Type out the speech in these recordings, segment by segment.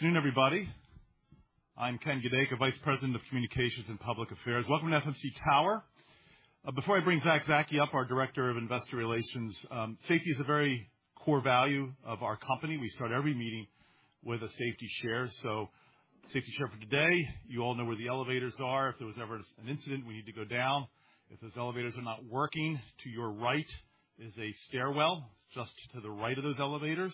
Good afternoon, everybody. I'm Ken Gedaka, Vice President of Communications and Public Affairs. Welcome to FMC Tower. Before I bring Zack Zaki up, our Director of Investor Relations, safety is a very core value of our company. We start every meeting with a safety share. So safety share for today, you all know where the elevators are. If there was ever an incident, we need to go down, if those elevators are not working, to your right is a stairwell, just to the right of those elevators.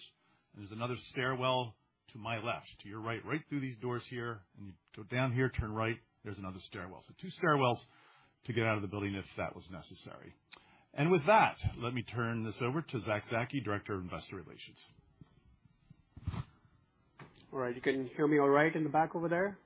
There's another stairwell to my left, to your right, right through these doors here, and you go down here, turn right, there's another stairwell. So two stairwells to get out of the building if that was necessary. And with that, let me turn this over to Zack Zaki, Director of Investor Relations. All right. You can hear me all right in the back over there?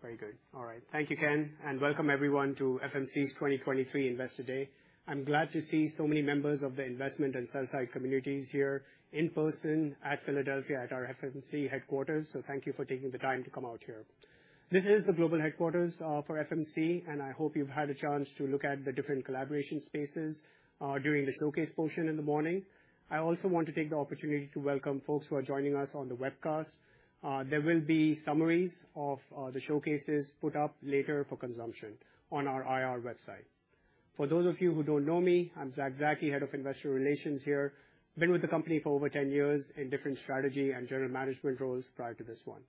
Very good. All right. Thank you, Ken, and welcome everyone to FMC's Investor Day. I'm glad to see so many members of the investment and sell side communities here in person at Philadelphia at our FMC headquarters, so thank you for taking the time to come out here. This is the global headquarters for FMC, and I hope you've had a chance to look at the different collaboration spaces during the showcase portion in the morning. I also want to take the opportunity to welcome folks who are joining us on the webcast. There will be summaries of the showcases put up later for consumption on our IR website. For those of you who don't know me, I'm Zack Zaki, Head of Investor Relations here. Been with the company for over 10 years in different strategy and general management roles prior to this one.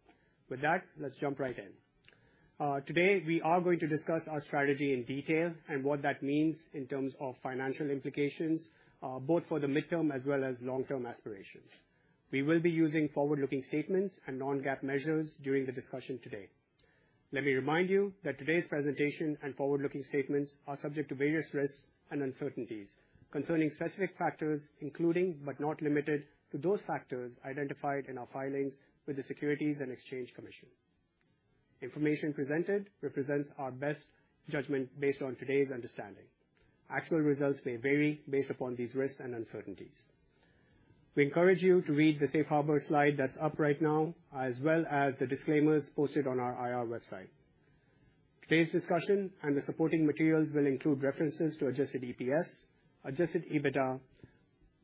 With that, let's jump right in. Today, we are going to discuss our strategy in detail and what that means in terms of financial implications, both for the midterm as well as long-term aspirations. We will be using forward-looking statements and non-GAAP measures during the discussion today. Let me remind you that today's presentation and forward-looking statements are subject to various risks and uncertainties concerning specific factors, including, but not limited to, those factors identified in our filings with the Securities and Exchange Commission. Information presented represents our best judgment based on today's understanding. Actual results may vary based upon these risks and uncertainties. We encourage you to read the safe harbor slide that's up right now, as well as the disclaimers posted on our IR website. Today's discussion and the supporting materials will include references to adjusted EPS, adjusted EBITDA,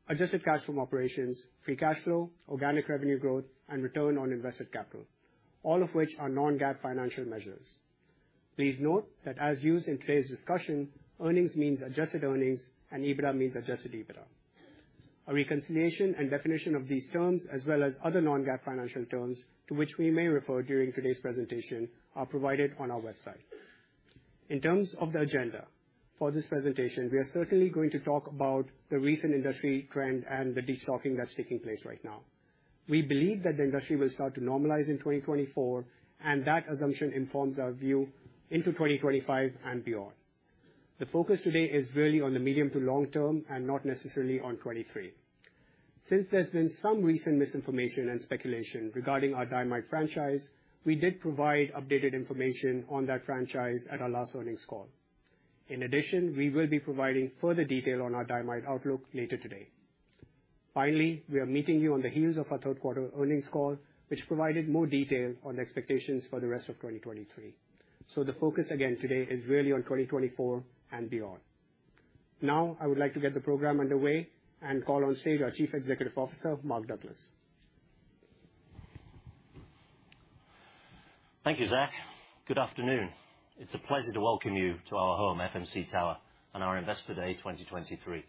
adjusted cash from operations, free cash flow, organic revenue growth, and return on invested capital, all of which are non-GAAP financial measures. Please note that as used in today's discussion, earnings means adjusted earnings, and EBITDA means adjusted EBITDA. A reconciliation and definition of these terms, as well as other non-GAAP financial terms, to which we may refer during today's presentation, are provided on our website. In terms of the agenda for this presentation, we are certainly going to talk about the recent industry trend and the destocking that's taking place right now. We believe that the industry will start to normalize in 2024, and that assumption informs our view into 2025 and beyond. The focus today is really on the medium to long term and not necessarily on 2023. Since there's been some recent misinformation and speculation regarding our diamide franchise, we did provide updated information on that franchise at our last earnings call. In addition, we will be providing further detail on our diamide outlook later today. Finally, we are meeting you on the heels of our third quarter earnings call, which provided more detail on the expectations for the rest of 2023. The focus again today is really on 2024 and beyond. Now, I would like to get the program underway and call on stage our Chief Executive Officer, Mark Douglas. Thank you, Zack. Good afternoon. It's a pleasure to welcome you to our home, FMC Tower, on our Investor Day 2023.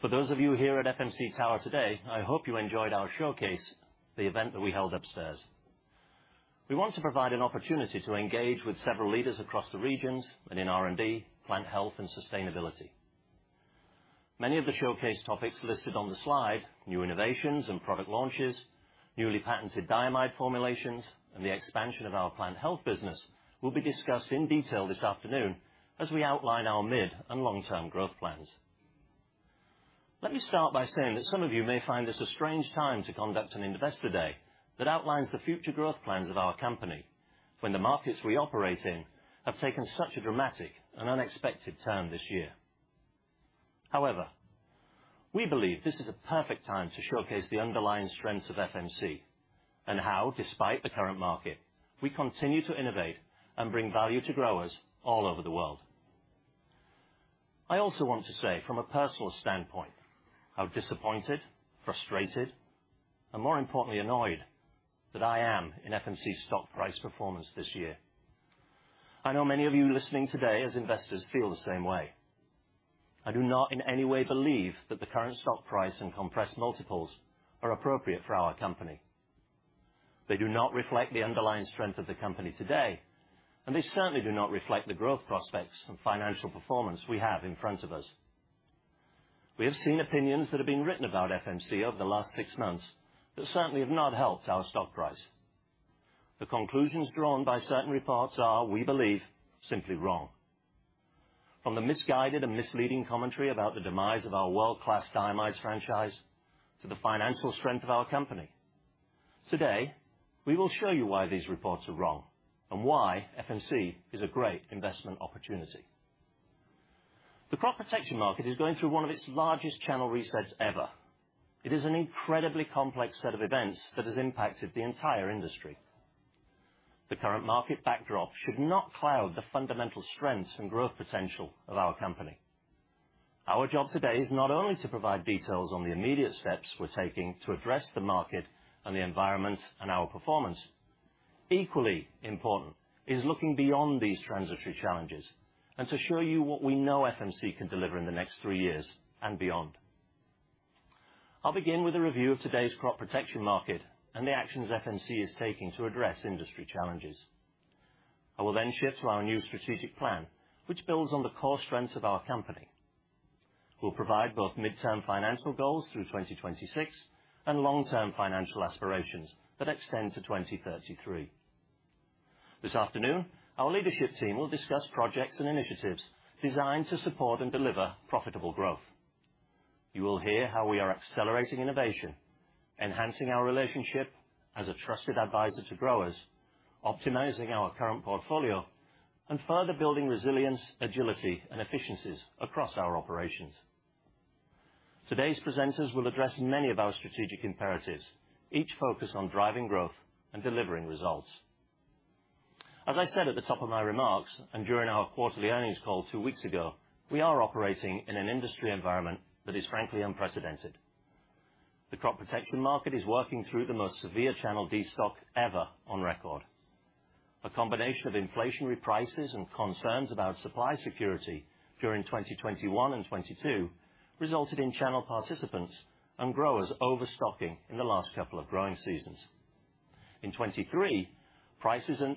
For those of you here at FMC Tower today, I hope you enjoyed our showcase, the event that we held upstairs. We want to provide an opportunity to engage with several leaders across the regions and in R&D, Plant Health and sustainability. Many of the showcase topics listed on the slide, new innovations and product launches, newly patented diamide formulations, and the expansion of our Plant Health business, will be discussed in detail this afternoon as we outline our mid and long-term growth plans. Let me start by saying that some of you may find this a strange time to conduct an Investor Day that outlines the future growth plans of our company when the markets we operate in have taken such a dramatic and unexpected turn this year. However, we believe this is a perfect time to showcase the underlying strengths of FMC and how, despite the current market, we continue to innovate and bring value to growers all over the world. I also want to say, from a personal standpoint, how disappointed, frustrated, and more importantly, annoyed that I am in FMC's stock price performance this year. I know many of you listening today as investors feel the same way. I do not in any way believe that the current stock price and compressed multiples are appropriate for our company. They do not reflect the underlying strength of the company today, and they certainly do not reflect the growth prospects and financial performance we have in front of us. We have seen opinions that have been written about FMC over the last six months that certainly have not helped our stock price. The conclusions drawn by certain reports are, we believe, simply wrong. From the misguided and misleading commentary about the demise of our world-class diamides franchise to the financial strength of our company. Today, we will show you why these reports are wrong and why FMC is a great investment opportunity. The crop protection market is going through one of its largest channel resets ever. It is an incredibly complex set of events that has impacted the entire industry.... The current market backdrop should not cloud the fundamental strengths and growth potential of our company. Our job today is not only to provide details on the immediate steps we're taking to address the market and the environment and our performance. Equally important is looking beyond these transitory challenges and to show you what we know FMC can deliver in the next three years and beyond. I'll begin with a review of today's crop protection market and the actions FMC is taking to address industry challenges. I will then shift to our new strategic plan, which builds on the core strengths of our company. We'll provide both midterm financial goals through 2026 and long-term financial aspirations that extend to 2033. This afternoon, our leadership team will discuss projects and initiatives designed to support and deliver profitable growth. You will hear how we are accelerating innovation, enhancing our relationship as a trusted advisor to growers, optimizing our current portfolio, and further building resilience, agility, and efficiencies across our operations. Today's presenters will address many of our strategic imperatives, each focused on driving growth and delivering results. As I said at the top of my remarks, and during our quarterly earnings call two weeks ago, we are operating in an industry environment that is, frankly, unprecedented. The crop protection market is working through the most severe channel destock ever on record. A combination of inflationary prices and concerns about supply security during 2021 and 2022 resulted in channel participants and growers overstocking in the last couple of growing seasons. In 2023, prices and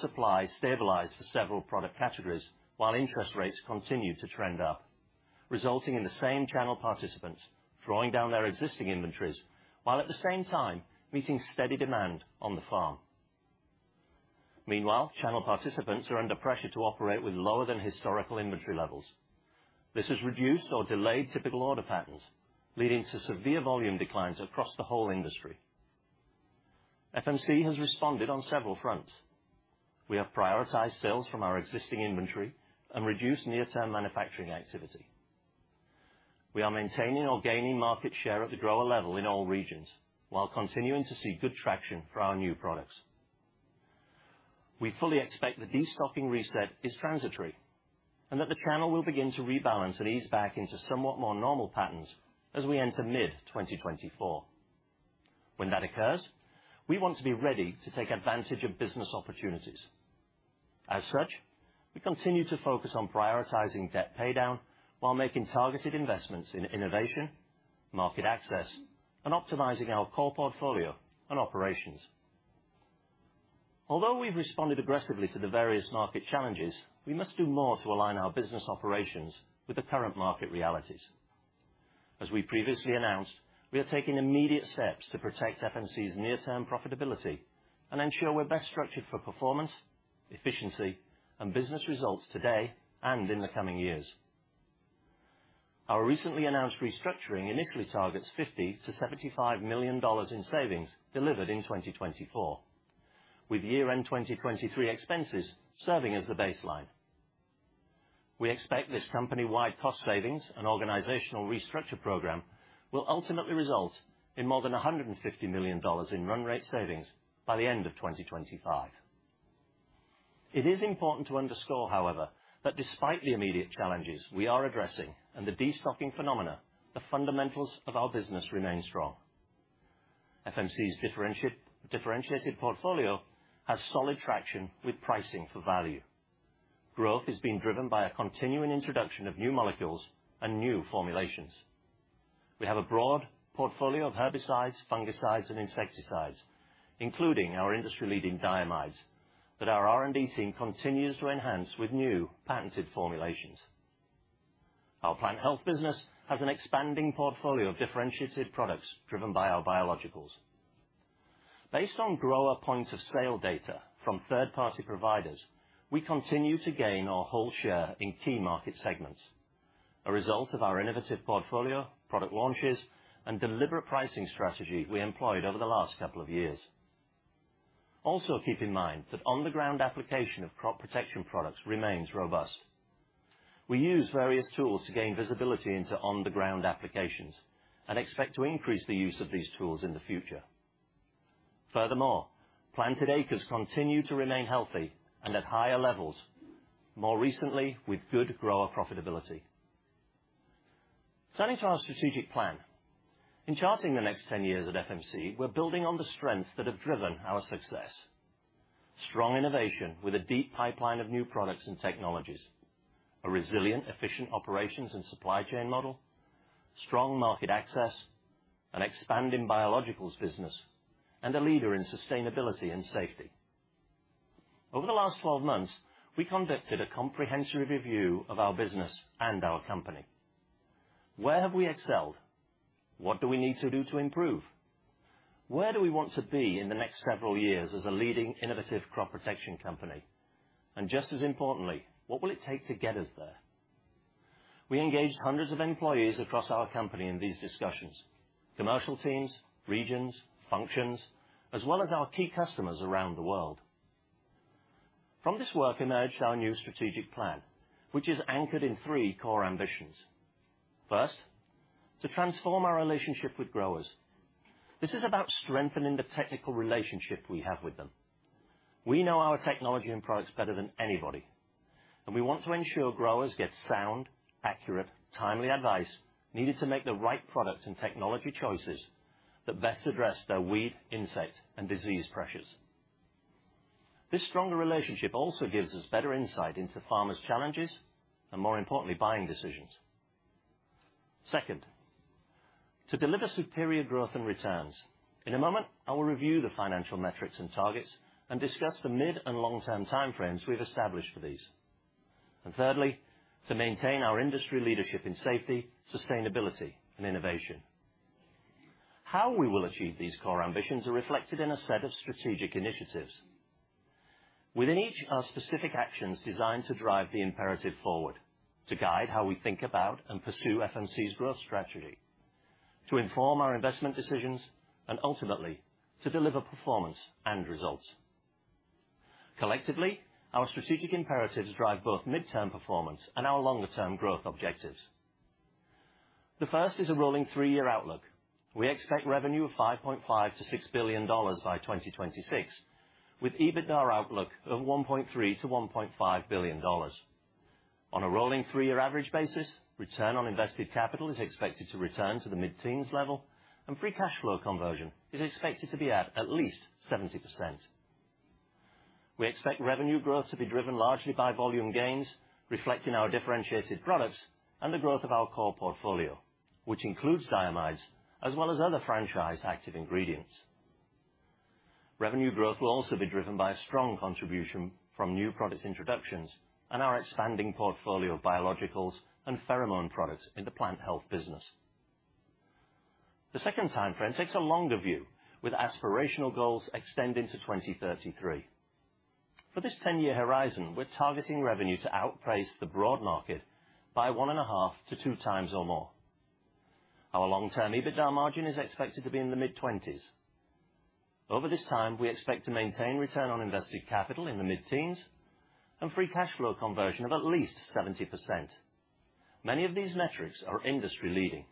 supply stabilized for several product categories, while interest rates continued to trend up, resulting in the same channel participants drawing down their existing inventories, while at the same time, meeting steady demand on the farm. Meanwhile, channel participants are under pressure to operate with lower than historical inventory levels. This has reduced or delayed typical order patterns, leading to severe volume declines across the whole industry. FMC has responded on several fronts. We have prioritized sales from our existing inventory and reduced near-term manufacturing activity. We are maintaining or gaining market share at the grower level in all regions, while continuing to see good traction for our new products. We fully expect the destocking reset is transitory, and that the channel will begin to rebalance and ease back into somewhat more normal patterns as we enter mid-2024. When that occurs, we want to be ready to take advantage of business opportunities. As such, we continue to focus on prioritizing debt paydown while making targeted investments in innovation, market access, and optimizing our core portfolio and operations. Although we've responded aggressively to the various market challenges, we must do more to align our business operations with the current market realities. As we previously announced, we are taking immediate steps to protect FMC's near-term profitability and ensure we're best structured for performance, efficiency, and business results today and in the coming years. Our recently announced restructuring initially targets $50 million-$75 million in savings delivered in 2024, with year-end 2023 expenses serving as the baseline. We expect this company-wide cost savings and organizational restructure program will ultimately result in more than $150 million in run rate savings by the end of 2025. It is important to underscore, however, that despite the immediate challenges we are addressing and the destocking phenomena, the fundamentals of our business remain strong. FMC's differentiated portfolio has solid traction with pricing for value. Growth is being driven by a continuing introduction of new molecules and new formulations. We have a broad portfolio of herbicides, fungicides, and insecticides, including our industry-leading diamides, that our R&D team continues to enhance with new patented formulations. Our Plant Health business has an expanding portfolio of differentiated products driven by our biologicals. Based on grower point of sale data from third-party providers, we continue to gain overall share in key market segments, a result of our innovative portfolio, product launches, and deliberate pricing strategy we employed over the last couple of years. Also, keep in mind that on-the-ground application of crop protection products remains robust. We use various tools to gain visibility into on-the-ground applications and expect to increase the use of these tools in the future. Furthermore, planted acres continue to remain healthy and at higher levels, more recently, with good grower profitability. Turning to our strategic plan. In charting the next 10 years at FMC, we're building on the strengths that have driven our success. Strong innovation with a deep pipeline of new products and technologies, a resilient, efficient operations and supply chain model, strong market access, an expanding biologicals business, and a leader in sustainability and safety. Over the last 12 months, we conducted a comprehensive review of our business and our company. Where have we excelled? What do we need to do to improve? Where do we want to be in the next several years as a leading innovative crop protection company? And just as importantly, what will it take to get us there? We engaged hundreds of employees across our company in these discussions, commercial teams, regions, functions, as well as our key customers around the world.... From this work emerged our new strategic plan, which is anchored in three core ambitions. First, to transform our relationship with growers. This is about strengthening the technical relationship we have with them. We know our technology and products better than anybody, and we want to ensure growers get sound, accurate, timely advice, needed to make the right products and technology choices that best address their weed, insect, and disease pressures. This stronger relationship also gives us better insight into farmers' challenges, and more importantly, buying decisions. Second, to deliver superior growth and returns. In a moment, I will review the financial metrics and targets and discuss the mid- and long-term timeframes we've established for these. Thirdly, to maintain our industry leadership in safety, sustainability, and innovation. How we will achieve these core ambitions are reflected in a set of strategic initiatives. Within each are specific actions designed to drive the imperative forward, to guide how we think about and pursue FMC's growth strategy, to inform our investment decisions, and ultimately, to deliver performance and results. Collectively, our strategic imperatives drive both midterm performance and our longer-term growth objectives. The first is a rolling three-year outlook. We expect revenue of $5.5 billion-$6 billion by 2026, with EBITDA outlook of $1.3 billion-$1.5 billion. On a rolling three-year average basis, return on invested capital is expected to return to the mid-teens level, and free cash flow conversion is expected to be at least 70%. We expect revenue growth to be driven largely by volume gains, reflecting our differentiated products and the growth of our core portfolio, which includes diamides as well as other franchise active ingredients. Revenue growth will also be driven by strong contribution from new product introductions and our expanding portfolio of biologicals and pheromone products in the Plant Health business. The second timeframe takes a longer view, with aspirational goals extending to 2033. For this 10-year horizon, we're targeting revenue to outpace the broad market by 1.5-2 times or more. Our long-term EBITDA margin is expected to be in the mid-20s. Over this time, we expect to maintain return on invested capital in the mid-teens and free cash flow conversion of at least 70%. Many of these metrics are industry-leading.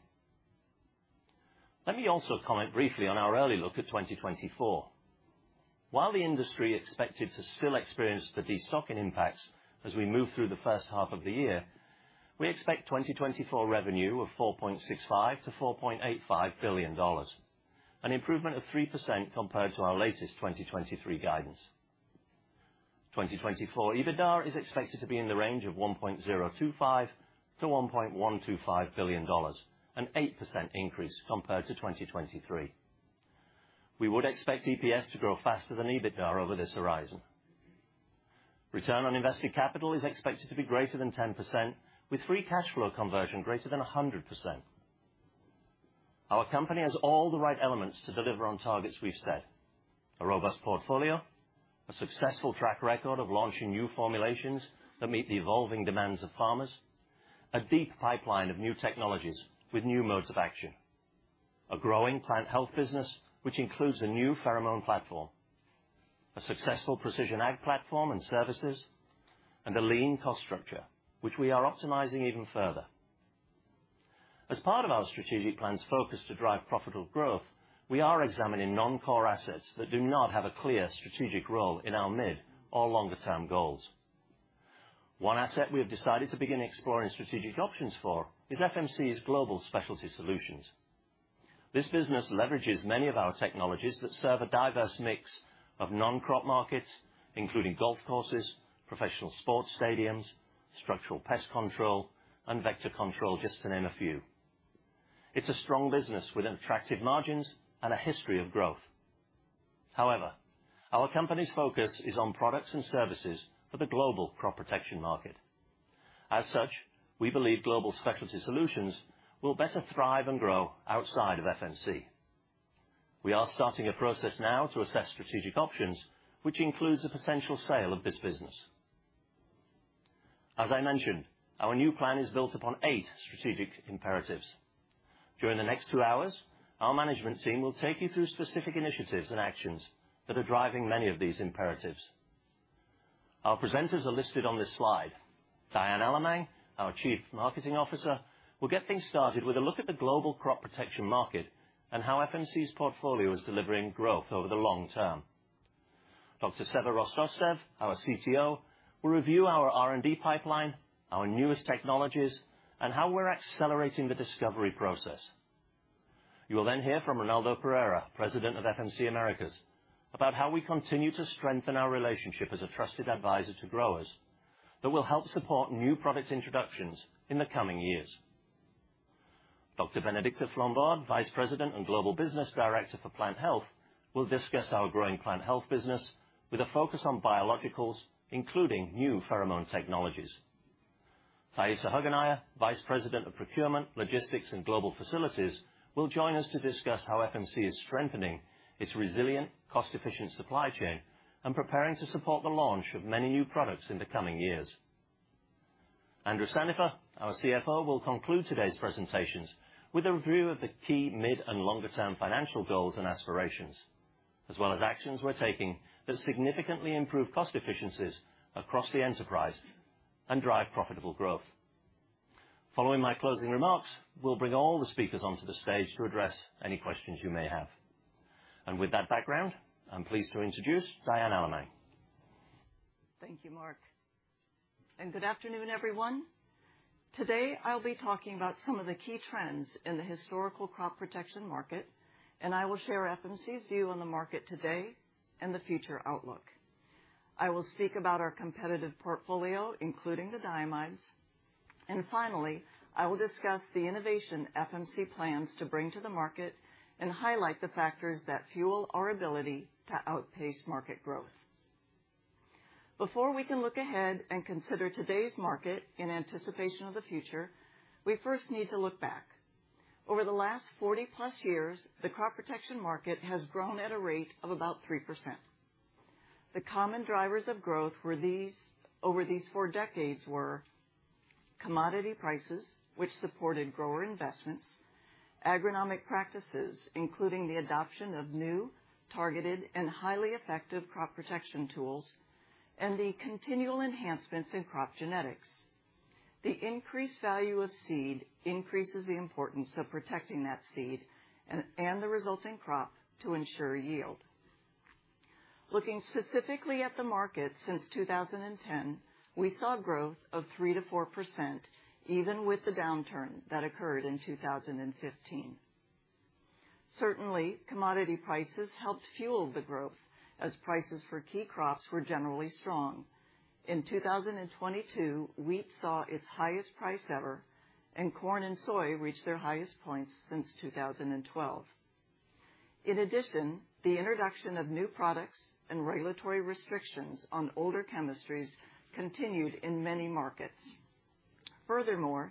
Let me also comment briefly on our early look at 2024. While the industry expected to still experience the destocking impacts as we move through the first half of the year, we expect 2024 revenue of $4.65-$4.85 billion, an improvement of 3% compared to our latest 2023 guidance. 2024 EBITDA is expected to be in the range of $1.025 billion-$1.125 billion, an 8% increase compared to 2023. We would expect EPS to grow faster than EBITDA over this horizon. Return on invested capital is expected to be greater than 10%, with free cash flow conversion greater than 100%. Our company has all the right elements to deliver on targets we've set. A robust portfolio, a successful track record of launching new formulations that meet the evolving demands of farmers, a deep pipeline of new technologies with new modes of action, a growing Plant Health business, which includes a new pheromone platform, a successful precision ag platform and services, and a lean cost structure, which we are optimizing even further. As part of our strategic plan's focus to drive profitable growth, we are examining non-core assets that do not have a clear strategic role in our mid or longer-term goals. One asset we have decided to begin exploring strategic options for is FMC Global Specialty Solutions. This business leverages many of our technologies that serve a diverse mix of non-crop markets, including golf courses, professional sports stadiums, structural pest control, and vector control, just to name a few. It's a strong business with attractive margins and a history of growth. However, our company's focus is on products and services for the global crop protection market. As such, we believe Global Specialty Solutions will better thrive and grow outside of FMC. We are starting a process now to assess strategic options, which includes a potential sale of this business. As I mentioned, our new plan is built upon eight strategic imperatives. During the next two hours, our management team will take you through specific initiatives and actions that are driving many of these imperatives. Our presenters are listed on this slide. Diane Allemang, our Chief Marketing Officer, will get things started with a look at the global crop protection market and how FMC's portfolio is delivering growth over the long term. Dr. Seva Rostovtsev, our CTO, will review our R&D pipeline, our newest technologies, and how we're accelerating the discovery process. You will then hear from Ronaldo Pereira, President of FMC Americas, about how we continue to strengthen our relationship as a trusted advisor to growers that will help support new product introductions in the coming years. Dr. Bénédicte Flambard, Vice President and Global Business Director for Plant Health, will discuss our growing Plant Health business with a focus on biologicals, including new pheromone technologies. Thaisa Hugenneyer, Vice President of Procurement, Logistics, and Global Facilities, will join us to discuss how FMC is strengthening its resilient, cost-efficient supply chain and preparing to support the launch of many new products in the coming years. Andrew Sandifer, our CFO, will conclude today's presentations with a review of the key mid- and longer-term financial goals and aspirations, as well as actions we're taking that significantly improve cost efficiencies across the enterprise and drive profitable growth. Following my closing remarks, we'll bring all the speakers onto the stage to address any questions you may have. With that background, I'm pleased to introduce Diane Allemang. Thank you, Mark, and good afternoon, everyone. Today, I'll be talking about some of the key trends in the historical crop protection market, and I will share FMC's view on the market today and the future outlook. I will speak about our competitive portfolio, including the diamides, and finally, I will discuss the innovation FMC plans to bring to the market and highlight the factors that fuel our ability to outpace market growth. Before we can look ahead and consider today's market in anticipation of the future, we first need to look back. Over the last 40+ years, the crop protection market has grown at a rate of about 3%. The common drivers of growth were these—over these four decades—were: commodity prices, which supported grower investments, agronomic practices, including the adoption of new, targeted, and highly effective crop protection tools, and the continual enhancements in crop genetics. The increased value of seed increases the importance of protecting that seed and, and the resulting crop to ensure yield. Looking specifically at the market since 2010, we saw growth of 3%-4%, even with the downturn that occurred in 2015. Certainly, commodity prices helped fuel the growth as prices for key crops were generally strong. In 2022, wheat saw its highest price ever, and corn and soy reached their highest points since 2012. In addition, the introduction of new products and regulatory restrictions on older chemistries continued in many markets. Furthermore,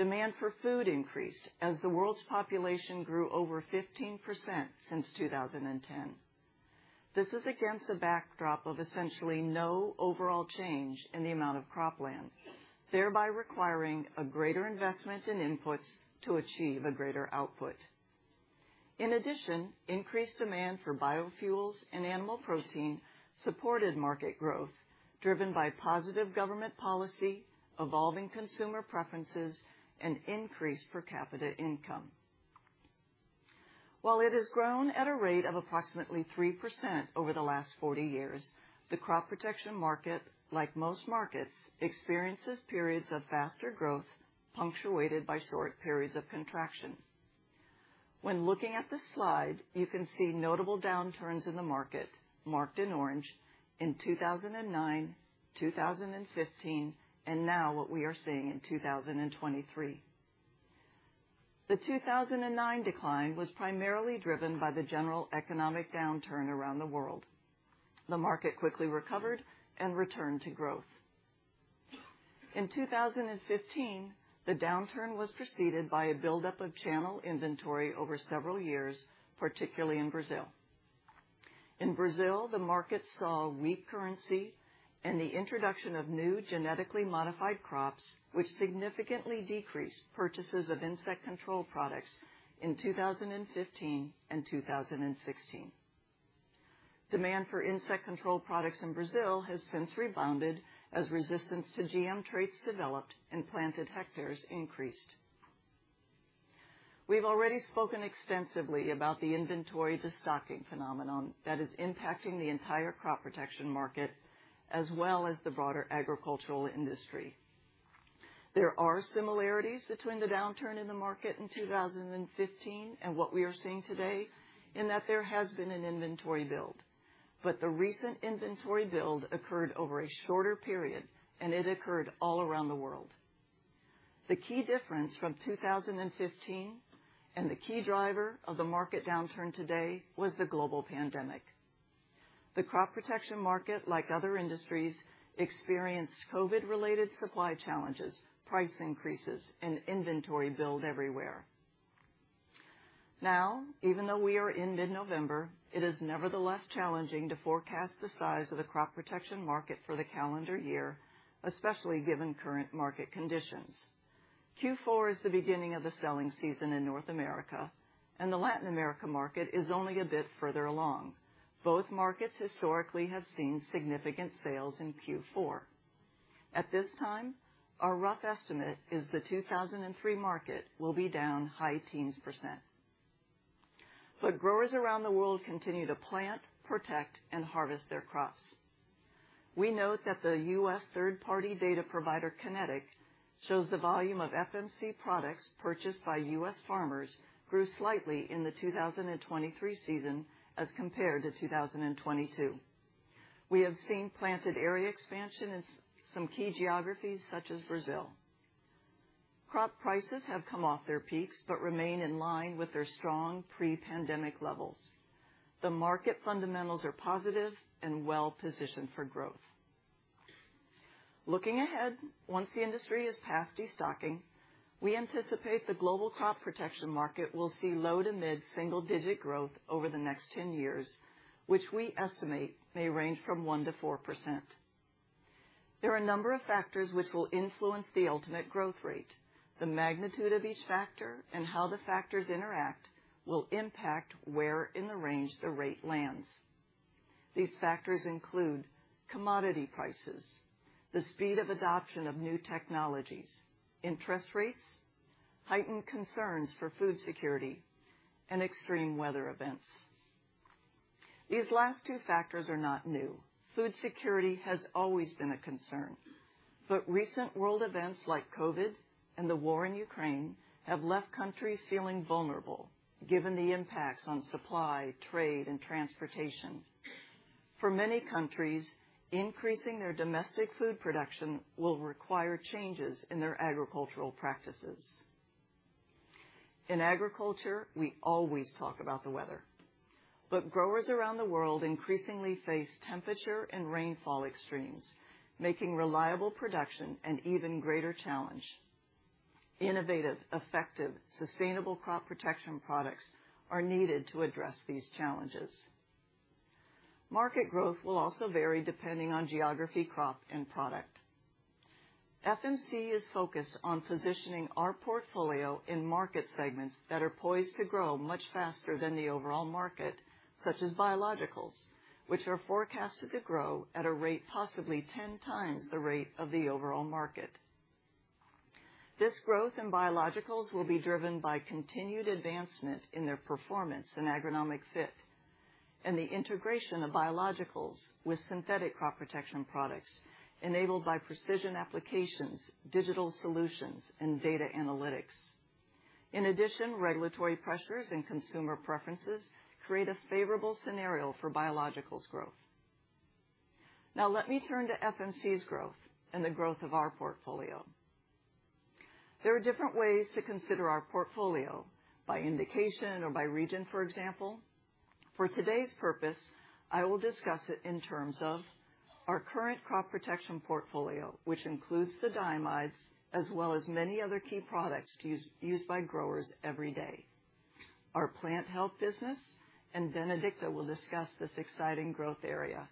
demand for food increased as the world's population grew over 15% since 2010. This is against a backdrop of essentially no overall change in the amount of cropland, thereby requiring a greater investment in inputs to achieve a greater output. In addition, increased demand for biofuels and animal protein supported market growth, driven by positive government policy, evolving consumer preferences, and increased per capita income. While it has grown at a rate of approximately 3% over the last 40 years, the crop protection market, like most markets, experiences periods of faster growth, punctuated by short periods of contraction. When looking at this slide, you can see notable downturns in the market, marked in orange, in 2009, 2015, and now what we are seeing in 2023. The 2009 decline was primarily driven by the general economic downturn around the world. The market quickly recovered and returned to growth. In 2015, the downturn was preceded by a buildup of channel inventory over several years, particularly in Brazil. In Brazil, the market saw weak currency and the introduction of new genetically modified crops, which significantly decreased purchases of insect control products in 2015 and 2016. Demand for insect control products in Brazil has since rebounded, as resistance to GM traits developed and planted hectares increased. We've already spoken extensively about the inventory destocking phenomenon that is impacting the entire crop protection market, as well as the broader agricultural industry. There are similarities between the downturn in the market in 2015 and what we are seeing today, in that there has been an inventory build, but the recent inventory build occurred over a shorter period, and it occurred all around the world. The key difference from 2015, and the key driver of the market downturn today, was the global pandemic. The crop protection market, like other industries, experienced COVID-related supply challenges, price increases, and inventory build everywhere. Now, even though we are in mid-November, it is nevertheless challenging to forecast the size of the crop protection market for the calendar year, especially given current market conditions. Q4 is the beginning of the selling season in North America, and the Latin America market is only a bit further along. Both markets historically have seen significant sales in Q4. At this time, our rough estimate is the 2023 market will be down high teens%. But growers around the world continue to plant, protect, and harvest their crops. We note that the U.S. third-party data provider, Kynetec, shows the volume of FMC products purchased by U.S. farmers grew slightly in the 2023 season as compared to 2022. We have seen planted area expansion in some key geographies, such as Brazil. Crop prices have come off their peaks, but remain in line with their strong pre-pandemic levels. The market fundamentals are positive and well positioned for growth. Looking ahead, once the industry is past destocking. We anticipate the global crop protection market will see low- to mid-single-digit growth over the next 10 years, which we estimate may range from 1%-4%. There are a number of factors which will influence the ultimate growth rate. The magnitude of each factor and how the factors interact will impact where in the range the rate lands. These factors include commodity prices, the speed of adoption of new technologies, interest rates, heightened concerns for food security, and extreme weather events. These last two factors are not new. Food security has always been a concern, but recent world events like COVID and the war in Ukraine have left countries feeling vulnerable, given the impacts on supply, trade, and transportation. For many countries, increasing their domestic food production will require changes in their agricultural practices. In agriculture, we always talk about the weather, but growers around the world increasingly face temperature and rainfall extremes, making reliable production an even greater challenge. Innovative, effective, sustainable crop protection products are needed to address these challenges. Market growth will also vary depending on geography, crop, and product. FMC is focused on positioning our portfolio in market segments that are poised to grow much faster than the overall market, such as biologicals, which are forecasted to grow at a rate possibly 10 times the rate of the overall market. This growth in biologicals will be driven by continued advancement in their performance and agronomic fit, and the integration of biologicals with synthetic crop protection products enabled by precision applications, digital solutions, and data analytics. In addition, regulatory pressures and consumer preferences create a favorable scenario for biologicals growth. Now let me turn to FMC's growth and the growth of our portfolio. There are different ways to consider our portfolio, by indication or by region, for example. For today's purpose, I will discuss it in terms of our current crop protection portfolio, which includes the diamides, as well as many other key products used by growers every day. Our Plant Health business, and Bénédicte will discuss this exciting growth area,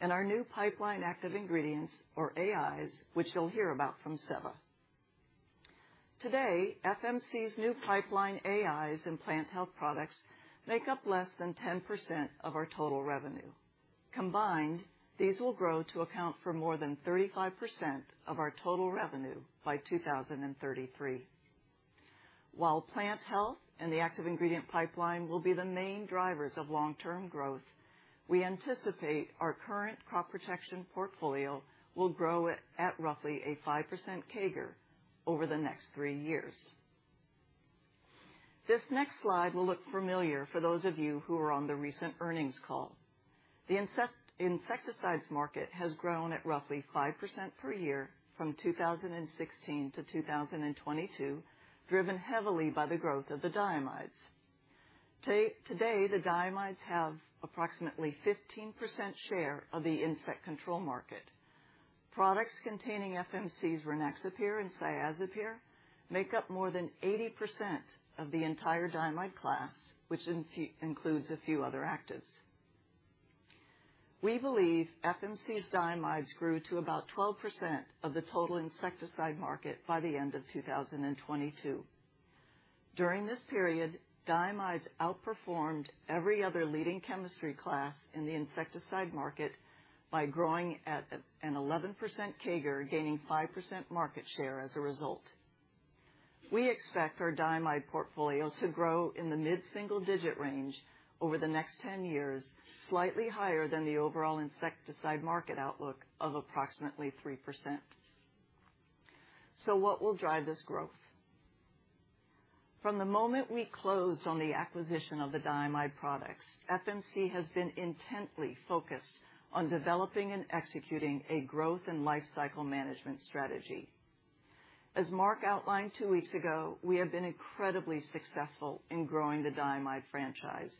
and our new pipeline, active ingredients, or AIs, which you'll hear about from Seva. Today, FMC's new pipeline, AIs and Plant Health products, make up less than 10% of our total revenue. Combined, these will grow to account for more than 35% of our total revenue by 2033. While Plant Health and the active ingredient pipeline will be the main drivers of long-term growth, we anticipate our current crop protection portfolio will grow at roughly a 5% CAGR over the next three years. This next slide will look familiar for those of you who were on the recent earnings call. The insecticides market has grown at roughly 5% per year from 2016 to 2022, driven heavily by the growth of the diamides. Today, the diamides have approximately 15% share of the insect control market. Products containing FMC's Rynaxypyr and Cyazypyr make up more than 80% of the entire diamide class, which includes a few other actives. We believe FMC's diamides grew to about 12% of the total insecticide market by the end of 2022. During this period, diamides outperformed every other leading chemistry class in the insecticide market by growing at an 11% CAGR, gaining 5% market share as a result. We expect our diamide portfolio to grow in the mid-single digit range over the next 10 years, slightly higher than the overall insecticide market outlook of approximately 3%. What will drive this growth? From the moment we closed on the acquisition of the diamide products, FMC has been intently focused on developing and executing a growth and lifecycle management strategy. As Mark outlined 2 weeks ago, we have been incredibly successful in growing the diamide franchise,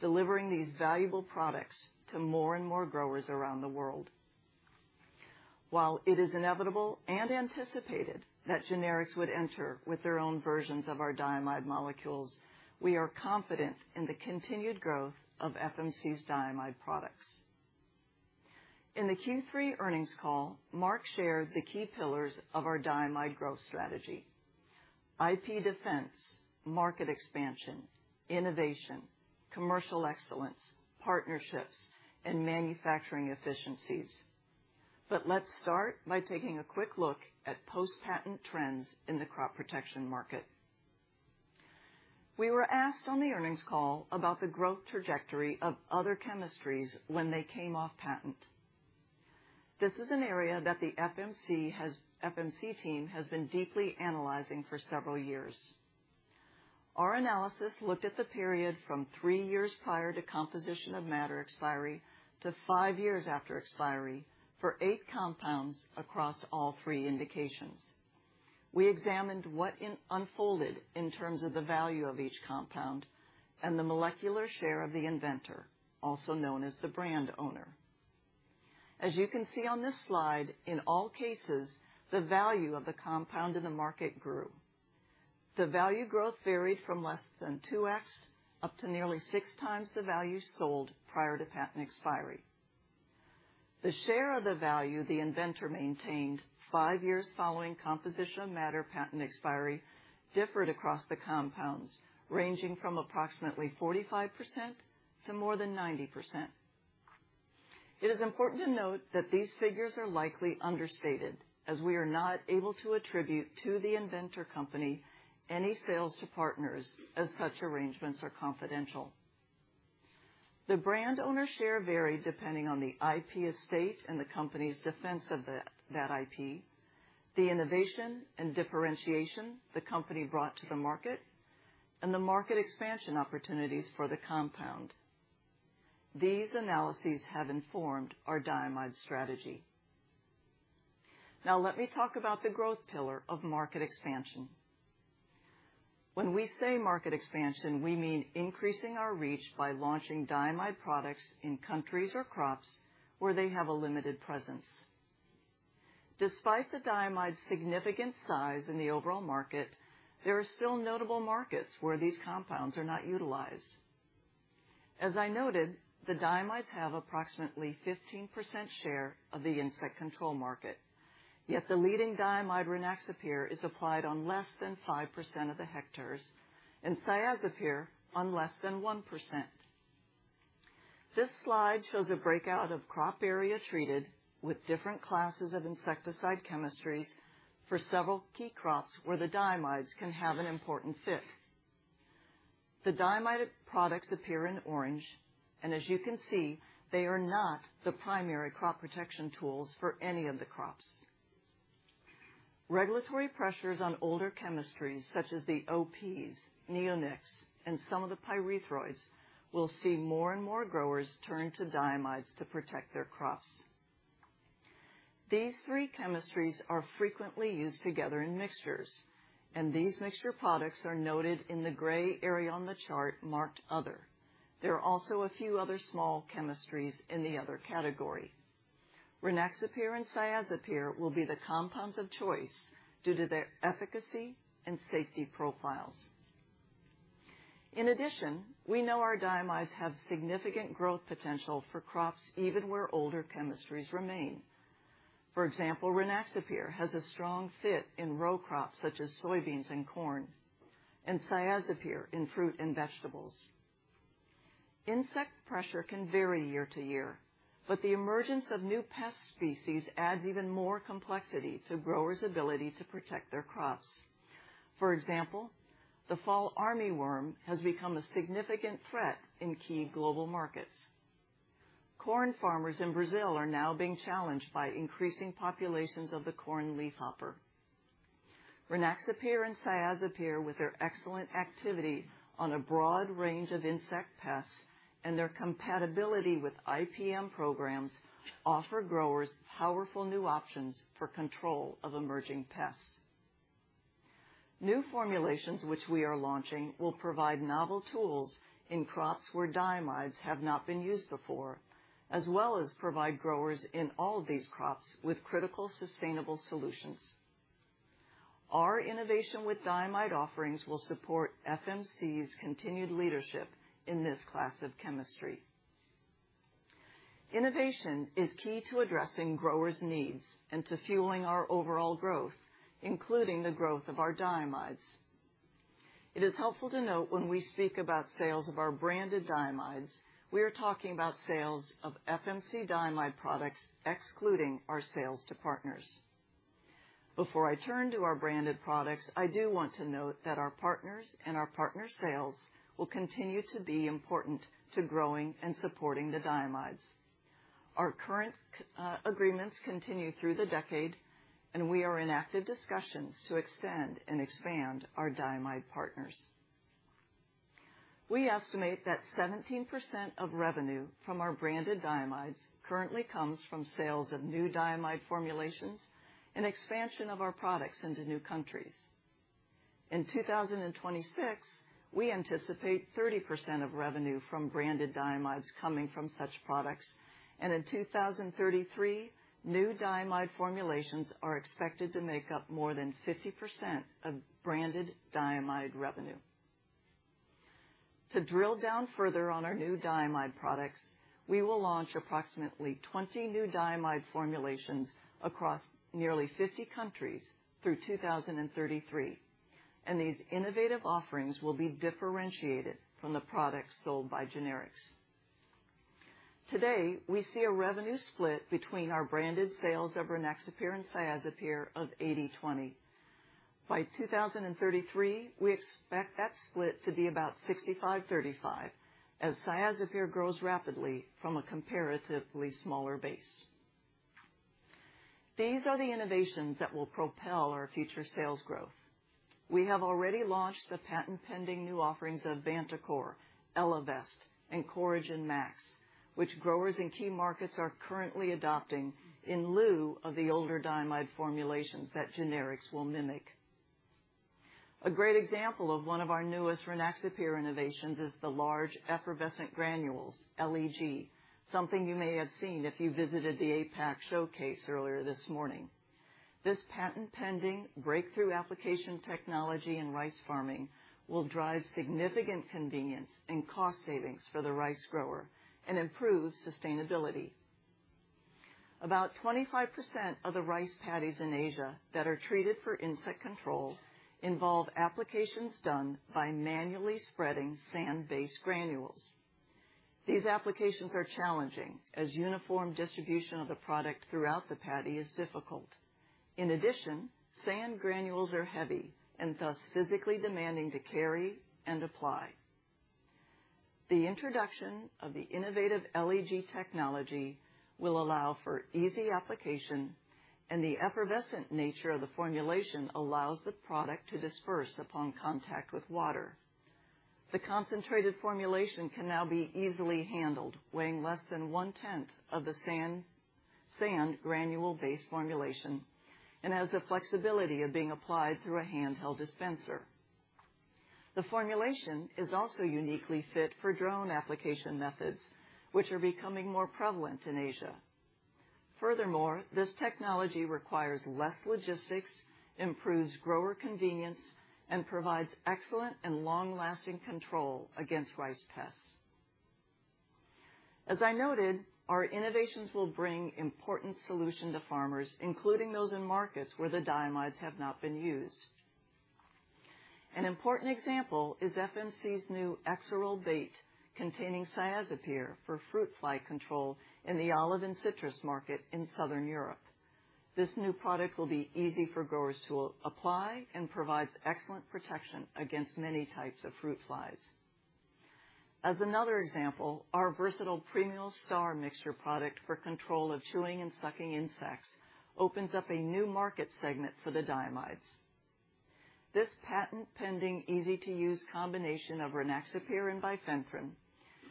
delivering these valuable products to more and more growers around the world. While it is inevitable and anticipated that generics would enter with their own versions of our diamide molecules, we are confident in the continued growth of FMC's diamide products. In the Q3 earnings call, Mark shared the key pillars of our diamide growth strategy: IP defense, market expansion, innovation, commercial excellence, partnerships, and manufacturing efficiencies. But let's start by taking a quick look at post-patent trends in the crop protection market. We were asked on the earnings call about the growth trajectory of other chemistries when they came off patent. This is an area that the FMC team has been deeply analyzing for several years. Our analysis looked at the period from 3 years prior to composition of matter expiry to 5 years after expiry for 8 compounds across all 3 indications. We examined what unfolded in terms of the value of each compound and the molecular share of the inventor, also known as the brand owner. As you can see on this slide, in all cases, the value of the compound in the market grew. The value growth varied from less than 2x up to nearly 6x the value sold prior to patent expiry. The share of the value the inventor maintained five years following composition matter patent expiry differed across the compounds, ranging from approximately 45% to more than 90%. It is important to note that these figures are likely understated, as we are not able to attribute to the inventor company any sales to partners, as such arrangements are confidential. The brand owner share varied depending on the IP estate and the company's defense of that, that IP, the innovation and differentiation the company brought to the market, and the market expansion opportunities for the compound. These analyses have informed our diamide strategy. Now let me talk about the growth pillar of market expansion. When we say market expansion, we mean increasing our reach by launching diamide products in countries or crops where they have a limited presence. Despite the diamide's significant size in the overall market, there are still notable markets where these compounds are not utilized. As I noted, the diamides have approximately 15% share of the insect control market, yet the leading diamide, Rynaxypyr, is applied on less than 5% of the hectares, and Cyazypyr on less than 1%. This slide shows a breakout of crop area treated with different classes of insecticide chemistries for several key crops where the diamides can have an important fit. The diamide products appear in orange, and as you can see, they are not the primary crop protection tools for any of the crops. Regulatory pressures on older chemistries such as the OPs, neonics, and some of the pyrethroids, will see more and more growers turn to diamides to protect their crops. These three chemistries are frequently used together in mixtures, and these mixture products are noted in the gray area on the chart marked Other. There are also a few other small chemistries in the Other category. Rynaxypyr and Cyazypyr will be the compounds of choice due to their efficacy and safety profiles. In addition, we know our diamides have significant growth potential for crops even where older chemistries remain. For example, Rynaxypyr has a strong fit in row crops such as soybeans and corn, and Cyazypyr in fruit and vegetables. Insect pressure can vary year to year, but the emergence of new pest species adds even more complexity to growers' ability to protect their crops. For example, the fall armyworm has become a significant threat in key global markets. Corn farmers in Brazil are now being challenged by increasing populations of the corn leafhopper. Rynaxypyr and Cyazypyr, with their excellent activity on a broad range of insect pests and their compatibility with IPM programs, offer growers powerful new options for control of emerging pests. New formulations, which we are launching, will provide novel tools in crops where diamides have not been used before, as well as provide growers in all of these crops with critical, sustainable solutions. Our innovation with diamide offerings will support FMC's continued leadership in this class of chemistry. Innovation is key to addressing growers' needs and to fueling our overall growth, including the growth of our diamides. It is helpful to note when we speak about sales of our branded diamides, we are talking about sales of FMC diamide products, excluding our sales to partners. Before I turn to our branded products, I do want to note that our partners and our partner sales will continue to be important to growing and supporting the diamides. Our current agreements continue through the decade, and we are in active discussions to extend and expand our diamide partners. We estimate that 17% of revenue from our branded diamides currently comes from sales of new diamide formulations and expansion of our products into new countries. In 2026, we anticipate 30% of revenue from branded diamides coming from such products, and in 2033, new diamide formulations are expected to make up more than 50% of branded diamide revenue. To drill down further on our new diamide products, we will launch approximately 20 new diamide formulations across nearly 50 countries through 2033, and these innovative offerings will be differentiated from the products sold by generics. Today, we see a revenue split between our branded sales of Rynaxypyr and Cyazypyr of 80/20. By 2033, we expect that split to be about 65/35, as Cyazypyr grows rapidly from a comparatively smaller base. These are the innovations that will propel our future sales growth. We have already launched the patent-pending new offerings of Vantacor, Elevest, and Coragen Max, which growers in key markets are currently adopting in lieu of the older diamide formulations that generics will mimic.... A great example of one of our newest Rynaxypyr innovations is the large effervescent granules, LEG, something you may have seen if you visited the APAC showcase earlier this morning. This patent-pending, breakthrough application technology in rice farming will drive significant convenience and cost savings for the rice grower and improve sustainability. About 25% of the rice paddies in Asia that are treated for insect control involve applications done by manually spreading sand-based granules. These applications are challenging, as uniform distribution of the product throughout the paddy is difficult. In addition, sand granules are heavy and thus physically demanding to carry and apply. The introduction of the innovative LEG technology will allow for easy application, and the effervescent nature of the formulation allows the product to disperse upon contact with water. The concentrated formulation can now be easily handled, weighing less than one-tenth of the sand granule-based formulation, and has the flexibility of being applied through a handheld dispenser. The formulation is also uniquely fit for drone application methods, which are becoming more prevalent in Asia. Furthermore, this technology requires less logistics, improves grower convenience, and provides excellent and long-lasting control against rice pests. As I noted, our innovations will bring important solution to farmers, including those in markets where the diamides have not been used. An important example is FMC's new Exirel bait, containing Cyazypyr for fruit fly control in the olive and citrus market in Southern Europe. This new product will be easy for growers to apply and provides excellent protection against many types of fruit flies. As another example, our versatile Premium Star mixture product for control of chewing and sucking insects opens up a new market segment for the diamides. This patent-pending, easy-to-use combination of Rynaxypyr and bifenthrin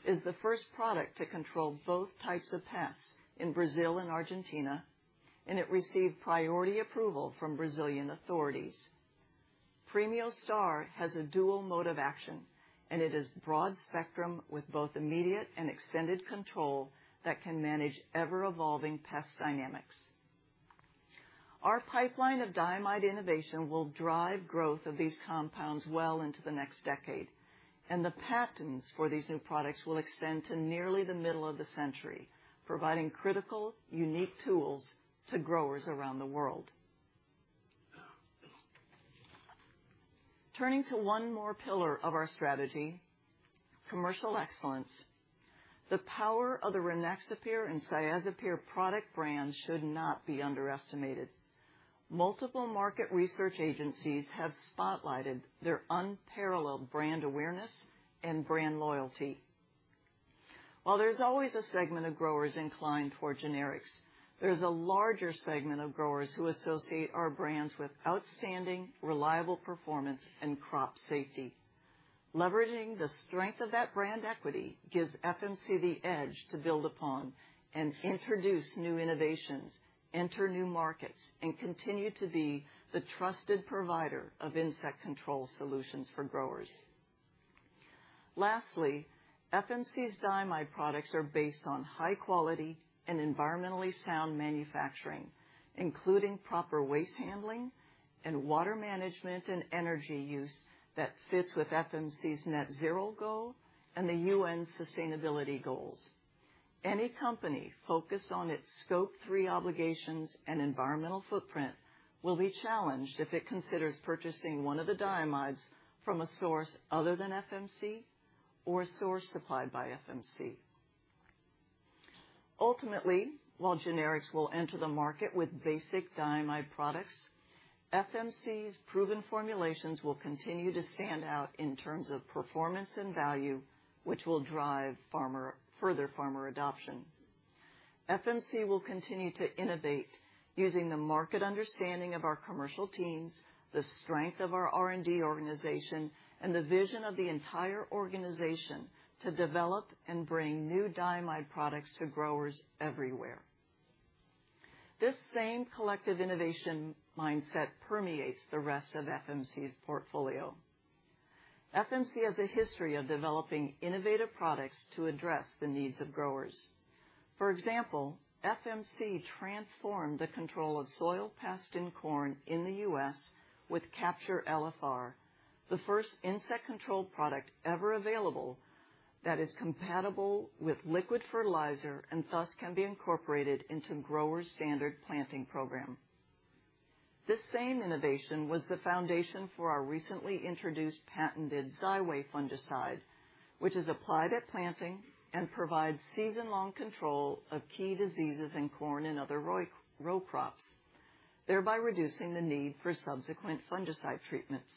is the first product to control both types of pests in Brazil and Argentina, and it received priority approval from Brazilian authorities. Premium Star has a dual mode of action, and it is broad spectrum with both immediate and extended control that can manage ever-evolving pest dynamics. Our pipeline of diamide innovation will drive growth of these compounds well into the next decade, and the patents for these new products will extend to nearly the middle of the century, providing critical, unique tools to growers around the world. Turning to one more pillar of our strategy, commercial excellence. The power of the Rynaxypyr and Cyazypyr product brands should not be underestimated. Multiple market research agencies have spotlighted their unparalleled brand awareness and brand loyalty. While there's always a segment of growers inclined toward generics, there's a larger segment of growers who associate our brands with outstanding, reliable performance and crop safety. Leveraging the strength of that brand equity gives FMC the edge to build upon and introduce new innovations, enter new markets, and continue to be the trusted provider of insect control solutions for growers. Lastly, FMC's diamide products are based on high quality and environmentally sound manufacturing, including proper waste handling and water management and energy use that fits with FMC's Net Zero goal and the UN sustainability goals. Any company focused on its Scope 3 obligations and environmental footprint will be challenged if it considers purchasing one of the diamides from a source other than FMC or a source supplied by FMC. Ultimately, while generics will enter the market with basic diamide products, FMC's proven formulations will continue to stand out in terms of performance and value, which will drive further farmer adoption. FMC will continue to innovate using the market understanding of our commercial teams, the strength of our R&D organization, and the vision of the entire organization to develop and bring new diamide products to growers everywhere. This same collective innovation mindset permeates the rest of FMC's portfolio. FMC has a history of developing innovative products to address the needs of growers. For example, FMC transformed the control of soil pests in corn in the U.S. with Capture LFR, the first insect control product ever available that is compatible with liquid fertilizer and thus can be incorporated into growers' standard planting program. This same innovation was the foundation for our recently introduced patented Xyway fungicide, which is applied at planting and provides season-long control of key diseases in corn and other row crops, thereby reducing the need for subsequent fungicide treatments.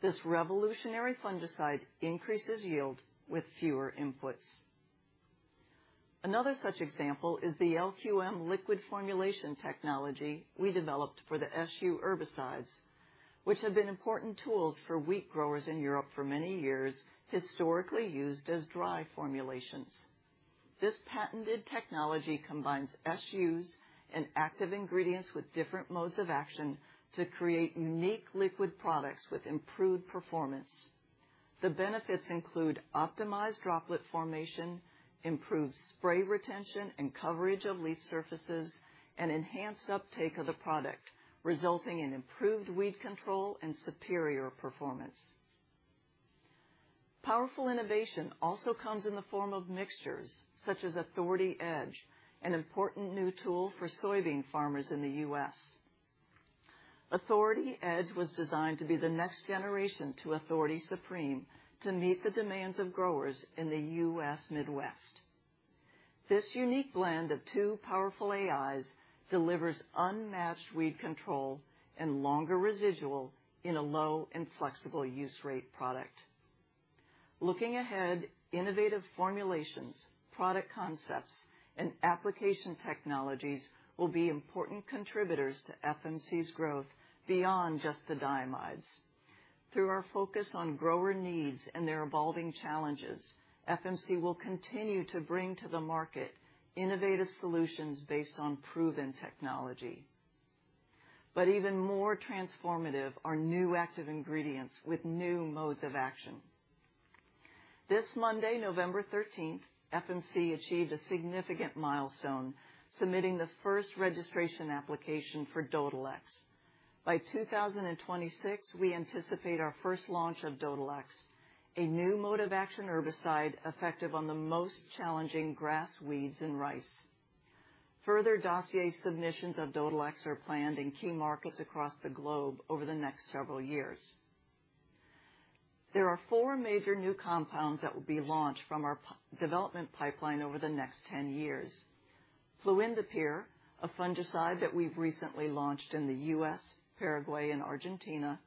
This revolutionary fungicide increases yield with fewer inputs. Another such example is the LQM liquid formulation technology we developed for the SU herbicides, which have been important tools for wheat growers in Europe for many years, historically used as dry formulations.... This patented technology combines SUs and active ingredients with different modes of action to create unique liquid products with improved performance. The benefits include optimized droplet formation, improved spray retention and coverage of leaf surfaces, and enhanced uptake of the product, resulting in improved weed control and superior performance. Powerful innovation also comes in the form of mixtures, such as Authority Edge, an important new tool for soybean farmers in the U.S. Authority Edge was designed to be the next generation to Authority Supreme to meet the demands of growers in the U.S. Midwest. This unique blend of two powerful AIs delivers unmatched weed control and longer residual in a low and flexible use rate product. Looking ahead, innovative formulations, product concepts, and application technologies will be important contributors to FMC's growth beyond just the diamides. Through our focus on grower needs and their evolving challenges, FMC will continue to bring to the market innovative solutions based on proven technology. But even more transformative are new active ingredients with new modes of action. This Monday, November thirteenth, FMC achieved a significant milestone, submitting the first registration application for Dodhylex. By 2026, we anticipate our first launch of Dodhylex, a new mode of action herbicide effective on the most challenging grass weeds in rice. Further dossier submissions of Dodhylex are planned in key markets across the globe over the next several years. There are four major new compounds that will be launched from our development pipeline over the next 10 years. Fluindapyr, a fungicide that we've recently launched in the U.S., Paraguay, and Argentina,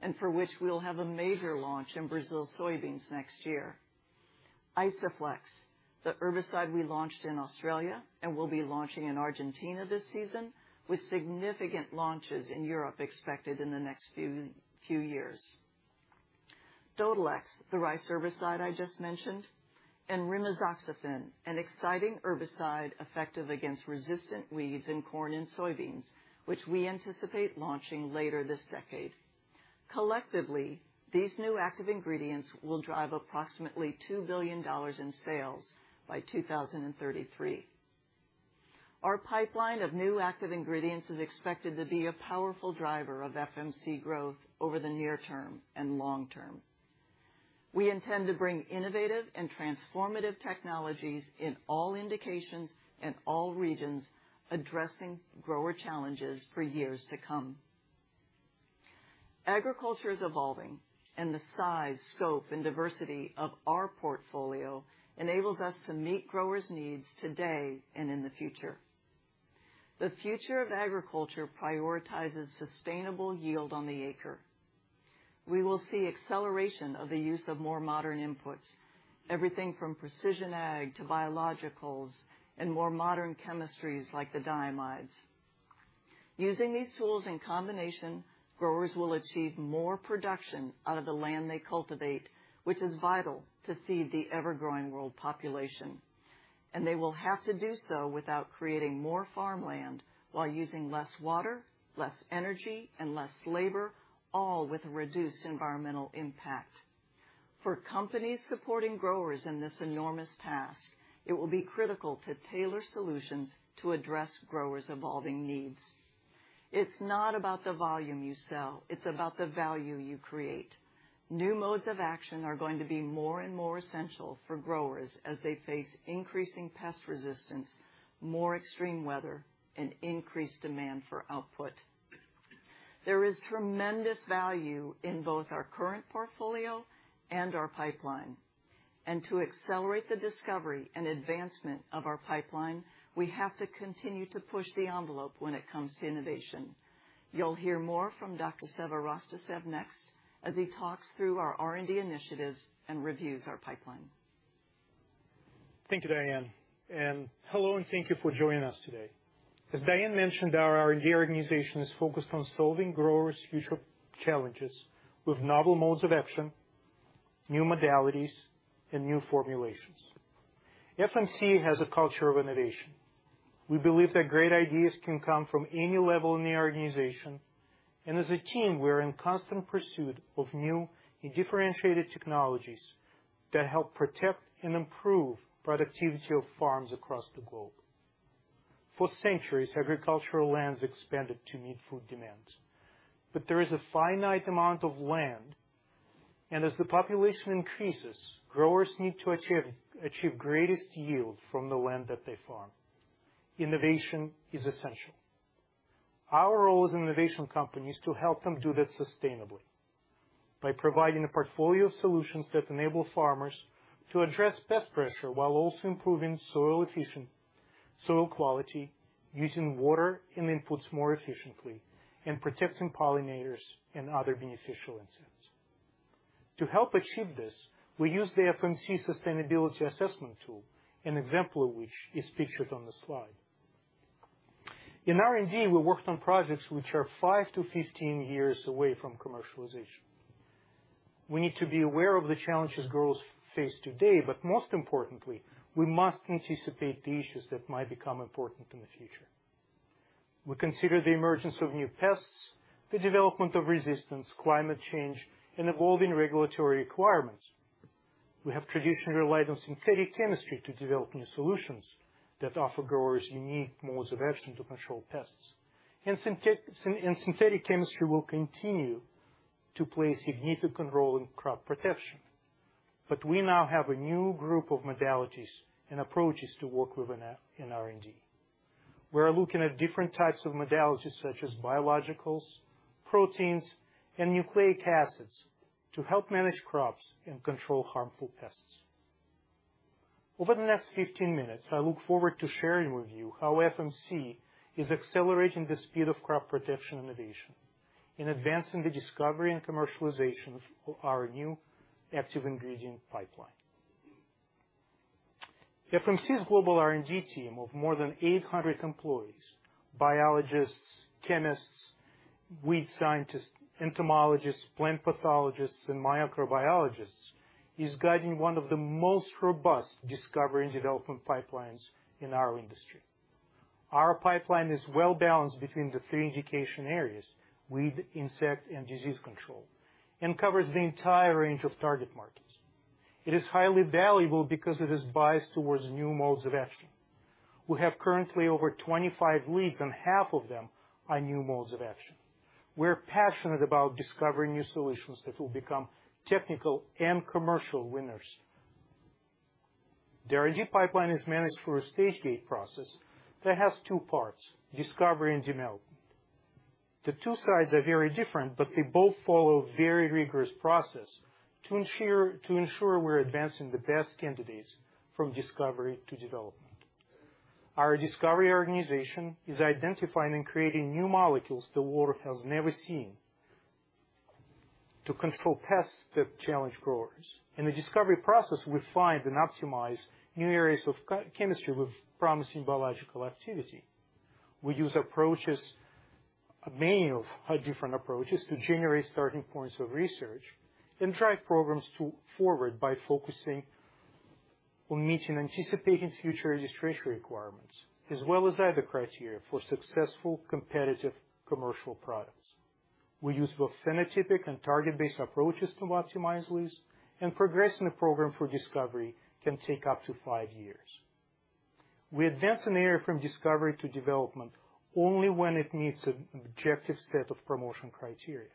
and for which we'll have a major launch in Brazil soybeans next year. Isoflex, the herbicide we launched in Australia and will be launching in Argentina this season, with significant launches in Europe expected in the next few years. Dodhylex, the rice herbicide I just mentioned, and rimisoxafen, an exciting herbicide effective against resistant weeds in corn and soybeans, which we anticipate launching later this decade. Collectively, these new active ingredients will drive approximately $2 billion in sales by 2033. Our pipeline of new active ingredients is expected to be a powerful driver of FMC growth over the near term and long term. We intend to bring innovative and transformative technologies in all indications and all regions, addressing grower challenges for years to come. Agriculture is evolving, and the size, scope, and diversity of our portfolio enables us to meet growers' needs today and in the future. The future of agriculture prioritizes sustainable yield on the acre. We will see acceleration of the use of more modern inputs, everything from precision ag to biologicals and more modern chemistries like the diamides. Using these tools in combination, growers will achieve more production out of the land they cultivate, which is vital to feed the ever-growing world population, and they will have to do so without creating more farmland, while using less water, less energy, and less labor, all with a reduced environmental impact. For companies supporting growers in this enormous task, it will be critical to tailor solutions to address growers' evolving needs. It's not about the volume you sell, it's about the value you create. New modes of action are going to be more and more essential for growers as they face increasing pest resistance, more extreme weather, and increased demand for output. There is tremendous value in both our current portfolio and our pipeline, and to accelerate the discovery and advancement of our pipeline, we have to continue to push the envelope when it comes to innovation. You'll hear more from Dr. Seva Rostovtsev next, as he talks through our R&D initiatives and reviews our pipeline. Thank you, Diane, and hello, and thank you for joining us today. As Diane mentioned, our R&D organization is focused on solving growers' future challenges with novel modes of action, new modalities, and new formulations. FMC has a culture of innovation. We believe that great ideas can come from any level in the organization, and as a team, we are in constant pursuit of new and differentiated technologies that help protect and improve productivity of farms across the globe. For centuries, agricultural lands expanded to meet food demands, but there is a finite amount of land, and as the population increases, growers need to achieve the greatest yield from the land that they farm. Innovation is essential. Our role as an innovation company is to help them do that sustainably by providing a portfolio of solutions that enable farmers to address pest pressure while also improving soil efficiency, soil quality, using water and inputs more efficiently, and protecting pollinators and other beneficial insects. To help achieve this, we use the FMC Sustainability Assessment Tool, an example of which is pictured on the slide. In R&D, we worked on projects which are 5-15 years away from commercialization. We need to be aware of the challenges growers face today, but most importantly, we must anticipate the issues that might become important in the future. We consider the emergence of new pests, the development of resistance, climate change, and evolving regulatory requirements. We have traditionally relied on synthetic chemistry to develop new solutions that offer growers unique modes of action to control pests. Synthetic chemistry will continue to play a significant role in crop protection, but we now have a new group of modalities and approaches to work with in R&D. We are looking at different types of modalities such as biologicals, proteins, and nucleic acids, to help manage crops and control harmful pests. Over the next 15 minutes, I look forward to sharing with you how FMC is accelerating the speed of crop protection innovation and advancing the discovery and commercialization of our new active ingredient pipeline. FMC's global R&D team of more than 800 employees, biologists, chemists, weed scientists, entomologists, plant pathologists, and microbiologists, is guiding one of the most robust discovery and development pipelines in our industry. Our pipeline is well-balanced between the three indication areas: weed, insect, and disease control, and covers the entire range of target markets. It is highly valuable because it is biased towards new modes of action. We have currently over 25 leads, and half of them are new modes of action. We're passionate about discovering new solutions that will become technical and commercial winners. The R&D pipeline is managed through a stage-gate process that has two parts: discovery and development. The two sides are very different, but they both follow a very rigorous process to ensure, to ensure we're advancing the best candidates from discovery to development. Our discovery organization is identifying and creating new molecules the world has never seen to control pests that challenge growers. In the discovery process, we find and optimize new areas of chemistry with promising biological activity. We use many different approaches to generate starting points of research and drive programs forward by focusing on meeting and anticipating future registration requirements, as well as other criteria for successful, competitive commercial products. We use both phenotypic and target-based approaches to optimize leads, and progressing a program for discovery can take up to five years. We advance an area from discovery to development only when it meets an objective set of promotion criteria.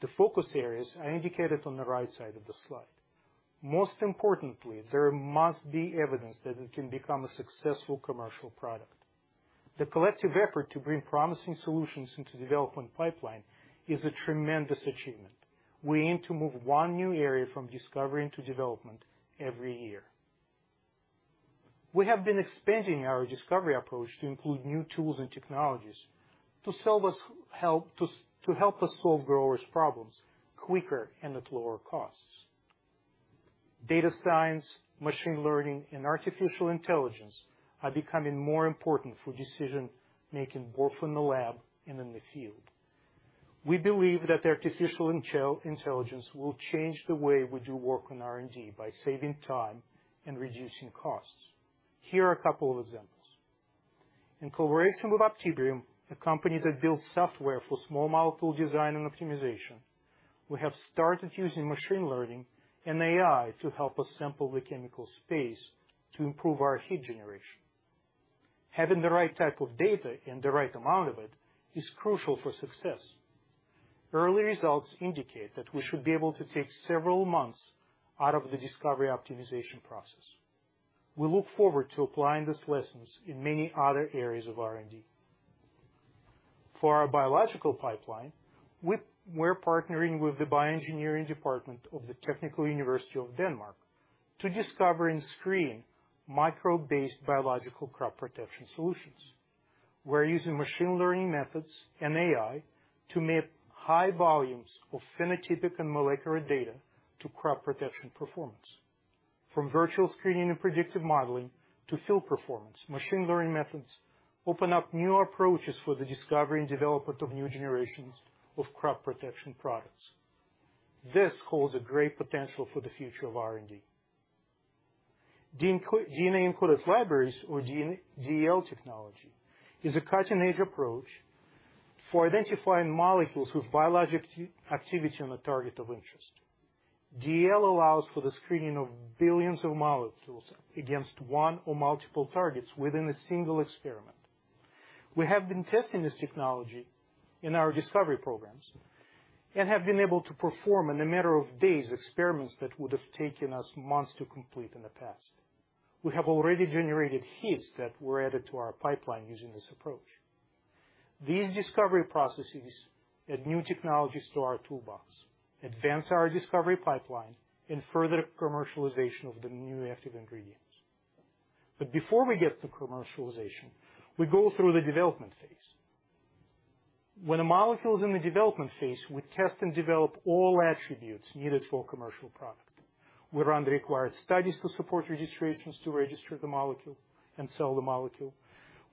The focus areas are indicated on the right side of the slide. Most importantly, there must be evidence that it can become a successful commercial product. The collective effort to bring promising solutions into development pipeline is a tremendous achievement. We aim to move one new area from discovery into development every year. We have been expanding our discovery approach to include new tools and technologies to help us solve growers' problems quicker and at lower costs. Data science, machine learning, and artificial intelligence are becoming more important for decision making, both in the lab and in the field. We believe that artificial intelligence will change the way we do work on R&D by saving time and reducing costs. Here are a couple of examples. In collaboration with Optibrium, a company that builds software for small molecule design and optimization, we have started using machine learning and AI to help us sample the chemical space to improve our heat generation. Having the right type of data and the right amount of it is crucial for success. Early results indicate that we should be able to take several months out of the discovery optimization process. We look forward to applying these lessons in many other areas of R&D. For our biological pipeline, we're partnering with the bioengineering department of the Technical University of Denmark to discover and screen microbe-based biological crop protection solutions. We're using machine learning methods and AI to map high volumes of phenotypic and molecular data to crop protection performance. From virtual screening and predictive modeling to field performance, machine learning methods open up new approaches for the discovery and development of new generations of crop protection products. This holds a great potential for the future of R&D. DNA-encoded libraries, or DEL technology, is a cutting-edge approach for identifying molecules with biological activity on the target of interest. DEL allows for the screening of billions of molecules against one or multiple targets within a single experiment. We have been testing this technology in our discovery programs and have been able to perform, in a matter of days, experiments that would have taken us months to complete in the past. We have already generated hits that were added to our pipeline using this approach. These discovery processes add new technologies to our toolbox, advance our discovery pipeline, and further commercialization of the new active ingredients. But before we get to commercialization, we go through the development phase. When a molecule is in the development phase, we test and develop all attributes needed for a commercial product. We run the required studies to support registrations to register the molecule and sell the molecule.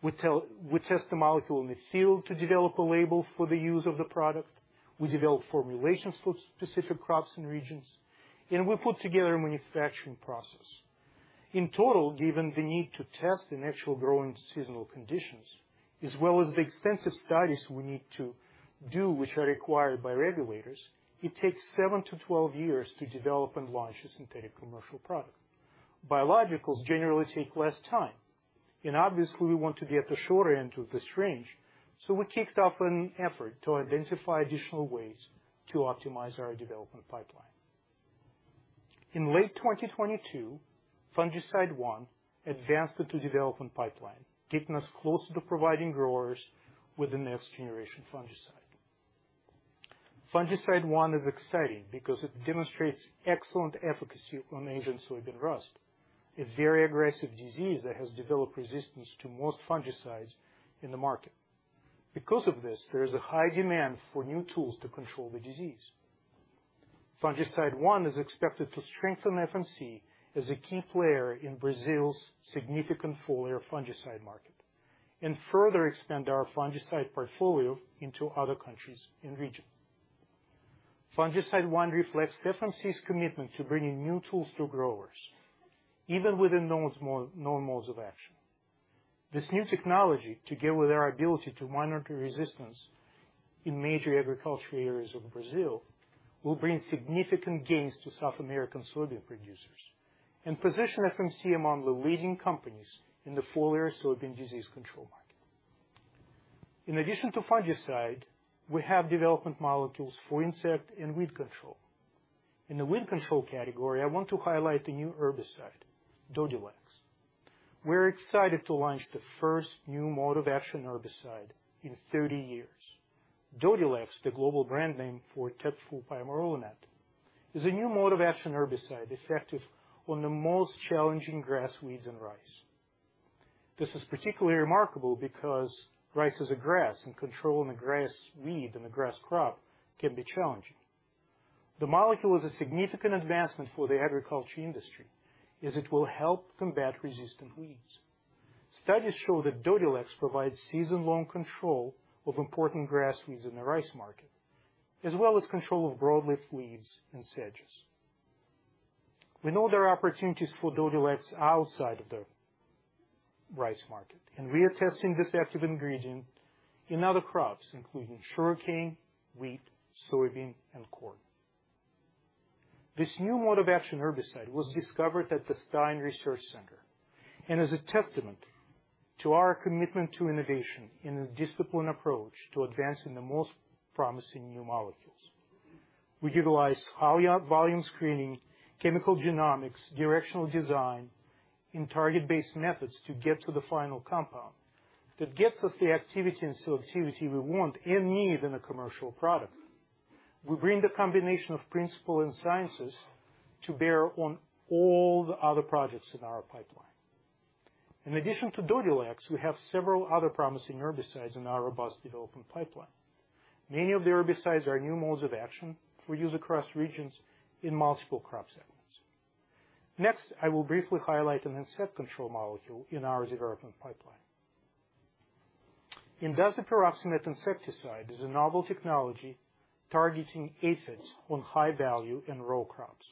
We test the molecule in the field to develop a label for the use of the product. We develop formulations for specific crops and regions, and we put together a manufacturing process. In total, given the need to test in actual growing seasonal conditions, as well as the extensive studies we need to do, which are required by regulators, it takes 7-12 years to develop and launch a synthetic commercial product. Biologicals generally take less time, and obviously, we want to be at the shorter end of this range, so we kicked off an effort to identify additional ways to optimize our development pipeline. In late 2022, Fungicide-One advanced into development pipeline, getting us closer to providing growers with the next generation fungicide. Fungicide-One is exciting because it demonstrates excellent efficacy on Asian soybean rust, a very aggressive disease that has developed resistance to most fungicides in the market. Because of this, there is a high demand for new tools to control the disease. Fungicide-One is expected to strengthen FMC as a key player in Brazil's significant foliar fungicide market, and further expand our fungicide portfolio into other countries and regions. Fungicide-One reflects FMC's commitment to bringing new tools to growers, even with the known modes of action. This new technology, together with our ability to monitor resistance in major agricultural areas of Brazil, will bring significant gains to South American soybean producers and position FMC among the leading companies in the foliar soybean disease control market. In addition to fungicide, we have development molecules for insect and weed control. In the weed control category, I want to highlight the new herbicide, Dodhylex. We're excited to launch the first new mode of action herbicide in 30 years. Dodhylex, the global brand name for tetflupyrolimet, is a new mode of action herbicide, effective on the most challenging grass weeds and rice. This is particularly remarkable because rice is a grass, and controlling a grass weed in a grass crop can be challenging. The molecule is a significant advancement for the agriculture industry, as it will help combat resistant weeds. Studies show that Dodhylex provides season-long control of important grass weeds in the rice market, as well as control of broad-leaf weeds and sedges. We know there are opportunities for Dodhylex outside of the rice market, and we are testing this active ingredient in other crops, including sugarcane, wheat, soybean, and corn. This new mode of action herbicide was discovered at the Stine Research Center, and is a testament to our commitment to innovation and a disciplined approach to advancing the most promising new molecules. We utilize high volume screening, chemical genomics, directional design, and target-based methods to get to the final compound. That gets us the activity and selectivity we want and need in a commercial product. We bring the combination of principle and sciences to bear on all the other projects in our pipeline. In addition to Dodhylex, we have several other promising herbicides in our robust development pipeline. Many of the herbicides are new modes of action for use across regions in multiple crop settings. Next, I will briefly highlight an insect control molecule in our development pipeline. indazapyroxamet insecticide is a novel technology targeting aphids on high value and row crops.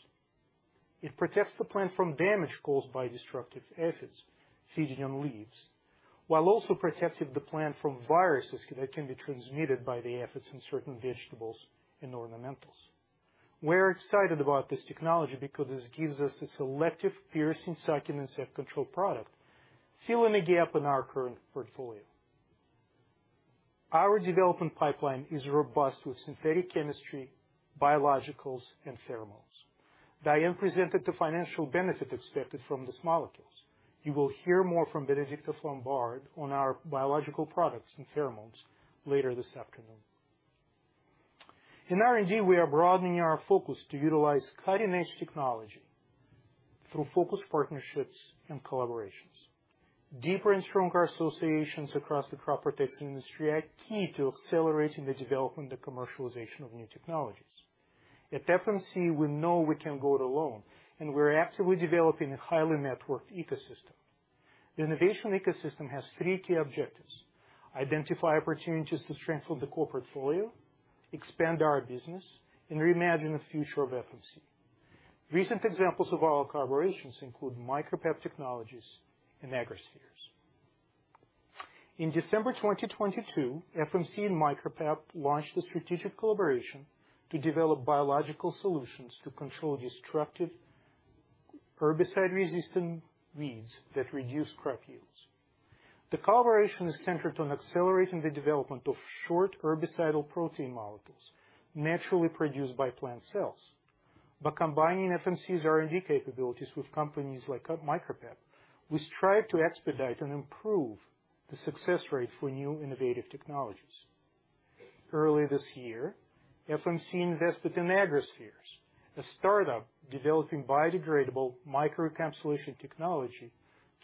It protects the plant from damage caused by destructive aphids feeding on leaves, while also protecting the plant from viruses that can be transmitted by the aphids in certain vegetables and ornamentals. We're excited about this technology because this gives us a selective piercing succulent insect control product, filling a gap in our current portfolio. Our development pipeline is robust with synthetic chemistry, biologicals and pheromones. Diane presented the financial benefit expected from these molecules. You will hear more from Bénédicte Flambard on our biological products and pheromones later this afternoon. In R&D, we are broadening our focus to utilize cutting-edge technology through focused partnerships and collaborations. Deeper and stronger associations across the crop protection industry are key to accelerating the development and commercialization of new technologies. At FMC, we know we can't go it alone, and we're actively developing a highly networked ecosystem. The innovation ecosystem has three key objectives: identify opportunities to strengthen the core portfolio, expand our business, and reimagine the future of FMC. Recent examples of our collaborations include Micropep Technologies and AgroSpheres. In December 2022, FMC and Micropep launched a strategic collaboration to develop biological solutions to control destructive herbicide-resistant weeds that reduce crop yields. The collaboration is centered on accelerating the development of short herbicidal protein molecules naturally produced by plant cells. By combining FMC's R&D capabilities with companies like Micropep, we strive to expedite and improve the success rate for new innovative technologies. Earlier this year, FMC invested in AgroSpheres, a startup developing biodegradable microencapsulation technology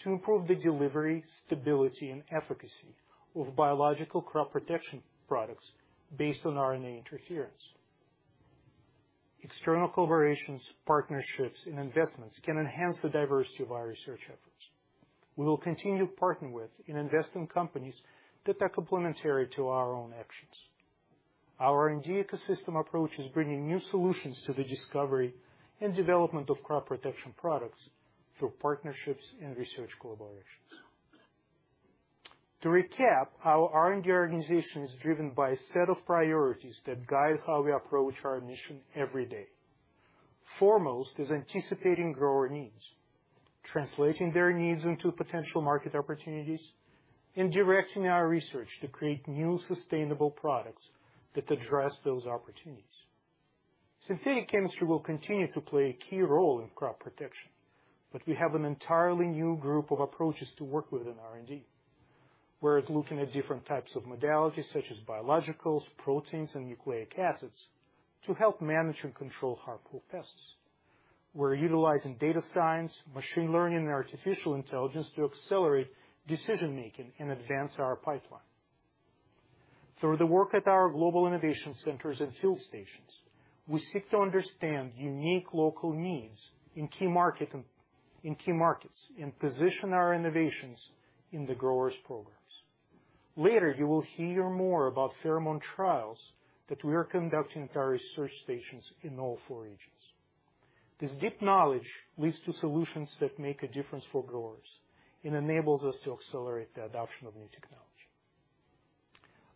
to improve the delivery, stability, and efficacy of biological crop protection products based on RNA interference. External collaborations, partnerships, and investments can enhance the diversity of our research efforts. We will continue to partner with and invest in companies that are complementary to our own actions. Our R&D ecosystem approach is bringing new solutions to the discovery and development of crop protection products through partnerships and research collaborations. To recap, our R&D organization is driven by a set of priorities that guide how we approach our mission every day. Foremost is anticipating grower needs, translating their needs into potential market opportunities, and directing our research to create new, sustainable products that address those opportunities. Synthetic chemistry will continue to play a key role in crop protection, but we have an entirely new group of approaches to work with in R&D. We're looking at different types of modalities, such as biologicals, proteins, and nucleic acids, to help manage and control harmful pests. We're utilizing data science, machine learning, and artificial intelligence to accelerate decision-making and advance our pipeline. Through the work at our global innovation centers and field stations, we seek to understand unique local needs in key markets, and position our innovations in the growers' programs. Later, you will hear more about pheromone trials that we are conducting at our research stations in all four regions. This deep knowledge leads to solutions that make a difference for growers and enables us to accelerate the adoption of new technology.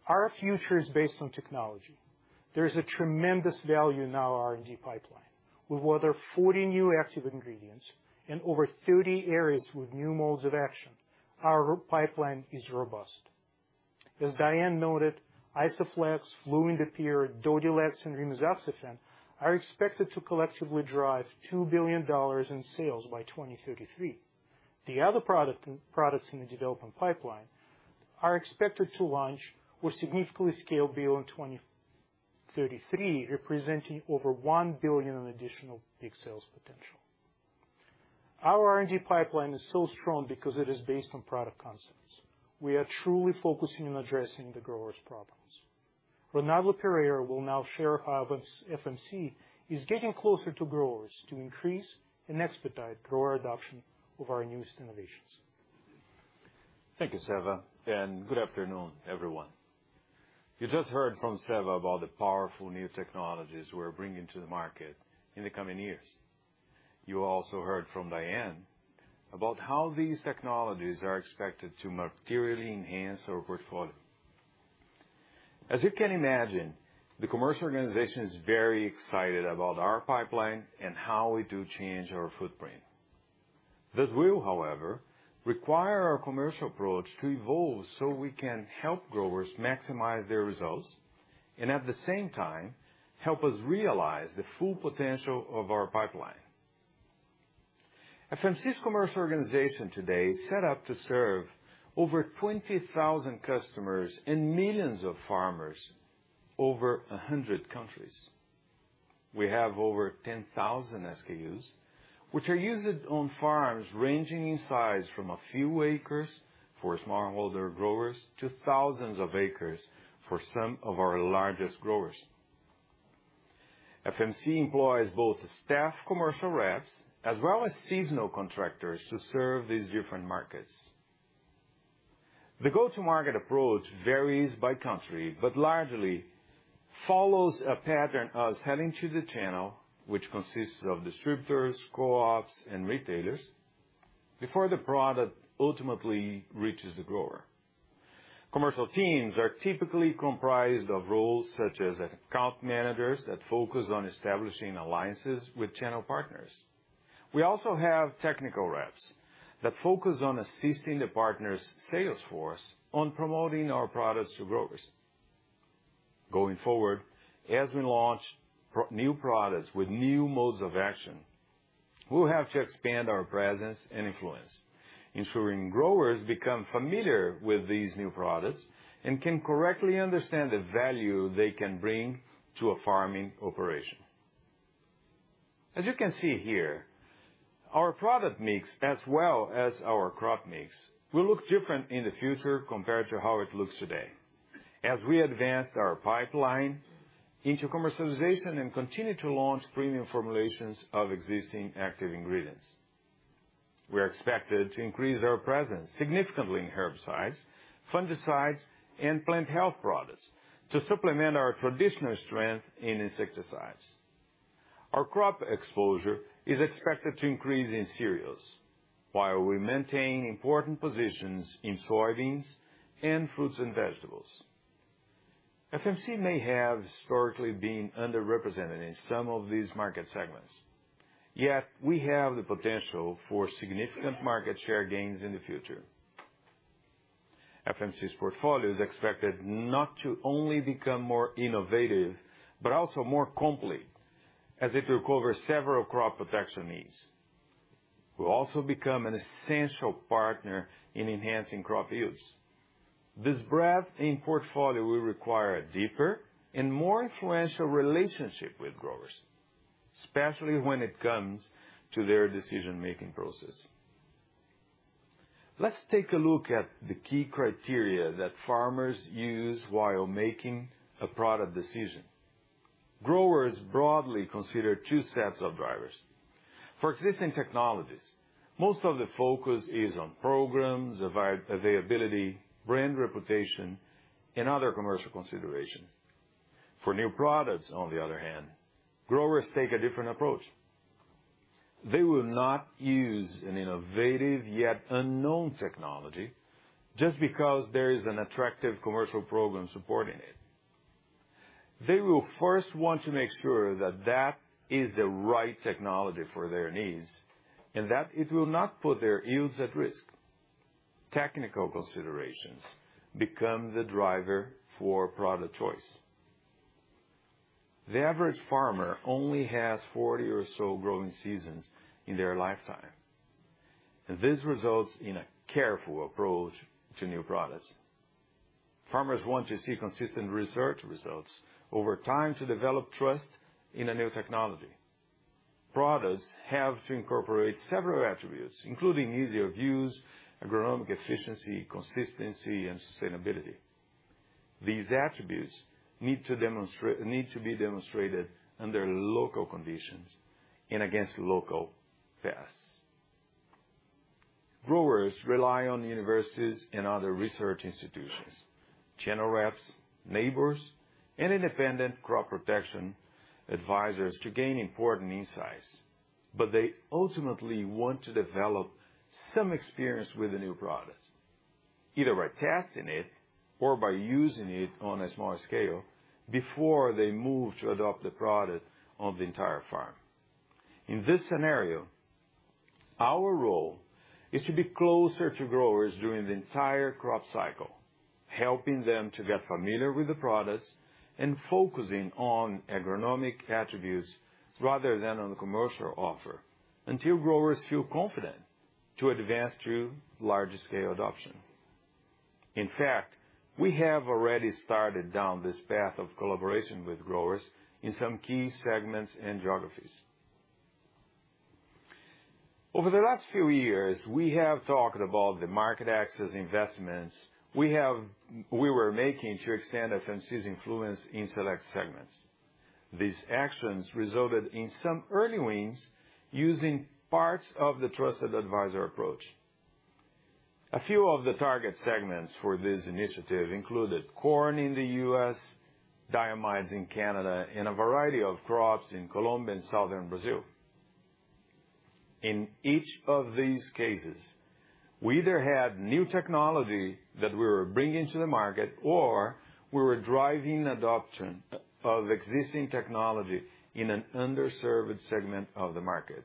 Our future is based on technology. There is a tremendous value in our R&D pipeline. With over 40 new active ingredients and over 30 areas with new modes of action, our pipeline is robust. As Diane noted, Isoflex, fluindapyr, Dodhylex, and rimisoxafen are expected to collectively drive $2 billion in sales by 2033. The other product, products in the development pipeline are expected to launch or significantly scale beyond 2033, representing over $1 billion in additional peak sales potential. Our R&D pipeline is so strong because it is based on product concepts. We are truly focusing on addressing the growers' problems. Ronaldo Pereira will now share how FMC is getting closer to growers to increase and expedite grower adoption of our newest innovations. Thank you, Seva, and good afternoon, everyone. You just heard from Seva about the powerful new technologies we're bringing to the market in the coming years. You also heard from Diane about how these technologies are expected to materially enhance our portfolio. As you can imagine, the commercial organization is very excited about our pipeline and how we do change our footprint. This will, however, require our commercial approach to evolve so we can help growers maximize their results and, at the same time, help us realize the full potential of our pipeline. FMC's commercial organization today is set up to serve over 20,000 customers and millions of farmers over 100 countries. We have over 10,000 SKUs, which are used on farms ranging in size from a few acres for smallholder growers to thousands of acres for some of our largest growers. FMC employs both staff, commercial reps, as well as seasonal contractors to serve these different markets. The go-to-market approach varies by country, but largely follows a pattern of selling to the channel, which consists of distributors, co-ops, and retailers, before the product ultimately reaches the grower. Commercial teams are typically comprised of roles such as account managers that focus on establishing alliances with channel partners. We also have technical reps that focus on assisting the partner's sales force on promoting our products to growers. Going forward, as we launch new products with new modes of action, we'll have to expand our presence and influence, ensuring growers become familiar with these new products and can correctly understand the value they can bring to a farming operation. As you can see here, our product mix, as well as our crop mix, will look different in the future compared to how it looks today. As we advance our pipeline into commercialization and continue to launch premium formulations of existing active ingredients, we are expected to increase our presence significantly in herbicides, fungicides, and Plant Health products to supplement our traditional strength in insecticides. Our crop exposure is expected to increase in cereals, while we maintain important positions in soybeans and fruits and vegetables. FMC may have historically been underrepresented in some of these market segments, yet we have the potential for significant market share gains in the future. FMC's portfolio is expected not to only become more innovative, but also more complete, as it will cover several crop protection needs.... will also become an essential partner in enhancing crop yields. This breadth in portfolio will require a deeper and more influential relationship with growers, especially when it comes to their decision-making process. Let's take a look at the key criteria that farmers use while making a product decision. Growers broadly consider two sets of drivers. For existing technologies, most of the focus is on programs, availability, brand reputation, and other commercial considerations. For new products, on the other hand, growers take a different approach. They will not use an innovative, yet unknown technology just because there is an attractive commercial program supporting it. They will first want to make sure that that is the right technology for their needs, and that it will not put their yields at risk. Technical considerations become the driver for product choice. The average farmer only has 40 or so growing seasons in their lifetime, and this results in a careful approach to new products. Farmers want to see consistent research results over time to develop trust in a new technology. Products have to incorporate several attributes, including easier use, agronomic efficiency, consistency, and sustainability. These attributes need to demonstrate, need to be demonstrated under local conditions and against local pests. Growers rely on universities and other research institutions, channel reps, neighbors, and independent crop protection advisors to gain important insights, but they ultimately want to develop some experience with the new products, either by testing it or by using it on a small scale before they move to adopt the product on the entire farm. In this scenario, our role is to be closer to growers during the entire crop cycle, helping them to get familiar with the products and focusing on agronomic attributes rather than on the commercial offer, until growers feel confident to advance to larger-scale adoption. In fact, we have already started down this path of collaboration with growers in some key segments and geographies. Over the last few years, we have talked about the market access investments we were making to extend FMC's influence in select segments. These actions resulted in some early wins using parts of the trusted advisor approach. A few of the target segments for this initiative included corn in the U.S., diamides in Canada, and a variety of crops in Colombia and southern Brazil. In each of these cases, we either had new technology that we were bringing to the market, or we were driving adoption of existing technology in an underserved segment of the market.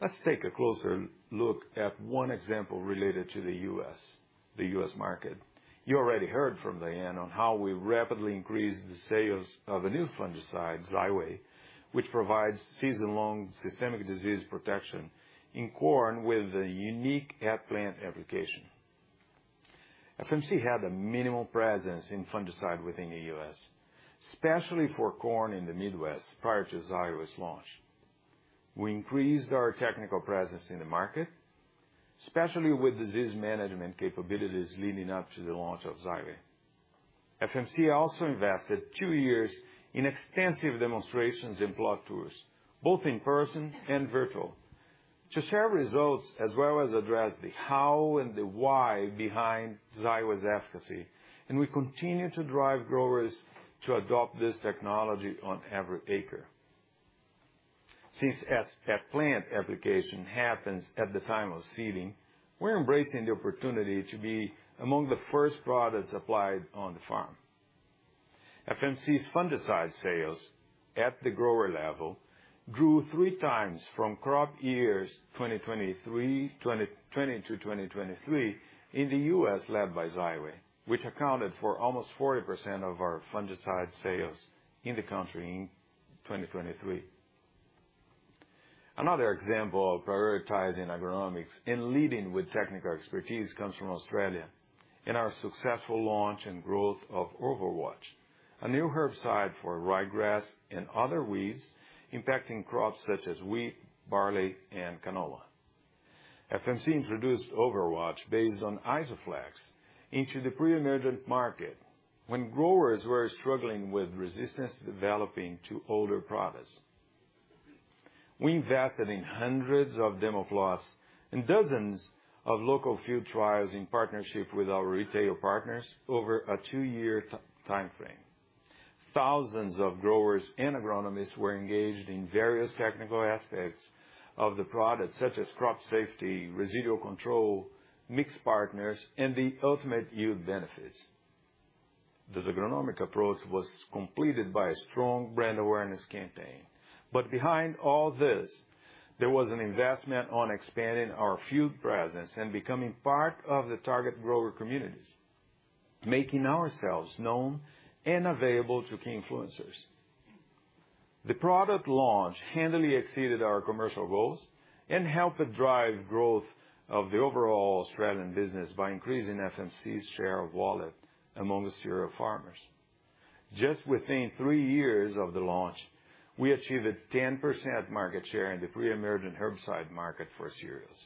Let's take a closer look at one example related to the U.S., the U.S. market. You already heard from Diane on how we rapidly increased the sales of a new fungicide, Xyway, which provides season-long systemic disease protection in corn with a unique at-plant application. FMC had a minimal presence in fungicide within the U.S., especially for corn in the Midwest, prior to Xyway's launch. We increased our technical presence in the market, especially with disease management capabilities leading up to the launch of Xyway. FMC also invested 2 years in extensive demonstrations and plot tours, both in person and virtual, to share results as well as address the how and the why behind Xyway's efficacy, and we continue to drive growers to adopt this technology on every acre. Since at-plant application happens at the time of seeding, we're embracing the opportunity to be among the first products applied on the farm. FMC's fungicide sales at the grower level grew 3 times from crop years 2020 to 2023 in the U.S., led by Xyway, which accounted for almost 40% of our fungicide sales in the country in 2023. Another example of prioritizing agronomics and leading with technical expertise comes from Australia, in our successful launch and growth of Overwatch, a new herbicide for ryegrass and other weeds impacting crops such as wheat, barley, and canola. FMC introduced Overwatch based on Isoflex into the pre-emergent market when growers were struggling with resistance developing to older products. We invested in hundreds of demo plots and dozens of local field trials in partnership with our retail partners over a two-year time frame. Thousands of growers and agronomists were engaged in various technical aspects of the product, such as crop safety, residual control, mixed partners, and the ultimate yield benefits. This agronomic approach was completed by a strong brand awareness campaign. But behind all this, there was an investment on expanding our field presence and becoming part of the target grower communities, making ourselves known and available to key influencers. The product launch handily exceeded our commercial goals and helped to drive growth of the overall Australian business by increasing FMC's share of wallet among the cereal farmers. Just within 3 years of the launch, we achieved a 10% market share in the pre-emergent herbicide market for cereals.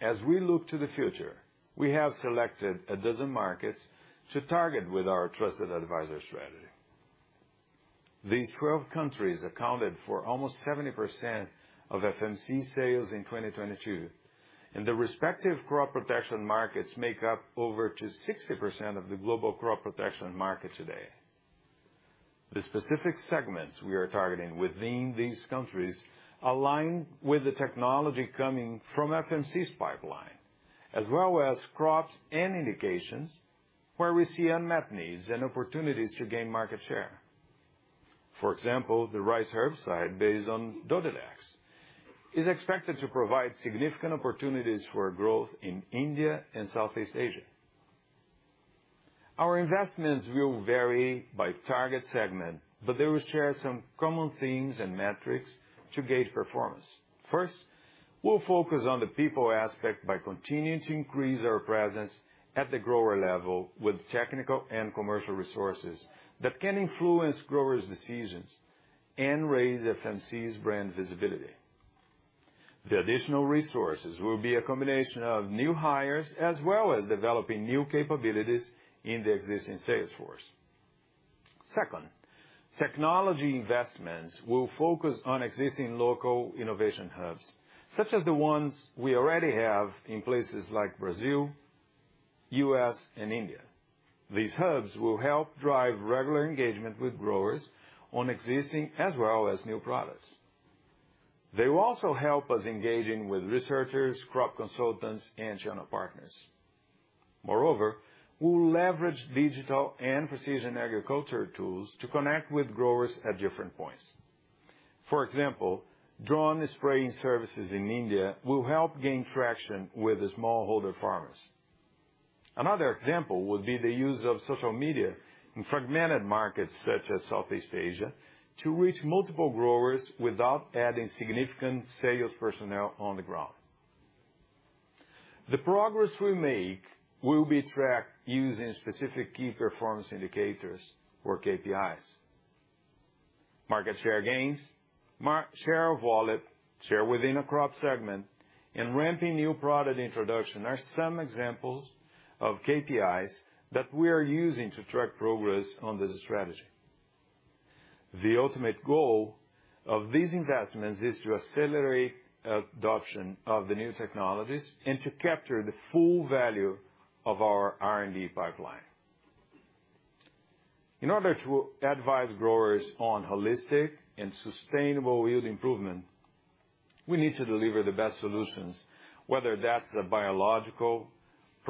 As we look to the future, we have selected 12 markets to target with our trusted advisor strategy. These 12 countries accounted for almost 70% of FMC sales in 2022, and the respective crop protection markets make up over 60% of the global crop protection market today. The specific segments we are targeting within these countries align with the technology coming from FMC's pipeline, as well as crops and indications where we see unmet needs and opportunities to gain market share. For example, the rice herbicide based on Dodhylex is expected to provide significant opportunities for growth in India and Southeast Asia. Our investments will vary by target segment, but they will share some common themes and metrics to gauge performance. First, we'll focus on the people aspect by continuing to increase our presence at the grower level with technical and commercial resources that can influence growers' decisions and raise FMC's brand visibility. The additional resources will be a combination of new hires, as well as developing new capabilities in the existing sales force. Second, technology investments will focus on existing local innovation hubs, such as the ones we already have in places like Brazil, U.S., and India. These hubs will help drive regular engagement with growers on existing as well as new products. They will also help us engaging with researchers, crop consultants, and channel partners. Moreover, we'll leverage digital and precision agriculture tools to connect with growers at different points. For example, drone spraying services in India will help gain traction with the smallholder farmers. Another example would be the use of social media in fragmented markets, such as Southeast Asia, to reach multiple growers without adding significant sales personnel on the ground. The progress we make will be tracked using specific key performance indicators or KPIs. Market share gains, market share of wallet, share within a crop segment, and ramping new product introduction are some examples of KPIs that we are using to track progress on this strategy. The ultimate goal of these investments is to accelerate adoption of the new technologies and to capture the full value of our R&D pipeline. In order to advise growers on holistic and sustainable yield improvement, we need to deliver the best solutions, whether that's a biological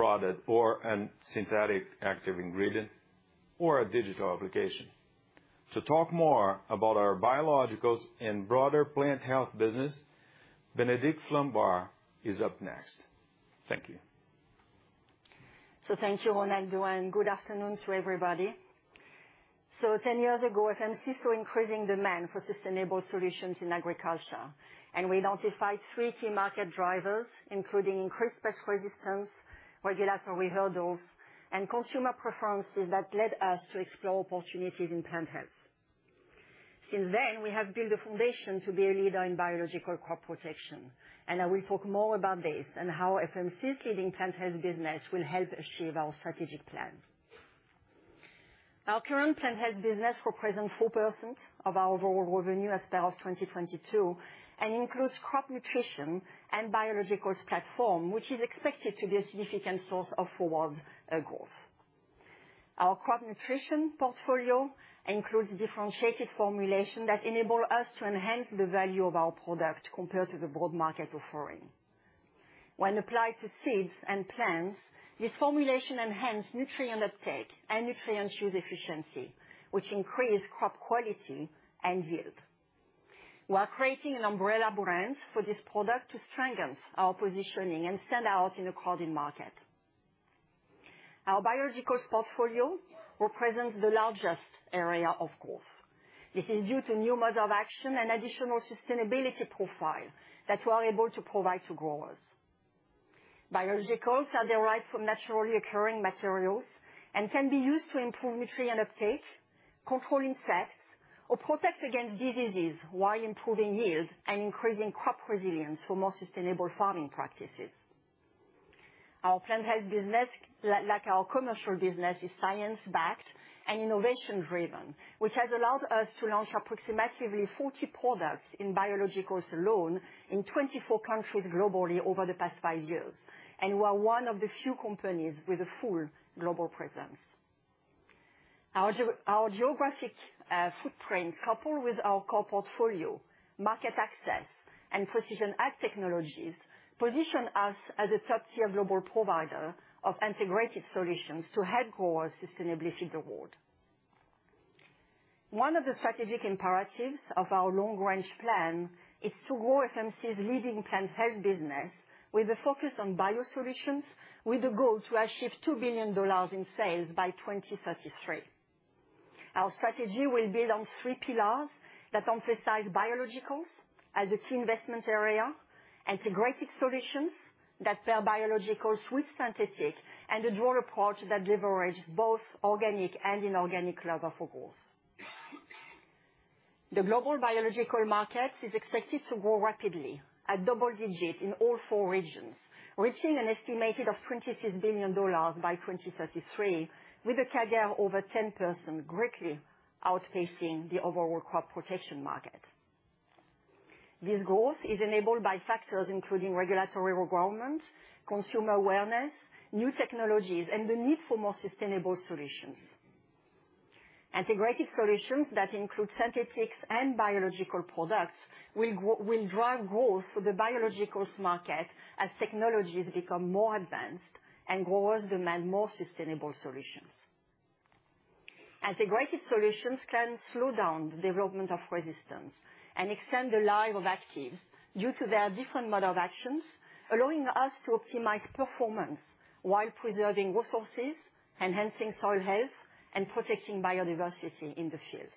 product or a synthetic active ingredient, or a digital application. To talk more about our biologicals and broader Plant Health business, Bénédicte Flambard is up next. Thank you. So thank you, Ronaldo, Diane. Good afternoon to everybody. So 10 years ago, FMC saw increasing demand for sustainable solutions in agriculture, and we identified three key market drivers, including increased pest resistance, regulatory hurdles, and consumer preferences that led us to explore opportunities in Plant Health. Since then, we have built a foundation to be a leader in biological crop protection, and I will talk more about this and how FMC's leading Plant Health business will help achieve our strategic plan. Our current Plant Health business represents 4% of our overall revenue as of 2022 and includes crop nutrition and biologicals platform, which is expected to be a significant source of forward growth. Our crop nutrition portfolio includes differentiated formulation that enable us to enhance the value of our product compared to the broad market offering. When applied to seeds and plants, this formulation enhance nutrient uptake and nutrient use efficiency, which increase crop quality and yield. We are creating an umbrella brand for this product to strengthen our positioning and stand out in the growing market. Our biologicals portfolio represents the largest area of growth. This is due to new modes of action and additional sustainability profile that we're able to provide to growers. Biologicals are derived from naturally occurring materials and can be used to improve nutrient uptake, control insects, or protect against diseases while improving yield and increasing crop resilience for more sustainable farming practices. Our Plant Health business, like our commercial business, is science-backed and innovation-driven, which has allowed us to launch approximately 40 products in biologicals alone in 24 countries globally over the past 5 years, and we are one of the few companies with a full global presence. Our geographic footprint, coupled with our core portfolio, market access, and precision ag technologies, position us as a top-tier global provider of integrated solutions to help grow sustainability reward. One of the strategic imperatives of our long-range plan is to grow FMC's leading Plant Health business with a focus on biosolutions, with a goal to achieve $2 billion in sales by 2033. Our strategy will build on three pillars that emphasize biologicals as a key investment area, integrated solutions that pair biologicals with synthetic, and a dual approach that leverages both organic and inorganic lever for growth. The global biological market is expected to grow rapidly at double-digit in all four regions, reaching an estimated of $26 billion by 2033, with a CAGR over 10%, greatly outpacing the overall crop protection market. This growth is enabled by factors including regulatory requirement, consumer awareness, new technologies, and the need for more sustainable solutions. Integrated solutions that include synthetics and biological products will drive growth for the biologicals market as technologies become more advanced and growers demand more sustainable solutions. Integrated solutions can slow down the development of resistance and extend the life of actives due to their different mode of actions, allowing us to optimize performance while preserving resources, enhancing soil health, and protecting biodiversity in the field.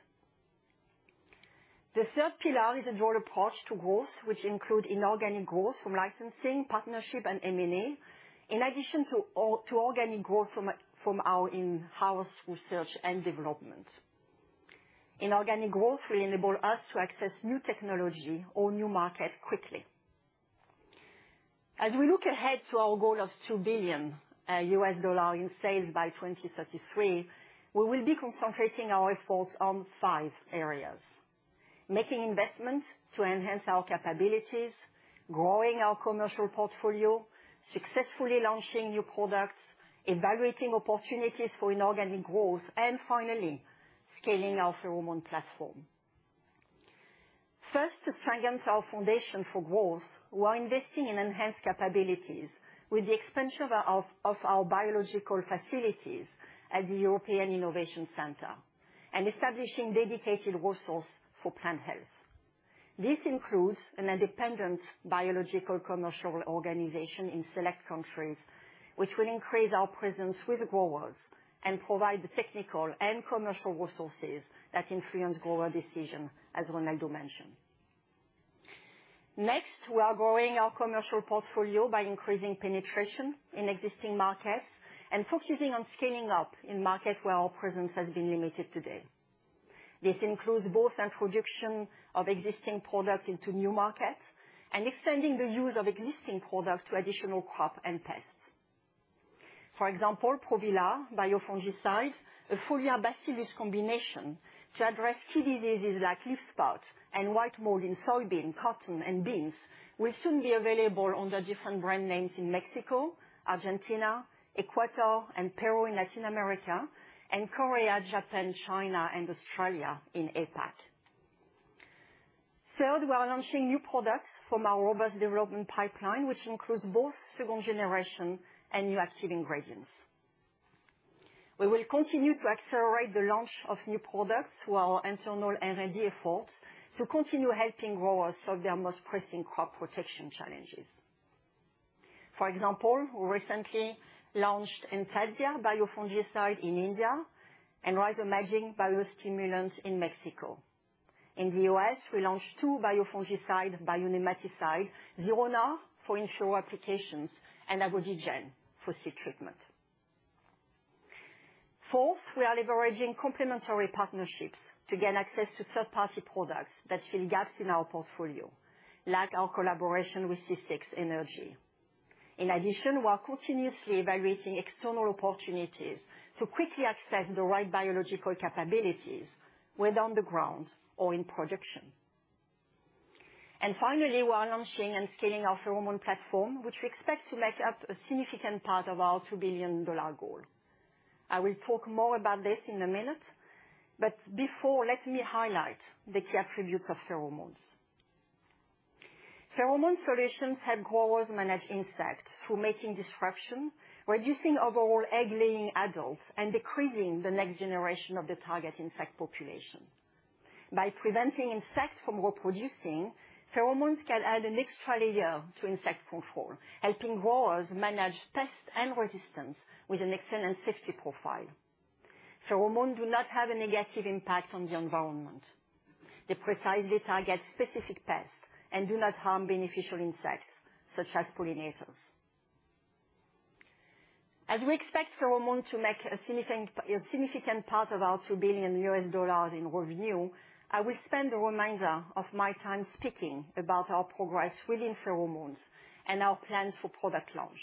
The third pillar is a dual approach to growth, which include inorganic growth from licensing, partnership, and M&A, in addition to organic growth from our in-house research and development. Inorganic growth will enable us to access new technology or new markets quickly. As we look ahead to our goal of $2 billion in sales by 2033, we will be concentrating our efforts on five areas: making investments to enhance our capabilities, growing our commercial portfolio, successfully launching new products, evaluating opportunities for inorganic growth, and finally, scaling our pheromone platform. First, to strengthen our foundation for growth, we are investing in enhanced capabilities with the expansion of our biological facilities at the European Innovation Center and establishing dedicated resources for Plant Health. This includes an independent biological commercial organization in select countries, which will increase our presence with the growers and provide the technical and commercial resources that influence grower decision, as Ronaldo mentioned. Next, we are growing our commercial portfolio by increasing penetration in existing markets and focusing on scaling up in markets where our presence has been limited today. This includes both introduction of existing products into new markets and extending the use of existing products to additional crop and pests. For example, Provilar biofungicide, a foliar bacillus combination to address key diseases like leaf spot and white mold in soybean, cotton, and beans, will soon be available under different brand names in Mexico, Argentina, Ecuador, and Peru in Latin America, and Korea, Japan, China, and Australia in APAC. Third, we are launching new products from our robust development pipeline, which includes both second generation and new active ingredients. We will continue to accelerate the launch of new products through our internal R&D efforts to continue helping growers solve their most pressing crop protection challenges. For example, we recently launched Entasia biofungicide in India and RhizoMagic biostimulants in Mexico. In the U.S., we launched two biofungicides, bionematicide, Zironar, for in-soil applications and Avodigen for seed treatment. Fourth, we are leveraging complementary partnerships to gain access to third-party products that fill gaps in our portfolio, like our collaboration with C6 Energy. In addition, we are continuously evaluating external opportunities to quickly access the right biological capabilities, whether on the ground or in production. And finally, we are launching and scaling our pheromone platform, which we expect to make up a significant part of our $2 billion goal. I will talk more about this in a minute, but before, let me highlight the key attributes of pheromones. Pheromone solutions help growers manage insects through mating disruption, reducing overall egg-laying adults, and decreasing the next generation of the target insect population. By preventing insects from reproducing, pheromones can add an extra layer to insect control, helping growers manage pests and resistance with an excellent safety profile. Pheromones do not have a negative impact on the environment. They precisely target specific pests and do not harm beneficial insects, such as pollinators. As we expect pheromone to make a significant part of our $2 billion in revenue, I will spend the remainder of my time speaking about our progress within pheromones and our plans for product launch.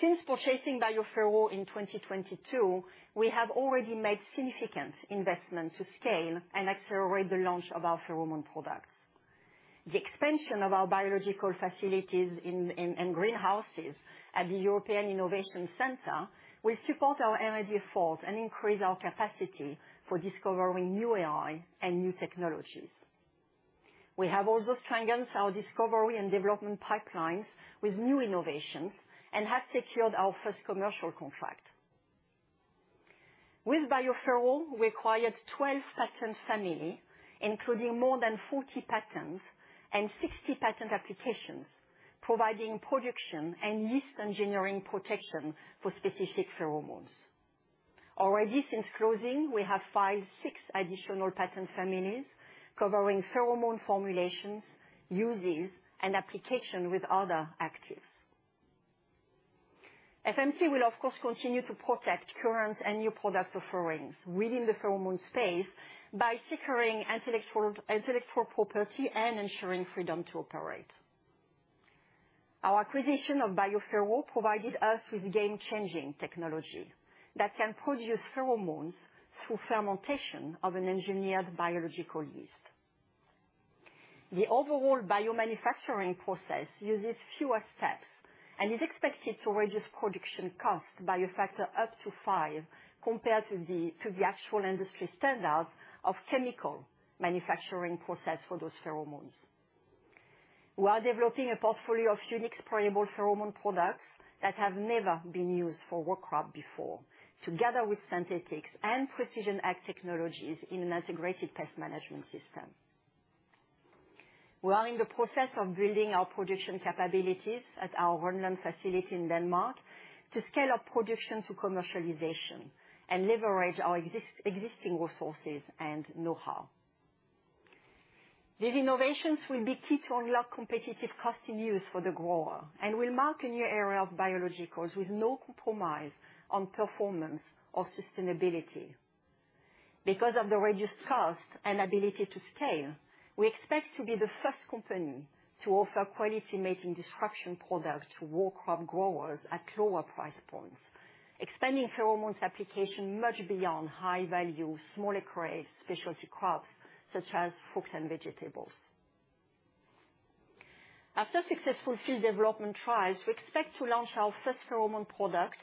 Since purchasing BioPhero in 2022, we have already made significant investments to scale and accelerate the launch of our pheromone products. The expansion of our biological facilities in greenhouses at the European Innovation Center will support our R&D efforts and increase our capacity for discovering new AI and new technologies. We have also strengthened our discovery and development pipelines with new innovations, and have secured our first commercial contract. With BioPhero, we acquired 12 patent family, including more than 40 patents and 60 patent applications, providing production and yeast engineering protection for specific pheromones. Already since closing, we have filed six additional patent families covering pheromone formulations, uses, and application with other actives. FMC will, of course, continue to protect current and new product offerings within the pheromone space by securing intellectual property and ensuring freedom to operate. Our acquisition of BioPhero provided us with game-changing technology that can produce pheromones through fermentation of an engineered biological yeast. The overall biomanufacturing process uses fewer steps and is expected to reduce production costs by a factor up to five, compared to the actual industry standards of chemical manufacturing process for those pheromones. We are developing a portfolio of unique sprayable pheromone products that have never been used for row crop before, together with synthetics and precision ag technologies in an integrated pest management system. We are in the process of building our production capabilities at our Rønland facility in Denmark to scale up production to commercialization and leverage our existing resources and know-how. These innovations will be key to unlock competitive cost and ease for the grower, and will mark a new era of biologicals with no compromise on performance or sustainability. Because of the reduced cost and ability to scale, we expect to be the first company to offer quality mating disruption products to row crop growers at lower price points, expanding pheromones application much beyond high-value, smaller acreage specialty crops, such as fruits and vegetables. After successful field development trials, we expect to launch our first pheromone product,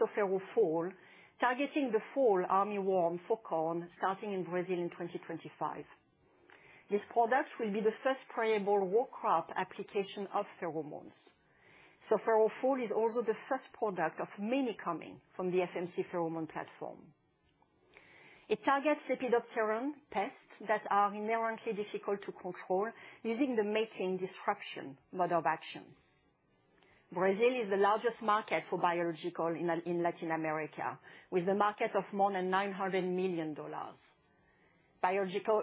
SoPhero FALL, targeting the fall armyworm for corn, starting in Brazil in 2025. This product will be the first sprayable row crop application of pheromones. SoPhero FALL is also the first product of many coming from the FMC pheromone platform. It targets lepidopteran pests that are inherently difficult to control using the mating disruption mode of action. Brazil is the largest market for biologicals in Latin America, with a market of more than $900 million. Biological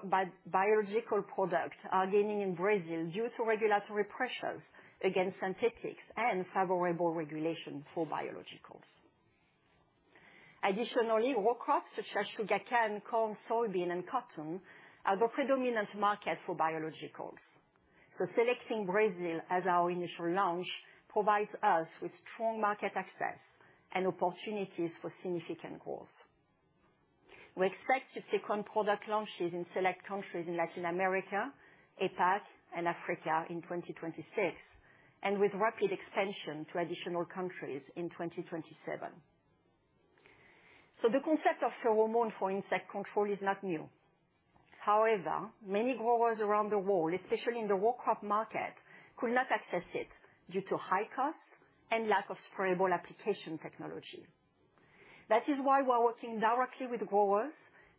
products are gaining in Brazil due to regulatory pressures against synthetics and favorable regulation for biologicals. Additionally, row crops such as sugarcane, corn, soybean, and cotton are the predominant market for biologicals. So selecting Brazil as our initial launch provides us with strong market access and opportunities for significant growth. We expect to sequence product launches in select countries in Latin America, APAC, and Africa in 2026, and with rapid expansion to additional countries in 2027. So the concept of pheromone for insect control is not new. However, many growers around the world, especially in the row crop market, could not access it due to high costs and lack of sprayable application technology. That is why we're working directly with growers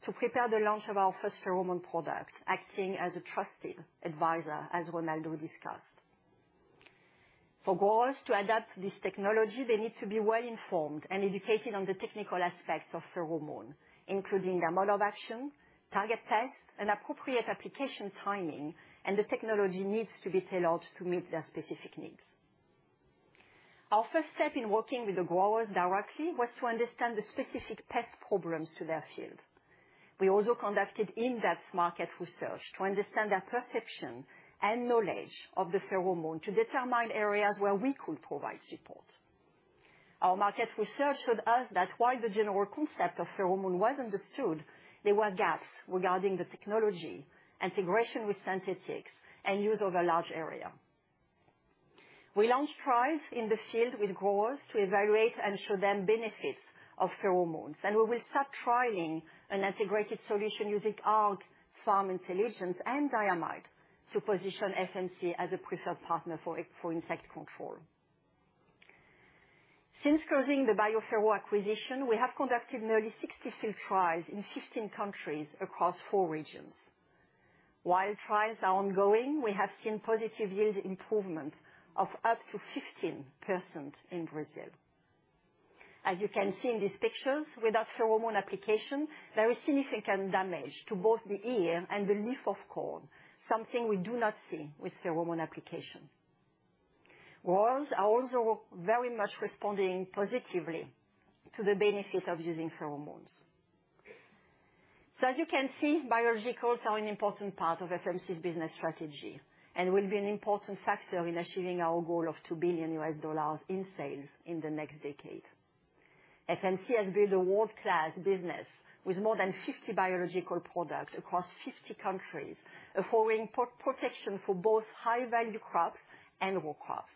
to prepare the launch of our first pheromone product, acting as a trusted advisor, as Ronaldo discussed. For growers to adapt this technology, they need to be well-informed and educated on the technical aspects of pheromone, including their mode of action, target tests, and appropriate application timing, and the technology needs to be tailored to meet their specific needs. Our first step in working with the growers directly was to understand the specific pest problems to their field. We also conducted in-depth market research to understand their perception and knowledge of the pheromone, to determine areas where we could provide support. Our market research showed us that while the general concept of pheromone was understood, there were gaps regarding the technology, integration with synthetics, and use over large area. We launched trials in the field with growers to evaluate and show them benefits of pheromones, and we will start trialing an integrated solution using Arc farm intelligence, and diamide to position FMC as a preferred partner for for insect control. Since closing the BioPhero acquisition, we have conducted nearly 60 field trials in 15 countries across four regions. While trials are ongoing, we have seen positive yield improvement of up to 15% in Brazil. As you can see in these pictures, without pheromone application, there is significant damage to both the ear and the leaf of corn, something we do not see with pheromone application. Growers are also very much responding positively to the benefit of using pheromones. As you can see, biologicals are an important part of FMC's business strategy and will be an important factor in achieving our goal of $2 billion in sales in the next decade. FMC has built a world-class business with more than 50 biological products across 50 countries, offering crop protection for both high-value crops and row crops.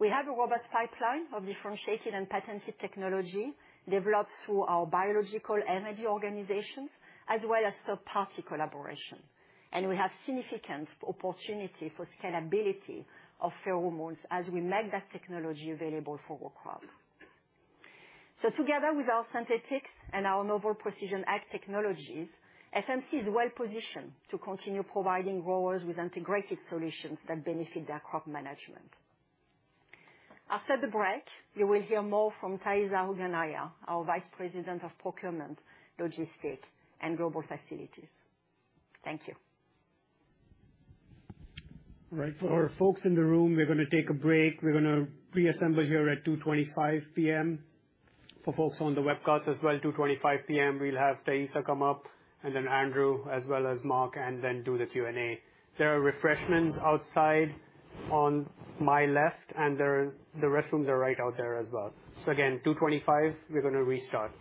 We have a robust pipeline of differentiated and patented technology developed through our biological R&D organizations, as well as third-party collaboration. We have significant opportunity for scalability of pheromones as we make that technology available for row crop. Together with our synthetics and our novel precision ag technologies, FMC is well positioned to continue providing growers with integrated solutions that benefit their crop management. After the break, you will hear more from Thaisa Hugennayer, our Vice President of Procurement, Logistics, and Global Facilities. Thank you. All right. For our folks in the room, we're gonna take a break. We're gonna reassemble here at 2:25 P.M. For folks on the webcast as well, 2:25 P.M., we'll have Thaisa come up, and then Andrew, as well as Mark, and then do the Q&A. There are refreshments outside on my left, and there are, the restrooms are right out there as well. So again, 2:25, we're gonna restart.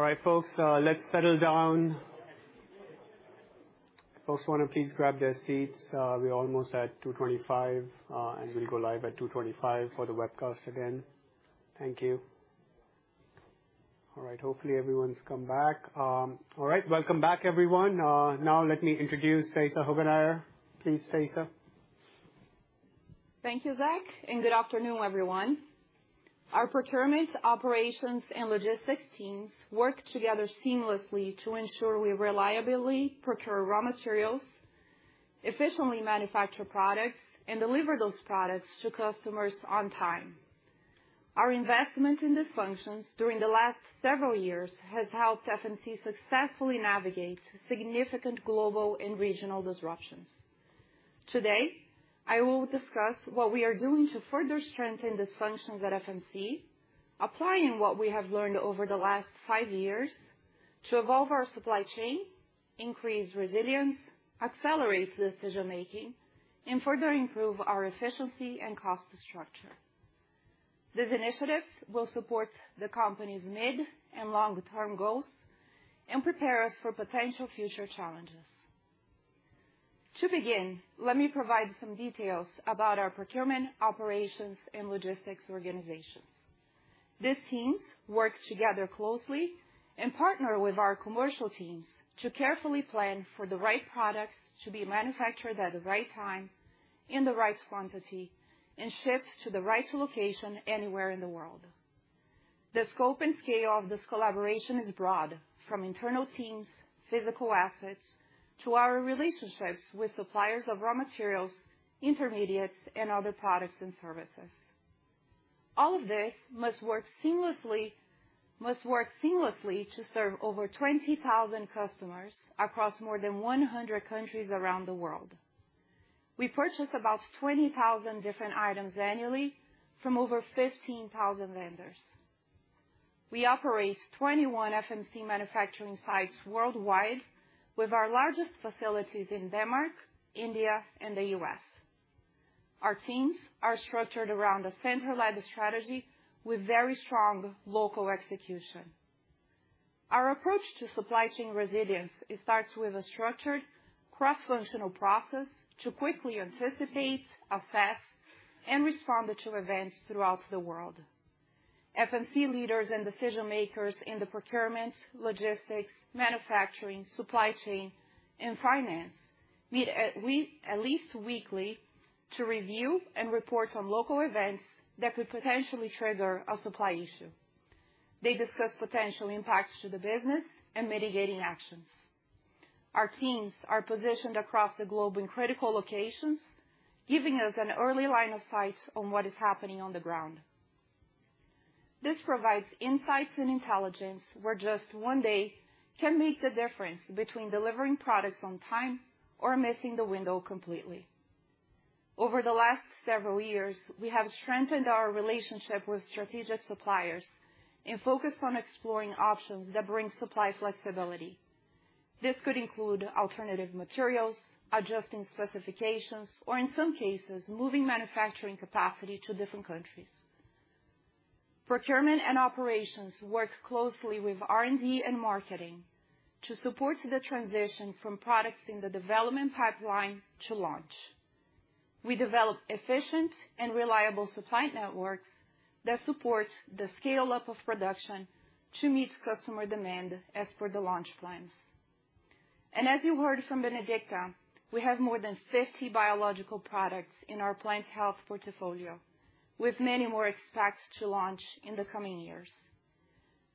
All right, folks, let's settle down. Folks wanna please grab their seats. We're almost at 2:25 P.M., and we'll go live at 2:25 P.M. for the webcast again. Thank you. All right, hopefully, everyone's come back. All right, welcome back, everyone. Now let me introduce Thaisa Hogeweijer. Please, Thaisa. Thank you, Zack, and good afternoon, everyone. Our procurement, operations, and logistics teams work together seamlessly to ensure we reliably procure raw materials, efficiently manufacture products, and deliver those products to customers on time. Our investment in these functions during the last several years has helped FMC successfully navigate significant global and regional disruptions. Today, I will discuss what we are doing to further strengthen these functions at FMC, applying what we have learned over the last five years to evolve our supply chain, increase resilience, accelerate decision-making, and further improve our efficiency and cost structure. These initiatives will support the company's mid- and long-term goals and prepare us for potential future challenges. To begin, let me provide some details about our procurement, operations, and logistics organization.... These teams work together closely and partner with our commercial teams to carefully plan for the right products to be manufactured at the right time, in the right quantity, and shipped to the right location anywhere in the world. The scope and scale of this collaboration is broad, from internal teams, physical assets, to our relationships with suppliers of raw materials, intermediates, and other products and services. All of this must work seamlessly, must work seamlessly to serve over 20,000 customers across more than 100 countries around the world. We purchase about 20,000 different items annually from over 15,000 vendors. We operate 21 FMC manufacturing sites worldwide, with our largest facilities in Denmark, India, and the U.S. Our teams are structured around a centrally led strategy with very strong local execution. Our approach to supply chain resilience, it starts with a structured, cross-functional process to quickly anticipate, assess, and respond to events throughout the world. FMC leaders and decision makers in the procurement, logistics, manufacturing, supply chain, and finance, meet at least weekly to review and report on local events that could potentially trigger a supply issue. They discuss potential impacts to the business and mitigating actions. Our teams are positioned across the globe in critical locations, giving us an early line of sight on what is happening on the ground. This provides insights and intelligence, where just one day can make the difference between delivering products on time or missing the window completely. Over the last several years, we have strengthened our relationship with strategic suppliers and focused on exploring options that bring supply flexibility. This could include alternative materials, adjusting specifications, or in some cases, moving manufacturing capacity to different countries. Procurement and operations work closely with R&D and marketing to support the transition from products in the development pipeline to launch. We develop efficient and reliable supply networks that support the scale-up of production to meet customer demand as per the launch plans. And as you heard from Bénédicte, we have more than 50 biological products in our Plant Health portfolio, with many more expected to launch in the coming years.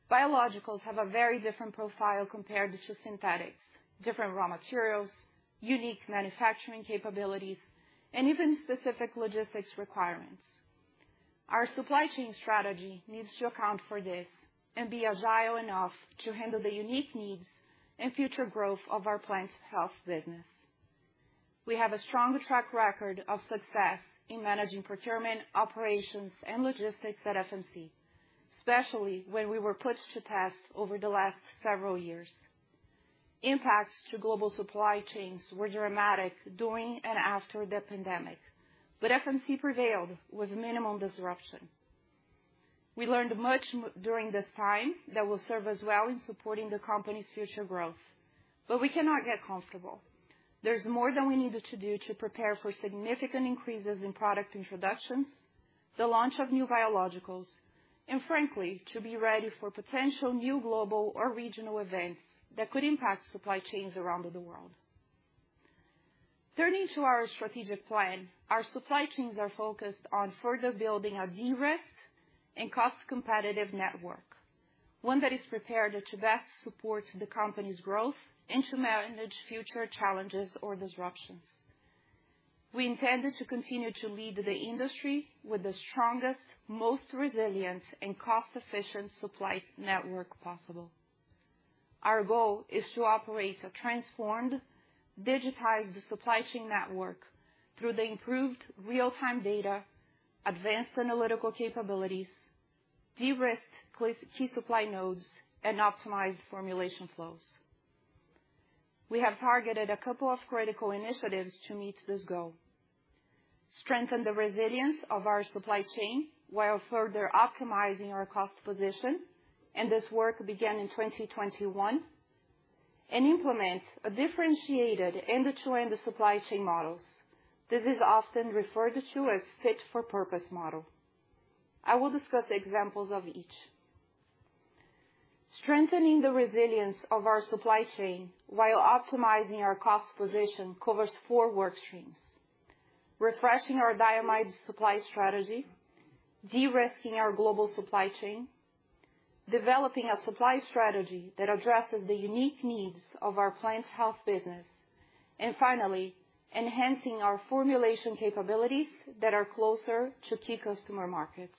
Biologicals have a very different profile compared to synthetics, different raw materials, unique manufacturing capabilities, and even specific logistics requirements. Our supply chain strategy needs to account for this and be agile enough to handle the unique needs and future growth of our Plant Health business. We have a strong track record of success in managing procurement, operations, and logistics at FMC, especially when we were put to task over the last several years. Impacts to global supply chains were dramatic during and after the pandemic, but FMC prevailed with minimal disruption. We learned much during this time that will serve us well in supporting the company's future growth. But we cannot get comfortable. There's more than we needed to do to prepare for significant increases in product introductions, the launch of new biologicals, and frankly, to be ready for potential new global or regional events that could impact supply chains around the world. Turning to our strategic plan, our supply chains are focused on further building a de-risk and cost competitive network, one that is prepared to best support the company's growth and to manage future challenges or disruptions. We intend to continue to lead the industry with the strongest, most resilient, and cost-efficient supply network possible. Our goal is to operate a transformed, digitized supply chain network through the improved real-time data, advanced analytical capabilities, de-risk key supply nodes, and optimize formulation flows. We have targeted a couple of critical initiatives to meet this goal: strengthen the resilience of our supply chain while further optimizing our cost position, and this work began in 2021, and implement a differentiated end-to-end supply chain models. This is often referred to as fit-for-purpose model. I will discuss examples of each. Strengthening the resilience of our supply chain while optimizing our cost position covers four work streams: refreshing our diamide supply strategy, de-risking our global supply chain, developing a supply strategy that addresses the unique needs of our Plant Health business, and finally, enhancing our formulation capabilities that are closer to key customer markets.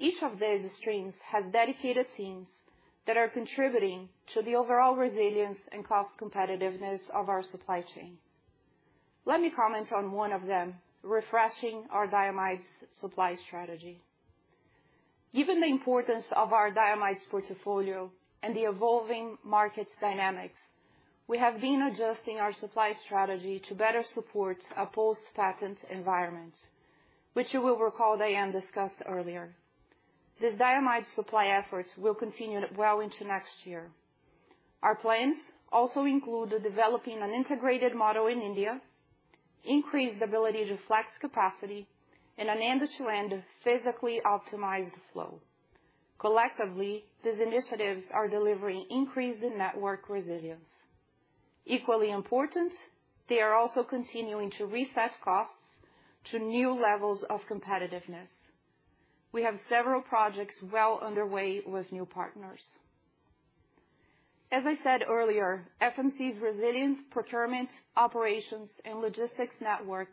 Each of these streams has dedicated teams that are contributing to the overall resilience and cost competitiveness of our supply chain. Let me comment on one of them, refreshing our diamide supply strategy. Given the importance of our diamide portfolio and the evolving market dynamics, we have been adjusting our supply strategy to better support a post-patent environment, which you will recall Diane discussed earlier. This diamide supply efforts will continue well into next year. Our plans also include developing an integrated model in India, increased ability to flex capacity, and an end-to-end physically optimized flow. Collectively, these initiatives are delivering increased network resilience. Equally important, they are also continuing to reset costs to new levels of competitiveness. We have several projects well underway with new partners. As I said earlier, FMC's resilience, procurement, operations, and logistics network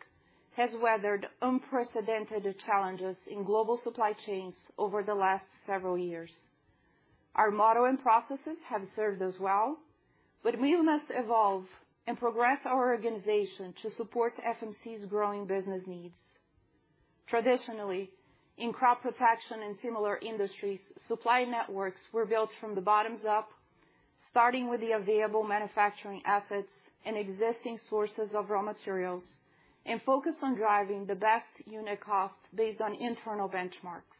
has weathered unprecedented challenges in global supply chains over the last several years. Our model and processes have served us well, but we must evolve and progress our organization to support FMC's growing business needs. Traditionally, in crop protection and similar industries, supply networks were built from the bottoms up, starting with the available manufacturing assets and existing sources of raw materials, and focused on driving the best unit cost based on internal benchmarks.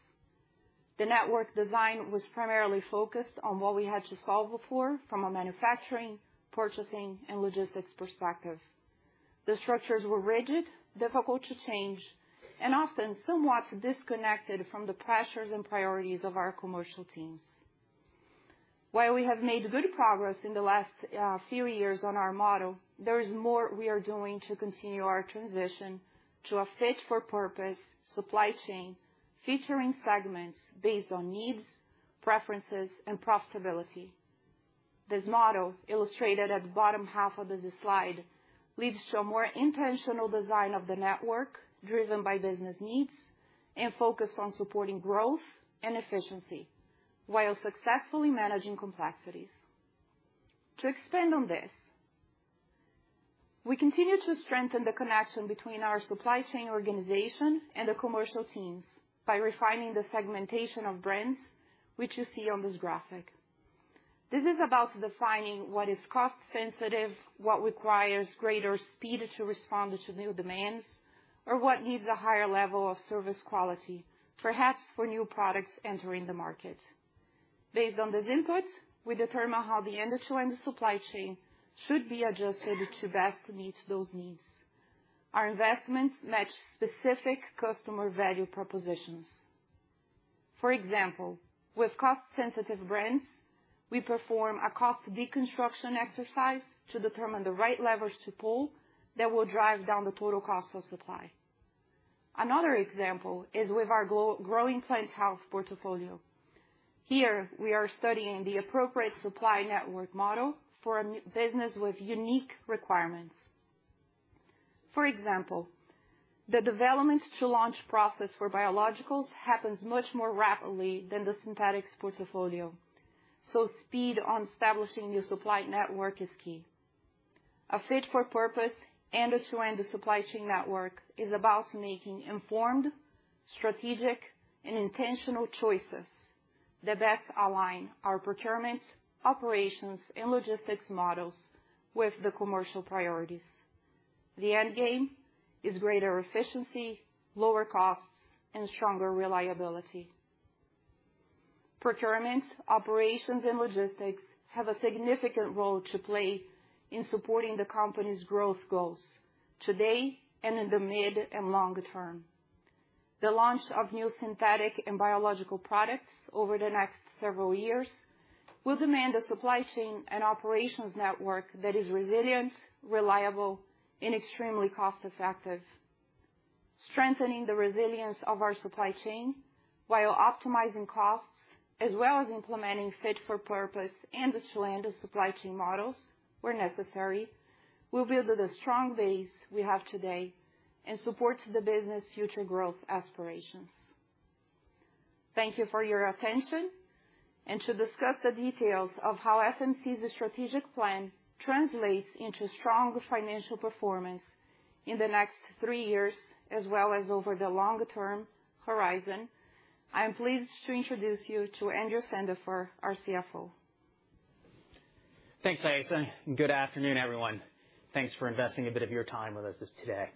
The network design was primarily focused on what we had to solve for from a manufacturing, purchasing, and logistics perspective. The structures were rigid, difficult to change, and often somewhat disconnected from the pressures and priorities of our commercial teams. While we have made good progress in the last few years on our model, there is more we are doing to continue our transition to a fit-for-purpose supply chain, featuring segments based on needs, preferences, and profitability. This model, illustrated at the bottom half of this slide, leads to a more intentional design of the network, driven by business needs and focused on supporting growth and efficiency, while successfully managing complexities. To expand on this, we continue to strengthen the connection between our supply chain organization and the commercial teams by refining the segmentation of brands, which you see on this graphic. This is about defining what is cost sensitive, what requires greater speed to respond to new demands, or what needs a higher level of service quality, perhaps for new products entering the market. Based on this input, we determine how the end-to-end supply chain should be adjusted to best meet those needs. Our investments match specific customer value propositions. For example, with cost-sensitive brands, we perform a cost deconstruction exercise to determine the right levers to pull that will drive down the total cost of supply. Another example is with our growing Plant Health portfolio. Here, we are studying the appropriate supply network model for a business with unique requirements. For example, the development to launch process for biologicals happens much more rapidly than the synthetics portfolio, so speed on establishing the supply network is key. A fit-for-purpose, end-to-end supply chain network is about making informed, strategic, and intentional choices that best align our procurement, operations, and logistics models with the commercial priorities. The end game is greater efficiency, lower costs, and stronger reliability. Procurement, operations, and logistics have a significant role to play in supporting the company's growth goals today and in the mid and long term. The launch of new synthetic and biological products over the next several years will demand a supply chain and operations network that is resilient, reliable, and extremely cost effective. Strengthening the resilience of our supply chain while optimizing costs, as well as implementing fit-for-purpose, end-to-end supply chain models where necessary, will build the strong base we have today and supports the business' future growth aspirations. Thank you for your attention. To discuss the details of how FMC's strategic plan translates into strong financial performance in the next three years, as well as over the longer-term horizon, I am pleased to introduce you to Andrew Sandifer, our CFO. Thanks, Thaisa, and good afternoon, everyone. Thanks for investing a bit of your time with us today.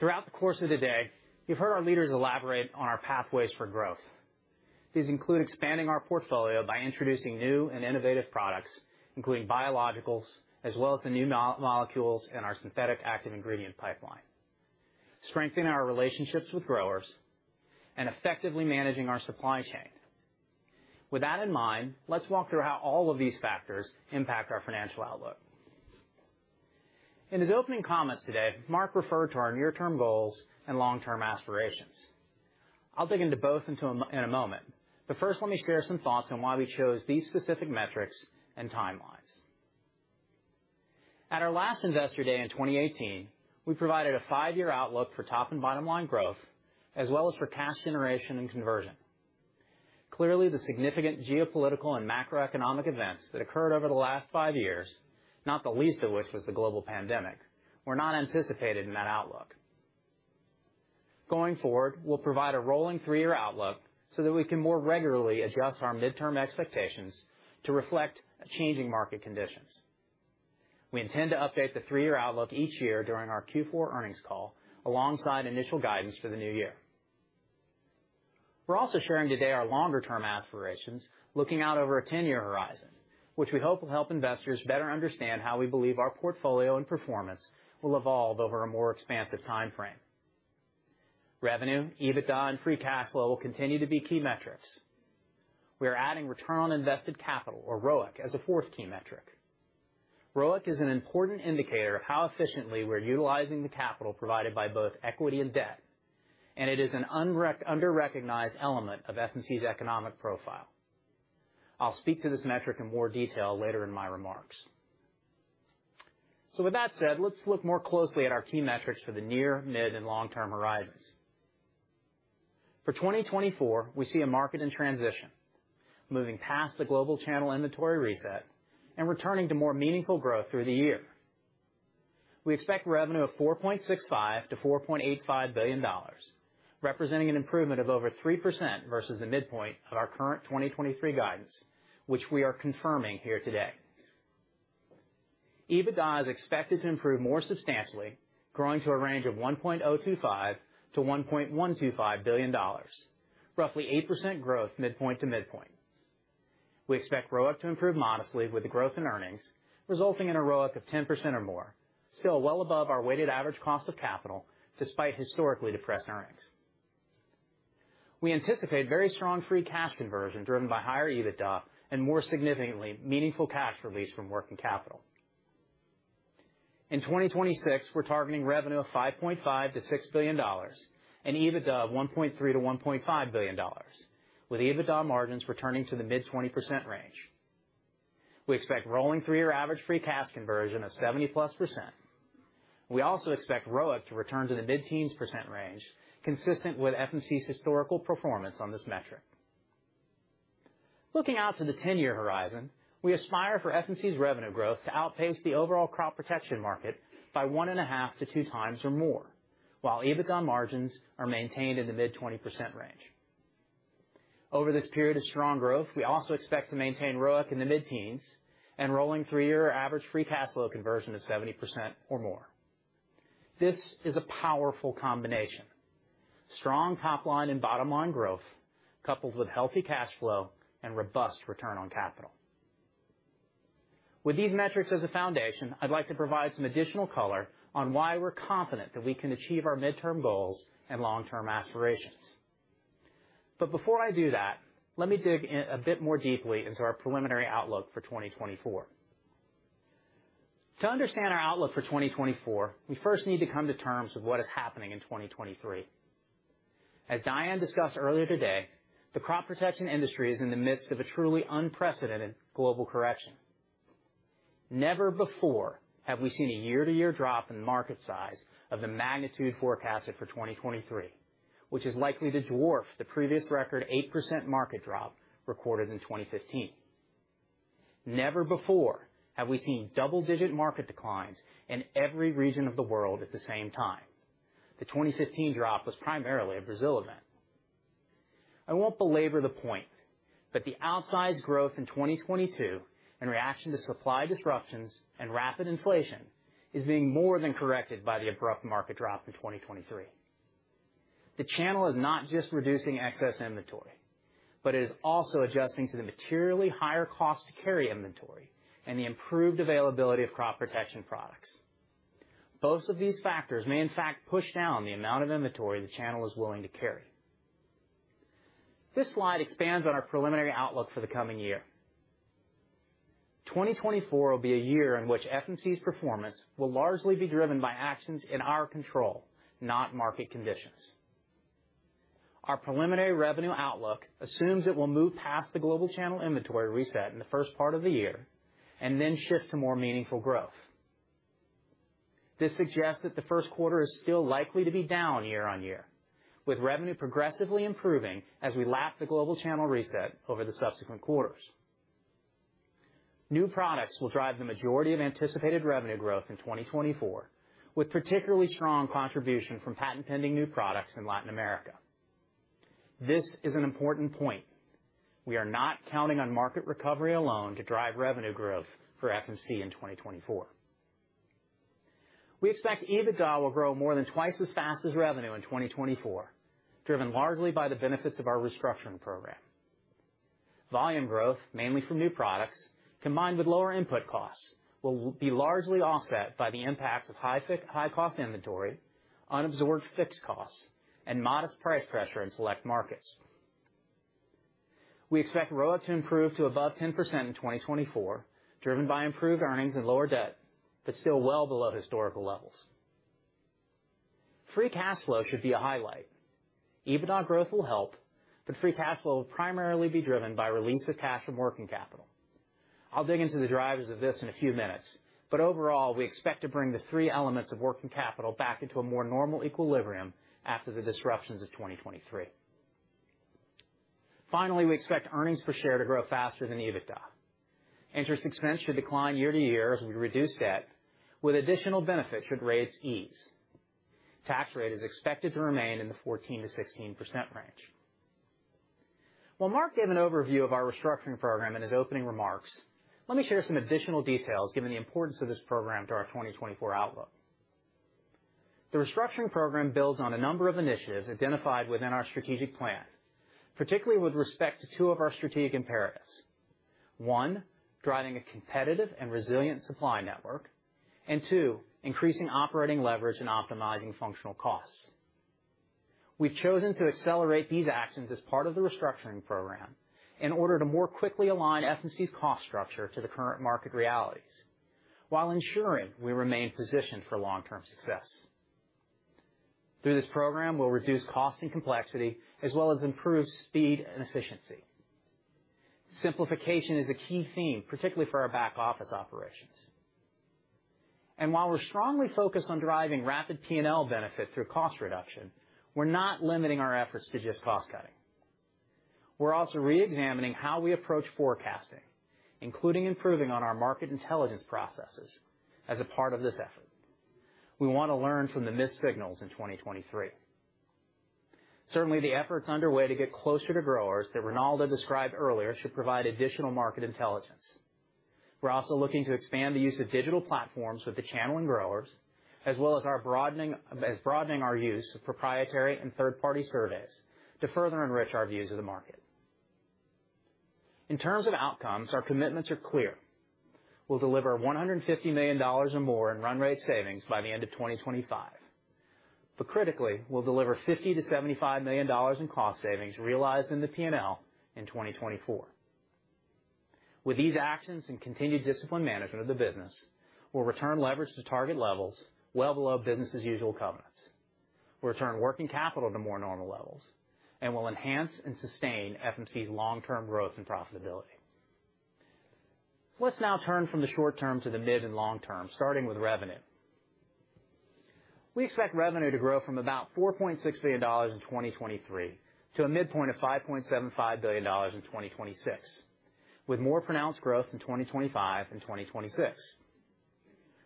Throughout the course of the day, you've heard our leaders elaborate on our pathways for growth. These include expanding our portfolio by introducing new and innovative products, including biologicals, as well as the new molecules in our synthetic active ingredient pipeline, strengthening our relationships with growers, and effectively managing our supply chain. With that in mind, let's walk through how all of these factors impact our financial outlook. In his opening comments today, Mark referred to our near-term goals and long-term aspirations. I'll dig into both in a moment, but first, let me share some thoughts on why we chose these specific metrics and timelines. At our last Investor Day in 2018, we provided a five-year outlook for top and bottom line growth, as well as for cash generation and conversion. Clearly, the significant geopolitical and macroeconomic events that occurred over the last five years, not the least of which was the global pandemic, were not anticipated in that outlook. Going forward, we'll provide a rolling three-year outlook so that we can more regularly adjust our midterm expectations to reflect changing market conditions. We intend to update the three-year outlook each year during our Q4 earnings call, alongside initial guidance for the new year. We're also sharing today our longer-term aspirations, looking out over a 10-year horizon, which we hope will help investors better understand how we believe our portfolio and performance will evolve over a more expansive time frame. Revenue, EBITDA, and free cash flow will continue to be key metrics. We are adding return on invested capital, or ROIC, as a fourth key metric. ROIC is an important indicator of how efficiently we're utilizing the capital provided by both equity and debt, and it is an underrecognized element of FMC's economic profile. I'll speak to this metric in more detail later in my remarks. So with that said, let's look more closely at our key metrics for the near-, mid-, and long-term horizons. For 2024, we see a market in transition, moving past the global channel inventory reset and returning to more meaningful growth through the year. We expect revenue of $4.65 billion-$4.85 billion, representing an improvement of over 3% versus the midpoint of our current 2023 guidance, which we are confirming here today. EBITDA is expected to improve more substantially, growing to a range of $1.025 billion-$1.125 billion, roughly 8% growth, midpoint to midpoint. We expect ROIC to improve modestly with the growth in earnings, resulting in a ROIC of 10% or more, still well above our weighted average cost of capital, despite historically depressed earnings. We anticipate very strong free cash conversion, driven by higher EBITDA and, more significantly, meaningful cash release from working capital. In 2026, we're targeting revenue of $5.5-$6 billion and EBITDA of $1.3-$1.5 billion, with EBITDA margins returning to the mid-20% range. We expect rolling three-year average free cash conversion of 70+%. We also expect ROIC to return to the mid-teens % range, consistent with FMC's historical performance on this metric. Looking out to the 10-year horizon, we aspire for FMC's revenue growth to outpace the overall crop protection market by 1.5-2 times or more, while EBITDA margins are maintained in the mid-20% range. Over this period of strong growth, we also expect to maintain ROIC in the mid-teens and rolling three-year average free cash flow conversion of 70% or more. This is a powerful combination: strong top line and bottom line growth, coupled with healthy cash flow and robust return on capital. With these metrics as a foundation, I'd like to provide some additional color on why we're confident that we can achieve our midterm goals and long-term aspirations. But before I do that, let me dig in a bit more deeply into our preliminary outlook for 2024. To understand our outlook for 2024, we first need to come to terms with what is happening in 2023. As Diane discussed earlier today, the crop protection industry is in the midst of a truly unprecedented global correction. Never before have we seen a year-to-year drop in market size of the magnitude forecasted for 2023, which is likely to dwarf the previous record 8% market drop recorded in 2015. Never before have we seen double-digit market declines in every region of the world at the same time. The 2015 drop was primarily a Brazil event. I won't belabor the point, but the outsized growth in 2022, in reaction to supply disruptions and rapid inflation, is being more than corrected by the abrupt market drop in 2023. The channel is not just reducing excess inventory, but it is also adjusting to the materially higher cost to carry inventory and the improved availability of crop protection products. Both of these factors may, in fact, push down the amount of inventory the channel is willing to carry. This slide expands on our preliminary outlook for the coming year. 2024 will be a year in which FMC's performance will largely be driven by actions in our control, not market conditions. Our preliminary revenue outlook assumes it will move past the global channel inventory reset in the first part of the year and then shift to more meaningful growth. This suggests that the first quarter is still likely to be down year on year, with revenue progressively improving as we lap the global channel reset over the subsequent quarters. New products will drive the majority of anticipated revenue growth in 2024, with particularly strong contribution from patent-pending new products in Latin America. This is an important point. We are not counting on market recovery alone to drive revenue growth for FMC in 2024. We expect EBITDA will grow more than twice as fast as revenue in 2024, driven largely by the benefits of our restructuring program. Volume growth, mainly from new products, combined with lower input costs, will be largely offset by the impacts of high-cost inventory, unabsorbed fixed costs, and modest price pressure in select markets. We expect ROIC to improve to above 10% in 2024, driven by improved earnings and lower debt, but still well below historical levels. Free cash flow should be a highlight. EBITDA growth will help, but free cash flow will primarily be driven by release of cash from working capital. I'll dig into the drivers of this in a few minutes, but overall, we expect to bring the three elements of working capital back into a more normal equilibrium after the disruptions of 2023. Finally, we expect earnings per share to grow faster than EBITDA. Interest expense should decline year to year as we reduce debt, with additional benefits should rates ease. Tax rate is expected to remain in the 14%-16% range. While Mark gave an overview of our restructuring program in his opening remarks, let me share some additional details, given the importance of this program to our 2024 outlook. The restructuring program builds on a number of initiatives identified within our strategic plan, particularly with respect to two of our strategic imperatives. 1, driving a competitive and resilient supply network, and 2, increasing operating leverage and optimizing functional costs. We've chosen to accelerate these actions as part of the restructuring program in order to more quickly align FMC's cost structure to the current market realities, while ensuring we remain positioned for long-term success. Through this program, we'll reduce cost and complexity, as well as improve speed and efficiency. Simplification is a key theme, particularly for our back office operations. And while we're strongly focused on driving rapid P&L benefit through cost reduction, we're not limiting our efforts to just cost cutting. We're also reexamining how we approach forecasting, including improving on our market intelligence processes as a part of this effort. We want to learn from the missed signals in 2023. Certainly, the efforts underway to get closer to growers that Ronaldo described earlier, should provide additional market intelligence. We're also looking to expand the use of digital platforms with the channel and growers, as well as broadening our use of proprietary and third-party surveys to further enrich our views of the market. In terms of outcomes, our commitments are clear. We'll deliver $150 million or more in run rate savings by the end of 2025. But critically, we'll deliver $50-$75 million in cost savings realized in the P&L in 2024. With these actions and continued disciplined management of the business, we'll return leverage to target levels well below business as usual covenants. We'll return working capital to more normal levels, and we'll enhance and sustain FMC's long-term growth and profitability. So let's now turn from the short term to the mid and long term, starting with revenue. We expect revenue to grow from about $4.6 billion in 2023 to a midpoint of $5.75 billion in 2026, with more pronounced growth in 2025 and 2026.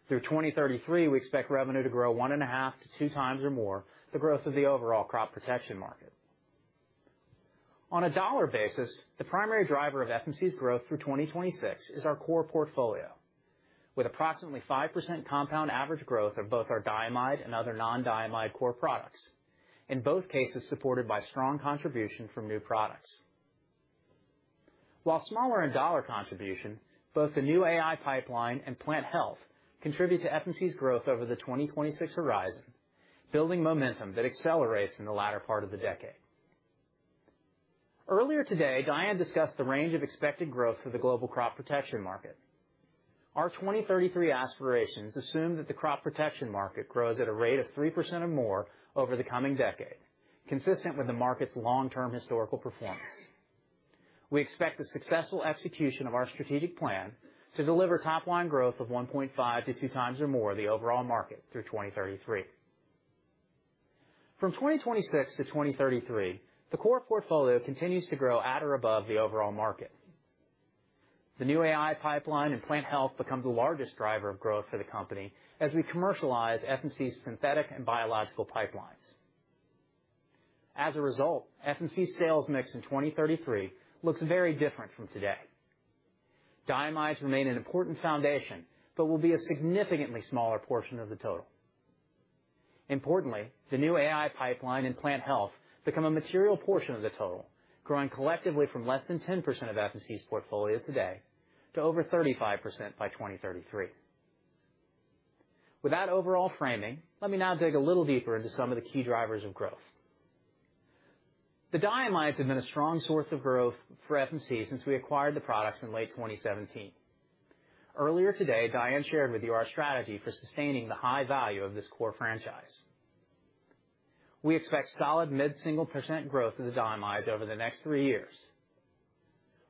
Through 2033, we expect revenue to grow 1.5-2 times or more, the growth of the overall crop protection market. On a dollar basis, the primary driver of FMC's growth through 2026 is our core portfolio, with approximately 5% compound average growth of both our diamide and other non-diamide core products, in both cases, supported by strong contribution from new products. While smaller in dollar contribution, both the new AI pipeline and Plant Health contribute to FMC's growth over the 2026 horizon, building momentum that accelerates in the latter part of the decade. Earlier today, Diane discussed the range of expected growth for the global crop protection market. Our 2033 aspirations assume that the crop protection market grows at a rate of 3% or more over the coming decade, consistent with the market's long-term historical performance. We expect the successful execution of our strategic plan to deliver top line growth of 1.5-2 times or more the overall market through 2033. From 2026 to 2033, the core portfolio continues to grow at or above the overall market. The new A.I. pipeline and Plant Health become the largest driver of growth for the company as we commercialize FMC's synthetic and biological pipelines. As a result, FMC's sales mix in 2033 looks very different from today. Diamides remain an important foundation, but will be a significantly smaller portion of the total. Importantly, the new AI pipeline and Plant Health become a material portion of the total, growing collectively from less than 10% of FMC's portfolio today to over 35% by 2033. With that overall framing, let me now dig a little deeper into some of the key drivers of growth. The diamides have been a strong source of growth for FMC since we acquired the products in late 2017. Earlier today, Diane shared with you our strategy for sustaining the high value of this core franchise. We expect solid mid-single % growth of the diamides over the next three years.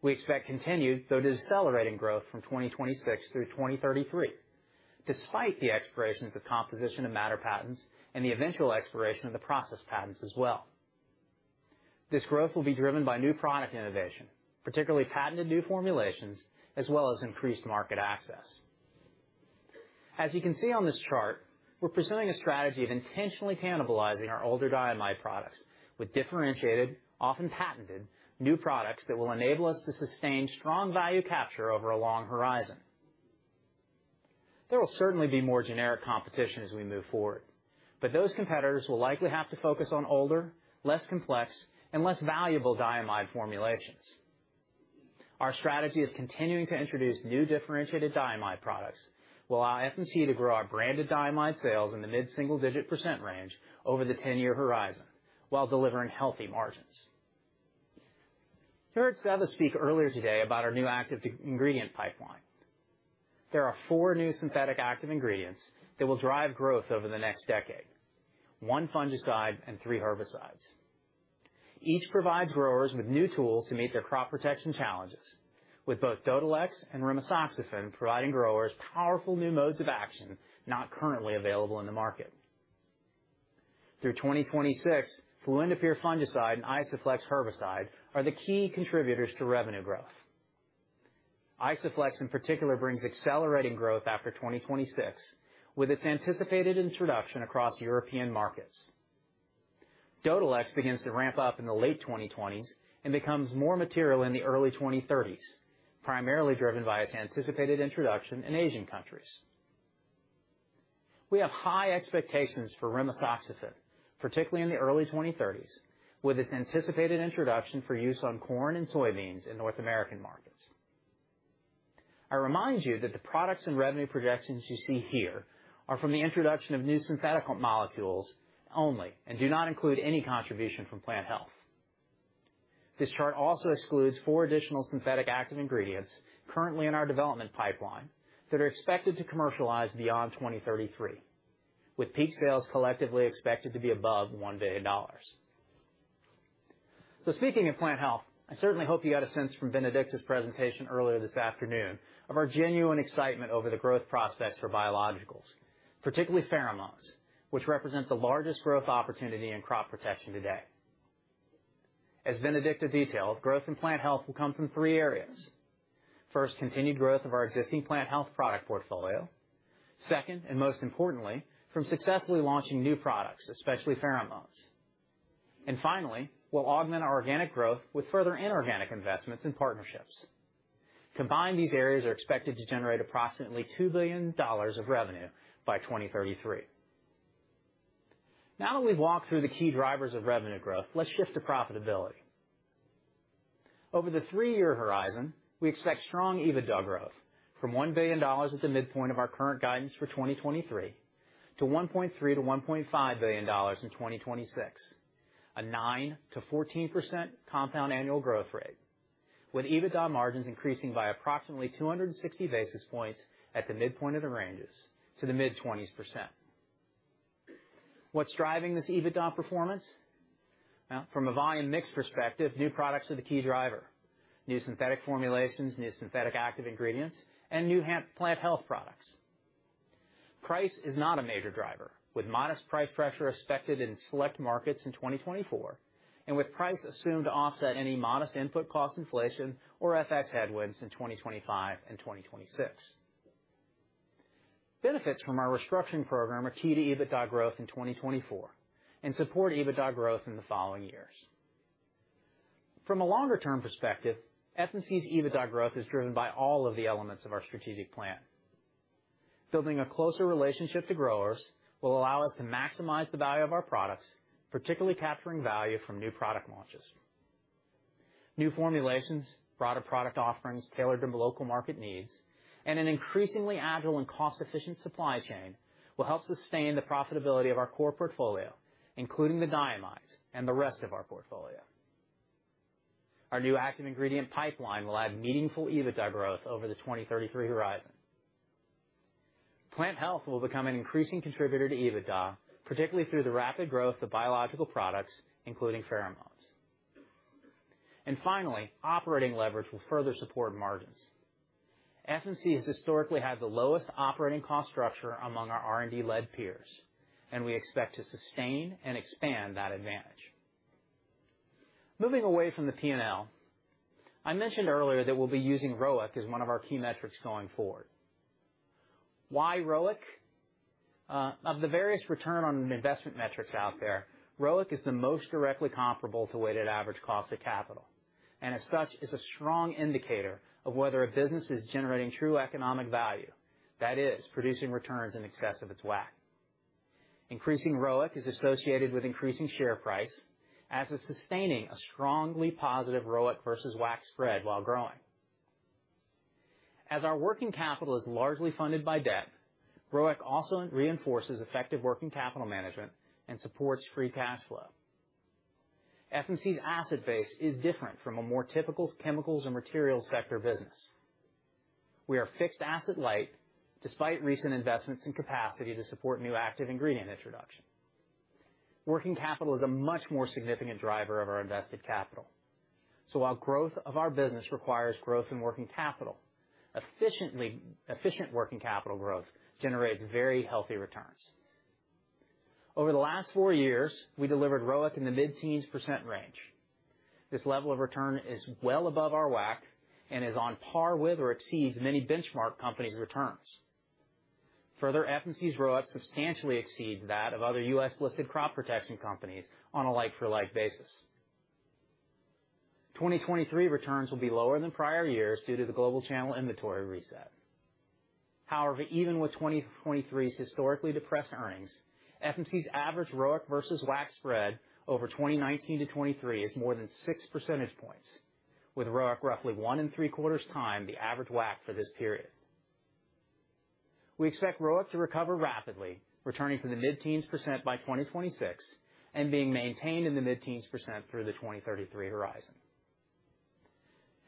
We expect continued, though decelerating, growth from 2026 through 2033, despite the expirations of composition and matter patents and the eventual expiration of the process patents as well. This growth will be driven by new product innovation, particularly patented new formulations, as well as increased market access. As you can see on this chart, we're pursuing a strategy of intentionally cannibalizing our older diamide products with differentiated, often patented, new products that will enable us to sustain strong value capture over a long horizon. There will certainly be more generic competition as we move forward, but those competitors will likely have to focus on older, less complex, and less valuable diamide formulations. Our strategy of continuing to introduce new differentiated diamide products will allow FMC to grow our branded diamide sales in the mid-single-digit % range over the ten-year horizon while delivering healthy margins. You heard Seva speak earlier today about our new active ingredient pipeline. There are four new synthetic active ingredients that will drive growth over the next decade, one fungicide and three herbicides. Each provides growers with new tools to meet their crop protection challenges, with both Dodhylex and rimazoxifen providing growers powerful new modes of action not currently available in the market. Through 2026, fluindapyr fungicide and Isoflex herbicide are the key contributors to revenue growth. Isoflex, in particular, brings accelerating growth after 2026, with its anticipated introduction across European markets.... Dodhylex begins to ramp up in the late 2020s and becomes more material in the early 2030s, primarily driven by its anticipated introduction in Asian countries. We have high expectations for rimazoxifen, particularly in the early 2030s, with its anticipated introduction for use on corn and soybeans in North American markets. I remind you that the products and revenue projections you see here are from the introduction of new synthetic molecules only, and do not include any contribution from Plant Health. This chart also excludes 4 additional synthetic active ingredients currently in our development pipeline that are expected to commercialize beyond 2033, with peak sales collectively expected to be above $1 billion. So speaking of Plant Health, I certainly hope you got a sense from Bénédicte's presentation earlier this afternoon of our genuine excitement over the growth prospects for biologicals, particularly pheromones, which represent the largest growth opportunity in crop protection today. As Bénédicte detailed, growth in Plant Health will come from three areas. First, continued growth of our existing Plant Health product portfolio. Second, and most importantly, from successfully launching new products, especially pheromones. And finally, we'll augment our organic growth with further inorganic investments and partnerships. Combined, these areas are expected to generate approximately $2 billion of revenue by 2033. Now that we've walked through the key drivers of revenue growth, let's shift to profitability. Over the 3-year horizon, we expect strong EBITDA growth from $1 billion at the midpoint of our current guidance for 2023 to $1.3-$1.5 billion in 2026, a 9%-14% compound annual growth rate, with EBITDA margins increasing by approximately 260 basis points at the midpoint of the ranges to the mid-20s%. What's driving this EBITDA performance? Now, from a volume mix perspective, new products are the key driver, new synthetic formulations, new synthetic active ingredients, and new Plant Health products. Price is not a major driver, with modest price pressure expected in select markets in 2024, and with price assumed to offset any modest input cost inflation or FX headwinds in 2025 and 2026. Benefits from our restructuring program are key to EBITDA growth in 2024 and support EBITDA growth in the following years. From a longer-term perspective, FMC's EBITDA growth is driven by all of the elements of our strategic plan. Building a closer relationship to growers will allow us to maximize the value of our products, particularly capturing value from new product launches. New formulations, broader product offerings tailored to local market needs, and an increasingly agile and cost-efficient supply chain will help sustain the profitability of our core portfolio, including the diamides and the rest of our portfolio. Our new active ingredient pipeline will add meaningful EBITDA growth over the 2033 horizon. Plant Health will become an increasing contributor to EBITDA, particularly through the rapid growth of biological products, including pheromones. And finally, operating leverage will further support margins. FMC has historically had the lowest operating cost structure among our R&D-led peers, and we expect to sustain and expand that advantage. Moving away from the P&L, I mentioned earlier that we'll be using ROIC as one of our key metrics going forward. Why ROIC? Of the various return on investment metrics out there, ROIC is the most directly comparable to weighted average cost of capital, and as such, is a strong indicator of whether a business is generating true economic value, that is, producing returns in excess of its WACC. Increasing ROIC is associated with increasing share price, as is sustaining a strongly positive ROIC versus WACC spread while growing. As our working capital is largely funded by debt, ROIC also reinforces effective working capital management and supports free cash flow. FMC's asset base is different from a more typical chemicals and materials sector business. We are fixed-asset light, despite recent investments in capacity to support new active ingredient introduction. Working capital is a much more significant driver of our invested capital. So while growth of our business requires growth in working capital, efficient working capital growth generates very healthy returns. Over the last four years, we delivered ROIC in the mid-teens % range. This level of return is well above our WACC and is on par with or exceeds many benchmark companies' returns. Further, FMC's ROIC substantially exceeds that of other U.S.-listed crop protection companies on a like-for-like basis. 2023 returns will be lower than prior years due to the global channel inventory reset. However, even with 2023's historically depressed earnings, FMC's average ROIC versus WACC spread over 2019 to 2023 is more than 6 percentage points, with ROIC roughly 1.75 times the average WACC for this period. We expect ROIC to recover rapidly, returning to the mid-teens % by 2026, and being maintained in the mid-teens % through the 2033 horizon.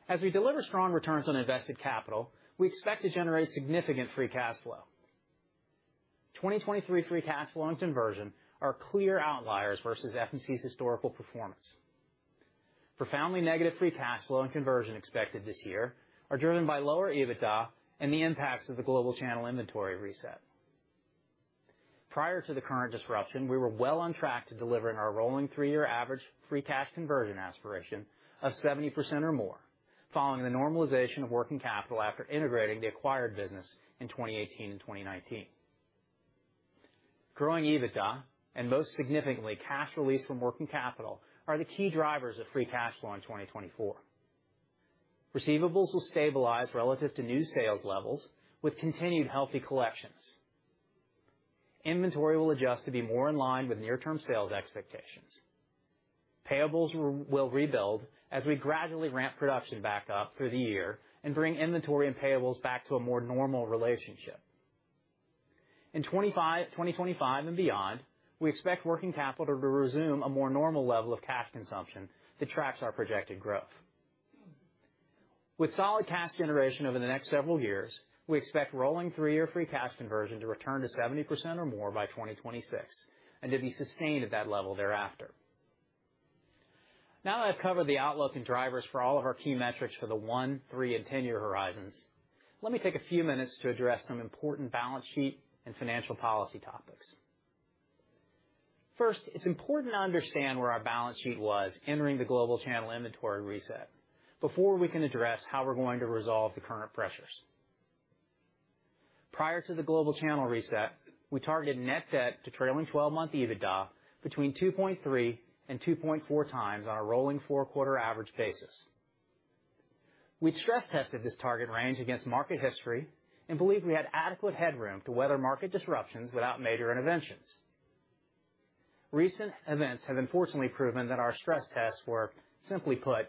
As we deliver strong returns on invested capital, we expect to generate significant free cash flow. 2023 free cash flow and conversion are clear outliers versus FMC's historical performance. Profoundly negative free cash flow and conversion expected this year are driven by lower EBITDA and the impacts of the global channel inventory reset. Prior to the current disruption, we were well on track to delivering our rolling 3-year average free cash conversion aspiration of 70% or more.... following the normalization of working capital after integrating the acquired business in 2018 and 2019. Growing EBITDA, and most significantly, cash released from working capital, are the key drivers of free cash flow in 2024. Receivables will stabilize relative to new sales levels, with continued healthy collections. Inventory will adjust to be more in line with near-term sales expectations. Payables will rebuild as we gradually ramp production back up through the year and bring inventory and payables back to a more normal relationship. In 2025 and beyond, we expect working capital to resume a more normal level of cash consumption that tracks our projected growth. With solid cash generation over the next several years, we expect rolling three-year free cash conversion to return to 70% or more by 2026, and to be sustained at that level thereafter. Now that I've covered the outlook and drivers for all of our key metrics for the 1-, 3-, and 10-year horizons, let me take a few minutes to address some important balance sheet and financial policy topics. First, it's important to understand where our balance sheet was entering the global channel inventory reset before we can address how we're going to resolve the current pressures. Prior to the global channel reset, we targeted net debt to trailing 12-month EBITDA between 2.3 and 2.4 times on a rolling four-quarter average basis. We'd stress-tested this target range against market history and believed we had adequate headroom to weather market disruptions without major interventions. Recent events have unfortunately proven that our stress tests were, simply put,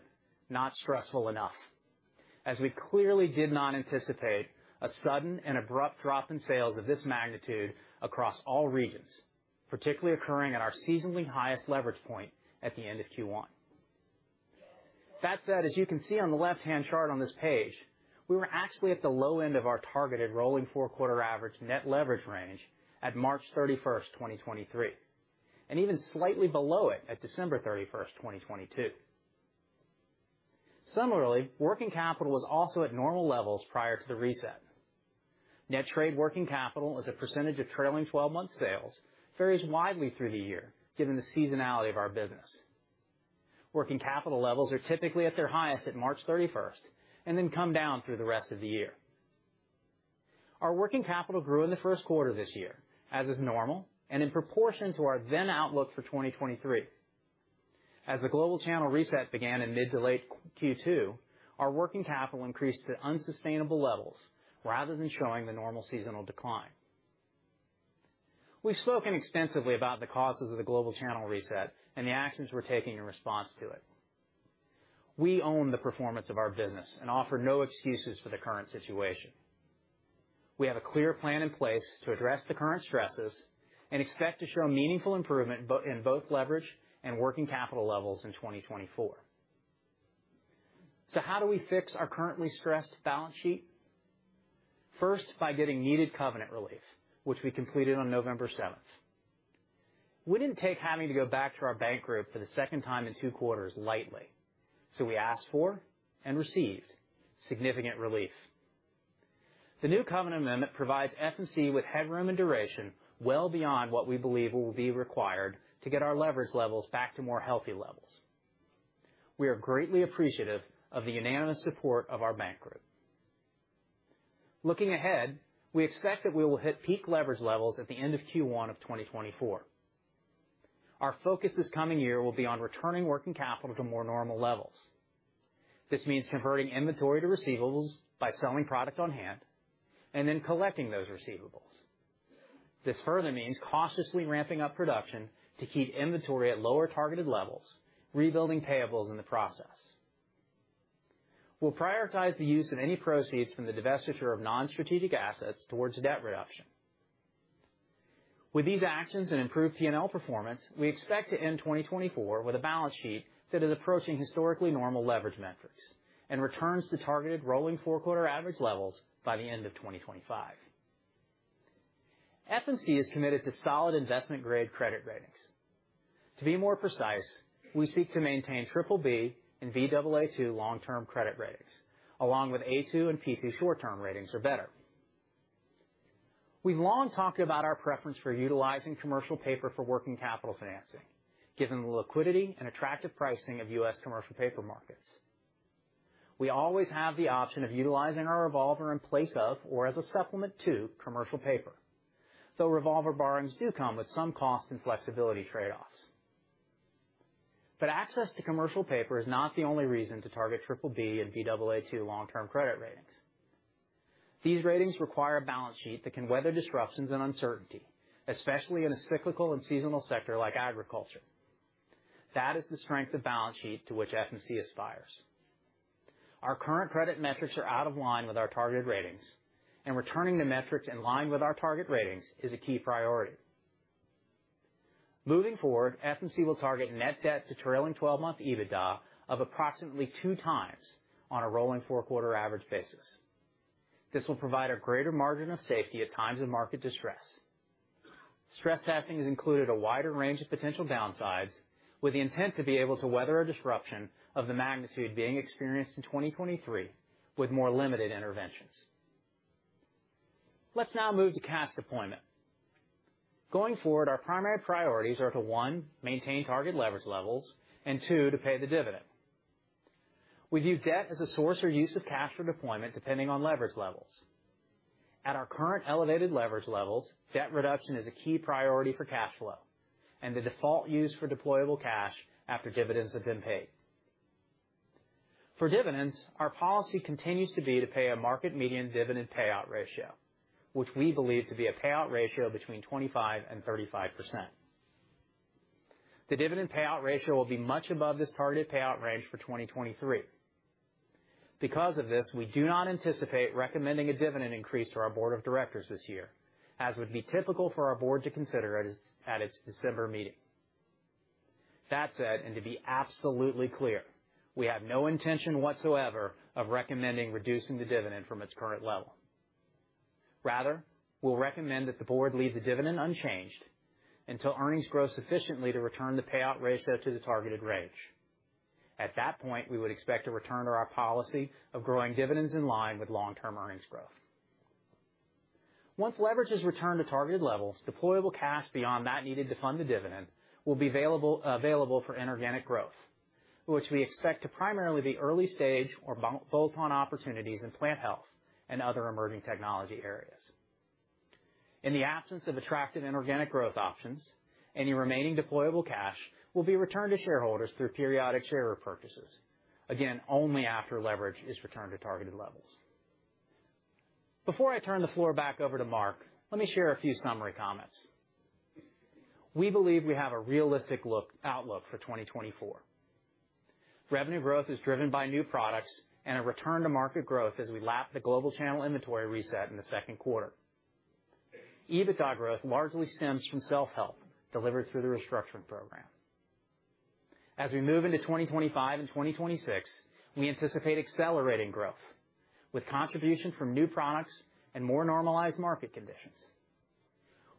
not stressful enough, as we clearly did not anticipate a sudden and abrupt drop in sales of this magnitude across all regions, particularly occurring at our seasonally highest leverage point at the end of Q1. That said, as you can see on the left-hand chart on this page, we were actually at the low end of our targeted rolling 4-quarter average net leverage range at March 31, 2023, and even slightly below it at December 31, 2022. Similarly, working capital was also at normal levels prior to the reset. Net trade working capital as a percentage of trailing 12-month sales varies widely through the year, given the seasonality of our business. Working capital levels are typically at their highest at March 31, and then come down through the rest of the year. Our working capital grew in the first quarter this year, as is normal, and in proportion to our then outlook for 2023. As the global channel reset began in mid to late Q2, our working capital increased to unsustainable levels rather than showing the normal seasonal decline. We've spoken extensively about the causes of the global channel reset and the actions we're taking in response to it. We own the performance of our business and offer no excuses for the current situation. We have a clear plan in place to address the current stresses and expect to show a meaningful improvement in both leverage and working capital levels in 2024. So how do we fix our currently stressed balance sheet? First, by getting needed covenant relief, which we completed on November seventh. We didn't take having to go back to our bank group for the second time in two quarters lightly, so we asked for and received significant relief. The new covenant amendment provides FMC with headroom and duration well beyond what we believe will be required to get our leverage levels back to more healthy levels. We are greatly appreciative of the unanimous support of our bank group. Looking ahead, we expect that we will hit peak leverage levels at the end of Q1 of 2024. Our focus this coming year will be on returning working capital to more normal levels. This means converting inventory to receivables by selling product on hand and then collecting those receivables. This further means cautiously ramping up production to keep inventory at lower targeted levels, rebuilding payables in the process. We'll prioritize the use of any proceeds from the divestiture of non-strategic assets towards debt reduction. With these actions and improved P&L performance, we expect to end 2024 with a balance sheet that is approaching historically normal leverage metrics and returns to targeted rolling four-quarter average levels by the end of 2025. FMC is committed to solid investment-grade credit ratings. To be more precise, we seek to maintain BBB and Baa2 long-term credit ratings, along with A-2 and P-2 short-term ratings or better. We've long talked about our preference for utilizing commercial paper for working capital financing, given the liquidity and attractive pricing of U.S. commercial paper markets. We always have the option of utilizing our revolver in place of, or as a supplement to, commercial paper, though revolver borrowings do come with some cost and flexibility trade-offs. But access to commercial paper is not the only reason to target BBB and Baa2 long-term credit ratings. These ratings require a balance sheet that can weather disruptions and uncertainty, especially in a cyclical and seasonal sector like agriculture. That is the strength of balance sheet to which FMC aspires. Our current credit metrics are out of line with our targeted ratings, and returning the metrics in line with our target ratings is a key priority. Moving forward, FMC will target net debt to trailing twelve-month EBITDA of approximately 2x on a rolling four-quarter average basis. This will provide a greater margin of safety at times of market distress. Stress testing has included a wider range of potential downsides, with the intent to be able to weather a disruption of the magnitude being experienced in 2023, with more limited interventions.... Let's now move to cash deployment. Going forward, our primary priorities are to, 1, maintain target leverage levels, and 2, to pay the dividend. We view debt as a source or use of cash for deployment, depending on leverage levels. At our current elevated leverage levels, debt reduction is a key priority for cash flow and the default use for deployable cash after dividends have been paid. For dividends, our policy continues to be to pay a market median dividend payout ratio, which we believe to be a payout ratio between 25% and 35%. The dividend payout ratio will be much above this targeted payout range for 2023. Because of this, we do not anticipate recommending a dividend increase to our Board of Directors this year, as would be typical for our board to consider at its December meeting. That said, and to be absolutely clear, we have no intention whatsoever of recommending reducing the dividend from its current level. Rather, we'll recommend that the board leave the dividend unchanged until earnings grow sufficiently to return the payout ratio to the targeted range. At that point, we would expect to return to our policy of growing dividends in line with long-term earnings growth. Once leverage is returned to targeted levels, deployable cash beyond that needed to fund the dividend will be available for inorganic growth, which we expect to primarily be early stage or bolt-on opportunities in Plant Health and other emerging technology areas. In the absence of attractive inorganic growth options, any remaining deployable cash will be returned to shareholders through periodic share repurchases, again, only after leverage is returned to targeted levels. Before I turn the floor back over to Mark, let me share a few summary comments. We believe we have a realistic outlook for 2024. Revenue growth is driven by new products and a return to market growth as we lap the global channel inventory reset in the second quarter. EBITDA growth largely stems from self-help delivered through the restructuring program. As we move into 2025 and 2026, we anticipate accelerating growth, with contribution from new products and more normalized market conditions.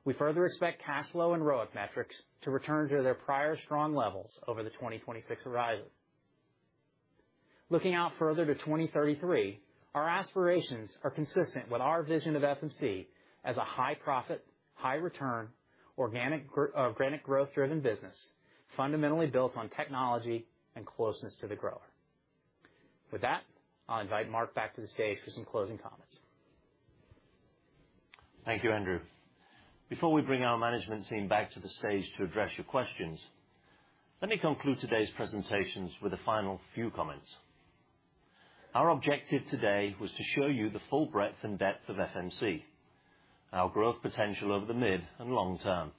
We further expect cash flow and ROIC metrics to return to their prior strong levels over the 2026 horizon. Looking out further to 2033, our aspirations are consistent with our vision of FMC as a high profit, high return, organic growth-driven business, fundamentally built on technology and closeness to the grower. With that, I'll invite Mark back to the stage for some closing comments. Thank you, Andrew. Before we bring our management team back to the stage to address your questions, let me conclude today's presentations with a final few comments. Our objective today was to show you the full breadth and depth of FMC, and our growth potential over the mid and long term.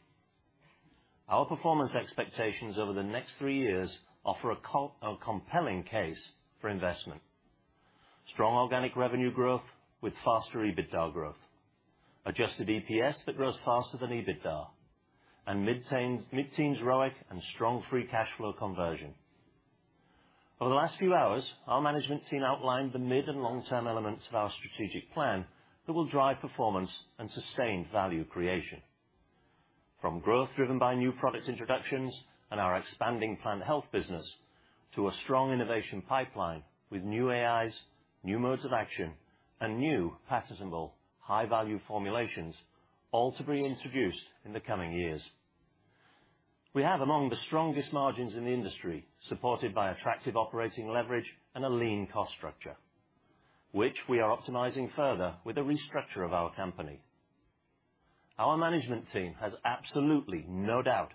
Our performance expectations over the next three years offer a compelling case for investment. Strong organic revenue growth with faster EBITDA growth, adjusted EPS that grows faster than EBITDA, and mid-teens, mid-teens ROIC, and strong free cash flow conversion. Over the last few hours, our management team outlined the mid and long-term elements of our strategic plan that will drive performance and sustained value creation. From growth driven by new product introductions and our expanding Plant Health business to a strong innovation pipeline with new AIs, new modes of action, and new patentable, high-value formulations, all to be introduced in the coming years. We have among the strongest margins in the industry, supported by attractive operating leverage and a lean cost structure, which we are optimizing further with the restructure of our company. Our management team has absolutely no doubt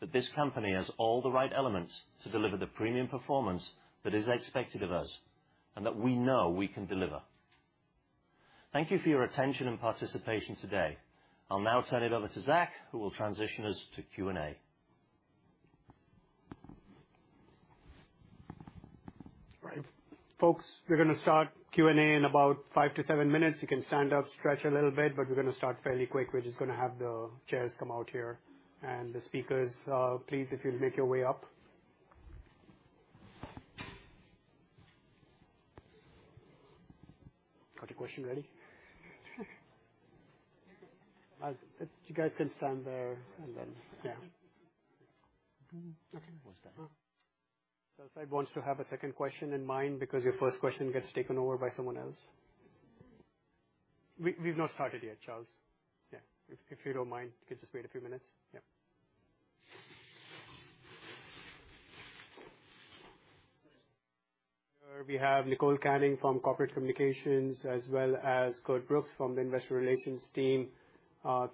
that this company has all the right elements to deliver the premium performance that is expected of us, and that we know we can deliver. Thank you for your attention and participation today. I'll now turn it over to Zack, who will transition us to Q&A. Right. Folks, we're gonna start Q&A in about five to seven minutes. You can stand up, stretch a little bit, but we're gonna start fairly quick. We're just gonna have the chairs come out here, and the speakers, please, if you'll make your way up. Got a question ready? You guys can stand there, and then, yeah. Okay. So if I want to have a second question in mind because your first question gets taken over by someone else. We've not started yet, Charles. Yeah, if you don't mind, could you just wait a few minutes? Yeah. We have Nicole Canning from Corporate Communications, as well as Curt Brooks from the Investor Relations team.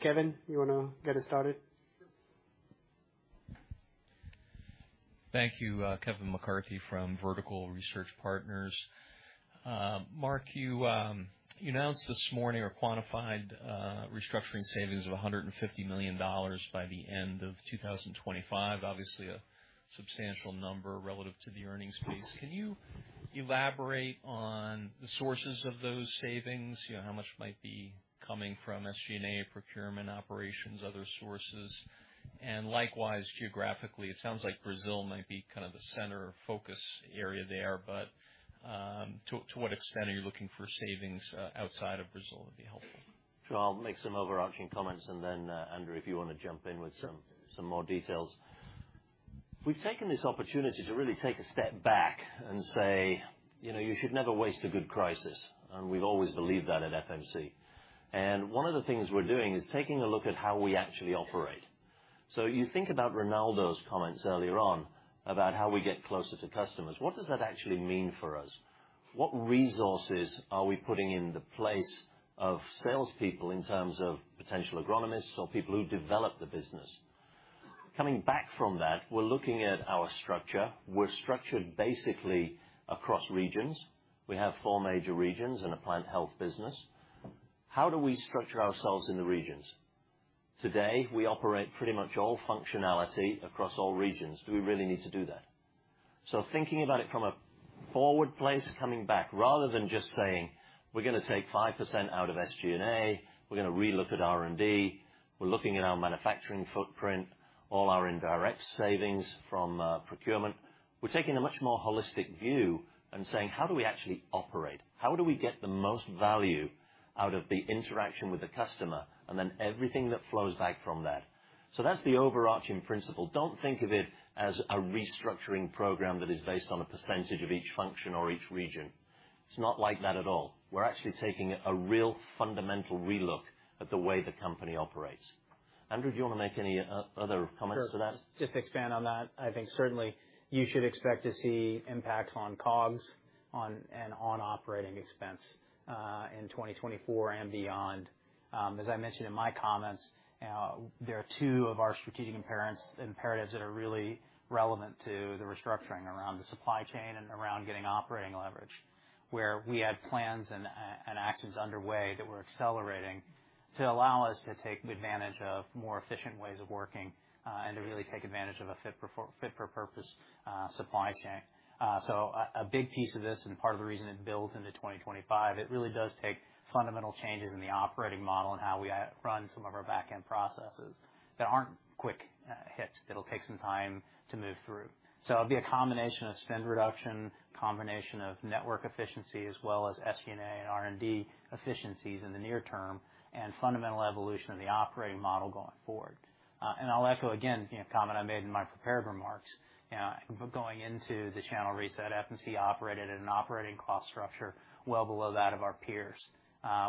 Kevin, you wanna get us started? Sure. Thank you. Kevin McCarthy from Vertical Research Partners. Mark, you, you announced this morning or quantified restructuring savings of $150 million by the end of 2025. Obviously, a substantial number relative to the earnings base. Can you elaborate on the sources of those savings? You know, how much might be coming from SG&A, procurement, operations, other sources? And likewise, geographically, it sounds like Brazil might be kind of the center of focus area there, but, to, to what extent are you looking for savings outside of Brazil, would be helpful. Sure. I'll make some overarching comments, and then, Andrew, if you wanna jump in with some more details. We've taken this opportunity to really take a step back and say, "You know, you should never waste a good crisis," and we've always believed that at FMC. One of the things we're doing is taking a look at how we actually operate. So you think about Ronaldo's comments earlier on about how we get closer to customers. What does that actually mean for us? What resources are we putting in the place of salespeople in terms of potential agronomists or people who develop the business? Coming back from that, we're looking at our structure. We're structured basically across regions. We have four major regions in the Plant Health business. How do we structure ourselves in the regions? Today, we operate pretty much all functionality across all regions. Do we really need to do that? So thinking about it from a forward place, coming back, rather than just saying, "We're gonna take 5% out of SG&A, we're gonna relook at R&D, we're looking at our manufacturing footprint, all our indirect savings from procurement," we're taking a much more holistic view and saying: How do we actually operate? How do we get the most value out of the interaction with the customer and then everything that flows back from that? So that's the overarching principle. Don't think of it as a restructuring program that is based on a percentage of each function or each region. It's not like that at all. We're actually taking a real fundamental relook at the way the company operates. Andrew, do you wanna make any other comments to that? Sure. Just to expand on that, I think certainly you should expect to see impacts on COGS and on operating expense in 2024 and beyond. As I mentioned in my comments, there are two of our strategic imperatives that are really relevant to the restructuring around the supply chain and around getting operating leverage, where we had plans and actions underway that we're accelerating to allow us to take advantage of more efficient ways of working, and to really take advantage of a fit for purpose supply chain. So a big piece of this, and part of the reason it builds into 2025, it really does take fundamental changes in the operating model and how we run some of our back-end processes that aren't quick hits. It'll take some time to move through. It'll be a combination of spend reduction, combination of network efficiency, as well as SG&A and R&D efficiencies in the near term, and fundamental evolution of the operating model going forward. And I'll echo again, the comment I made in my prepared remarks. Going into the channel reset, FMC operated at an operating cost structure well below that of our peers.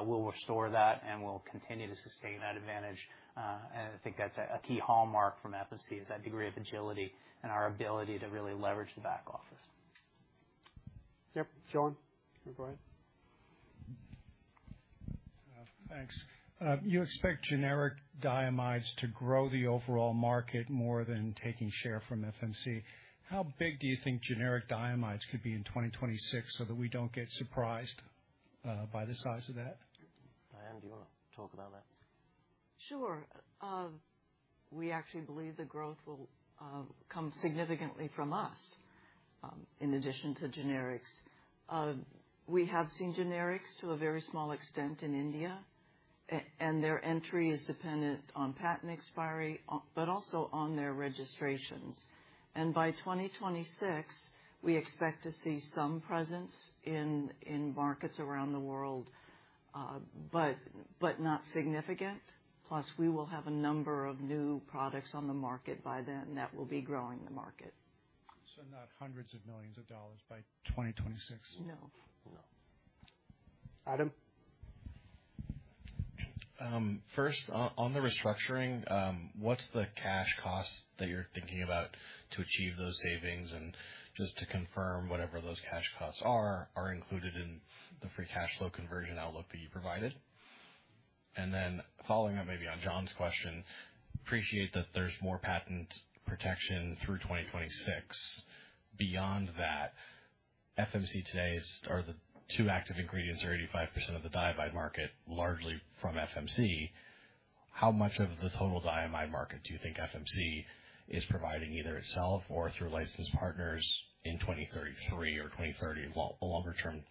We'll restore that, and we'll continue to sustain that advantage. And I think that's a key hallmark from FMC is that degree of agility and our ability to really leverage the back office. Yep, John, go ahead. Thanks. You expect generic diamides to grow the overall market more than taking share from FMC. How big do you think generic diamides could be in 2026, so that we don't get surprised by the size of that? Diane, do you wanna talk about that? Sure. We actually believe the growth will come significantly from us in addition to generics. We have seen generics to a very small extent in India, and their entry is dependent on patent expiry, but also on their registrations. And by 2026, we expect to see some presence in markets around the world, but not significant. Plus, we will have a number of new products on the market by then, and that will be growing the market. So not $hundreds of millions by 2026? No. No. Adam? First, on the restructuring, what's the cash cost that you're thinking about to achieve those savings? And just to confirm, whatever those cash costs are, are included in the free cash flow conversion outlook that you provided. And then following up maybe on John's question, appreciate that there's more patent protection through 2026. Beyond that, FMC today is... or the two active ingredients are 85% of the diamide market, largely from FMC. How much of the total diamide market do you think FMC is providing either itself or through licensed partners in 2033 or 2030, longer-term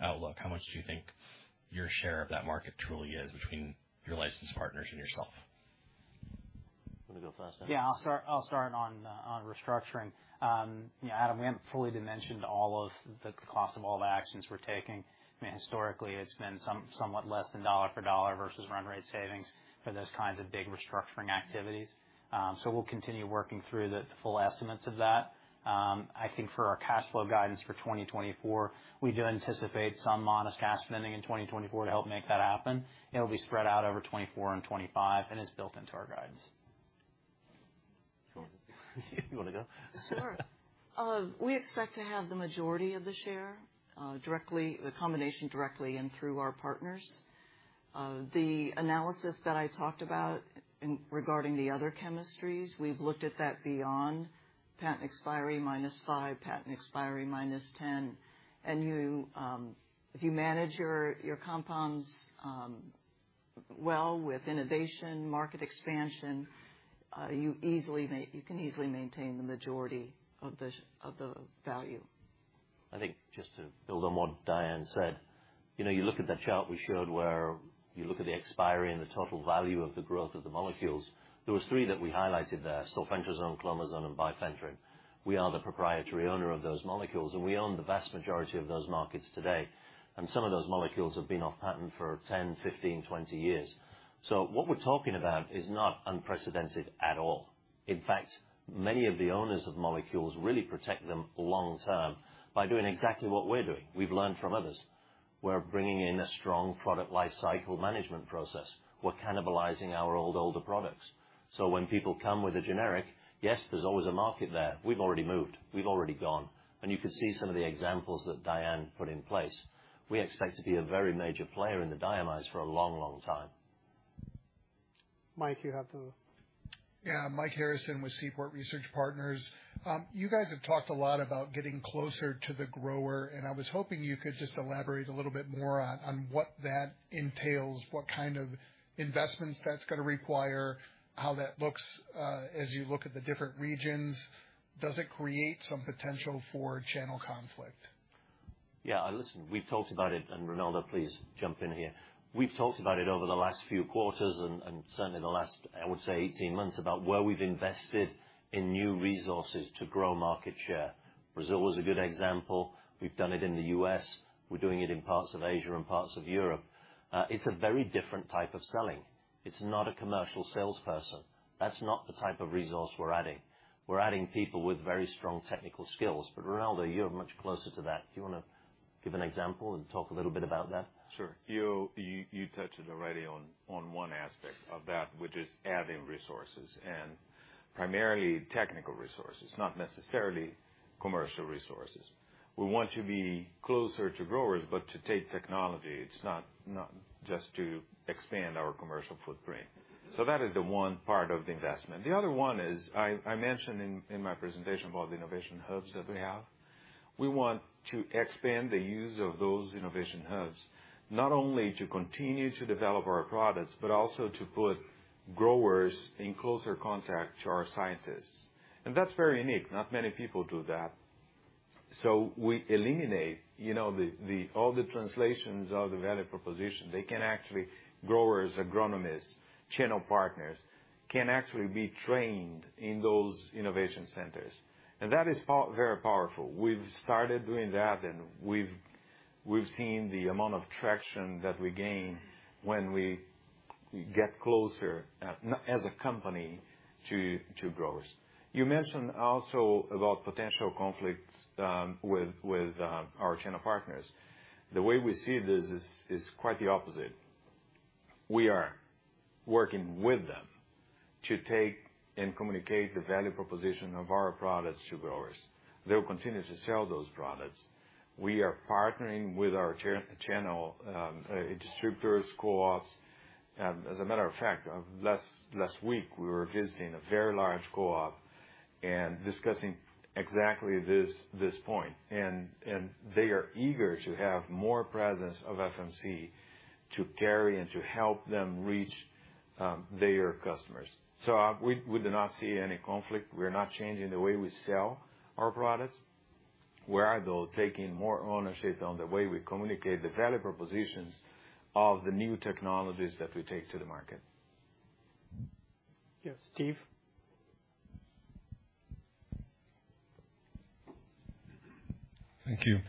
outlook? How much do you think your share of that market truly is between your licensed partners and yourself? Wanna go first, Andrew? Yeah, I'll start on restructuring. Yeah, Adam, we haven't fully dimensioned all of the cost of all the actions we're taking. I mean, historically, it's been somewhat less than dollar for dollar versus run rate savings for those kinds of big restructuring activities. So we'll continue working through the full estimates of that. I think for our cash flow guidance for 2024, we do anticipate some modest cash spending in 2024 to help make that happen. It'll be spread out over 2024 and 2025, and it's built into our guidance. You wanna go? Sure. We expect to have the majority of the share directly, a combination directly and through our partners. The analysis that I talked about regarding the other chemistries, we've looked at that beyond patent expiry minus 5, patent expiry minus 10. And you, if you manage your compounds well with innovation, market expansion, you can easily maintain the majority of the share of the value. I think just to build on what Diane said, you know, you look at that chart we showed where you look at the expiry and the total value of the growth of the molecules. There was 3 that we highlighted there, sulfentrazone, clomazone, and bifenthrin. We are the proprietary owner of those molecules, and we own the vast majority of those markets today. Some of those molecules have been off patent for 10, 15, 20 years. So what we're talking about is not unprecedented at all. In fact, many of the owners of molecules really protect them long term by doing exactly what we're doing. We've learned from others. We're bringing in a strong product life cycle management process. We're cannibalizing our old, older products. So when people come with a generic, yes, there's always a market there. We've already moved, we've already gone, and you can see some of the examples that Diane put in place. We expect to be a very major player in the diamides for a long, long time. Mike, you have the- Yeah, Mike Harrison with Seaport Research Partners. You guys have talked a lot about getting closer to the grower, and I was hoping you could just elaborate a little bit more on, on what that entails, what kind of investments that's gonna require, how that looks, as you look at the different regions. Does it create some potential for channel conflict? Yeah, listen, we've talked about it, and Ronaldo, please jump in here. We've talked about it over the last few quarters, and certainly the last, I would say, 18 months, about where we've invested in new resources to grow market share. Brazil is a good example. We've done it in the U.S., we're doing it in parts of Asia and parts of Europe. It's a very different type of selling. It's not a commercial salesperson. That's not the type of resource we're adding. We're adding people with very strong technical skills. But Ronaldo, you're much closer to that. Do you wanna give an example and talk a little bit about that? Sure. You touched already on one aspect of that, which is adding resources and primarily technical resources, not necessarily commercial resources. We want to be closer to growers, but to take technology, it's not just to expand our commercial footprint. So that is the one part of the investment. The other one is, I mentioned in my presentation about the innovation hubs that we have. We want to expand the use of those innovation hubs, not only to continue to develop our products, but also to put growers in closer contact to our scientists. And that's very unique. Not many people do that. So we eliminate, you know, all the translations of the value proposition. They can actually... Growers, agronomists, channel partners can actually be trained in those innovation centers, and that is very powerful. We've started doing that, and we've seen the amount of traction that we gain when we get closer as a company to growers. You mentioned also about potential conflicts with our channel partners. The way we see this is quite the opposite. We are working with them to take and communicate the value proposition of our products to growers. They'll continue to sell those products. We are partnering with our channel distributors, co-ops. As a matter of fact, last week, we were visiting a very large co-op and discussing exactly this point. And they are eager to have more presence of FMC to carry and to help them reach their customers. So we do not see any conflict. We're not changing the way we sell our products. We are, though, taking more ownership on the way we communicate the value propositions of the new technologies that we take to the market. Yes, Steve? Thank you.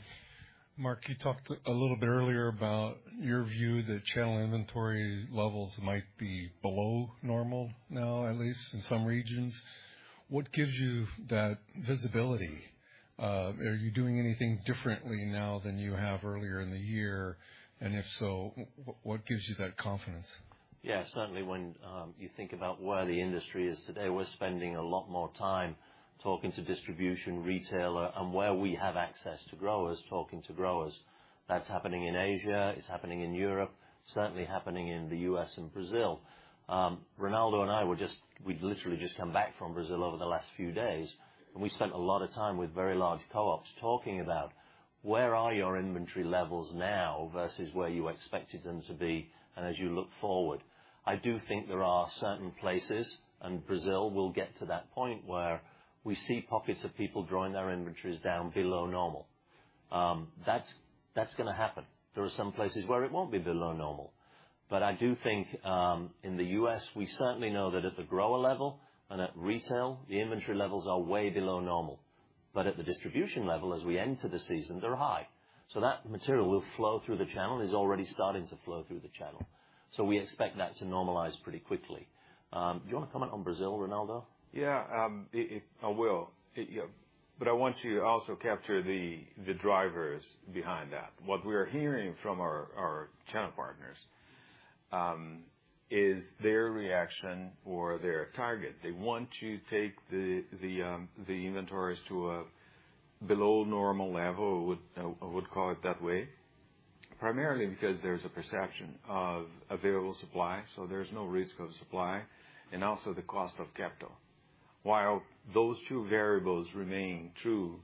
Mark, you talked a little bit earlier about your view that channel inventory levels might be below normal now, at least in some regions. What gives you that visibility? Are you doing anything differently now than you have earlier in the year, and if so, what gives you that confidence? Yeah, certainly when you think about where the industry is today, we're spending a lot more time talking to distribution, retailer, and where we have access to growers, talking to growers. That's happening in Asia, it's happening in Europe, certainly happening in the U.S. and Brazil. Ronaldo and I, we'd literally just come back from Brazil over the last few days, and we spent a lot of time with very large co-ops talking about, "Where are your inventory levels now versus where you expected them to be, and as you look forward?" I do think there are certain places, and Brazil will get to that point, where we see pockets of people drawing their inventories down below normal. That's, that's gonna happen. There are some places where it won't be below normal, but I do think, in the U.S., we certainly know that at the grower level and at retail, the inventory levels are way below normal. But at the distribution level, as we enter the season, they're high. So that material will flow through the channel, is already starting to flow through the channel, so we expect that to normalize pretty quickly. Do you wanna comment on Brazil, Ronaldo? Yeah, I will. Yeah. But I want to also capture the drivers behind that. What we are hearing from our channel partners is their reaction or their target. They want to take the inventories to a below normal level, I would call it that way, primarily because there's a perception of available supply, so there's no risk of supply, and also the cost of capital. While those two variables remain true,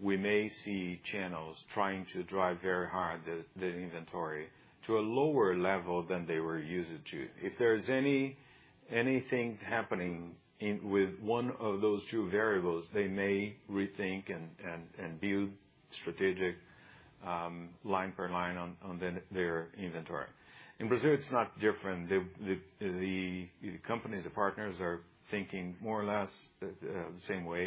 we may see channels trying to drive very hard the inventory to a lower level than they were used to. If there's anything happening with one of those two variables, they may rethink and build strategic-... line per line on their inventory. In Brazil, it's not different. The companies, the partners are thinking more or less the same way.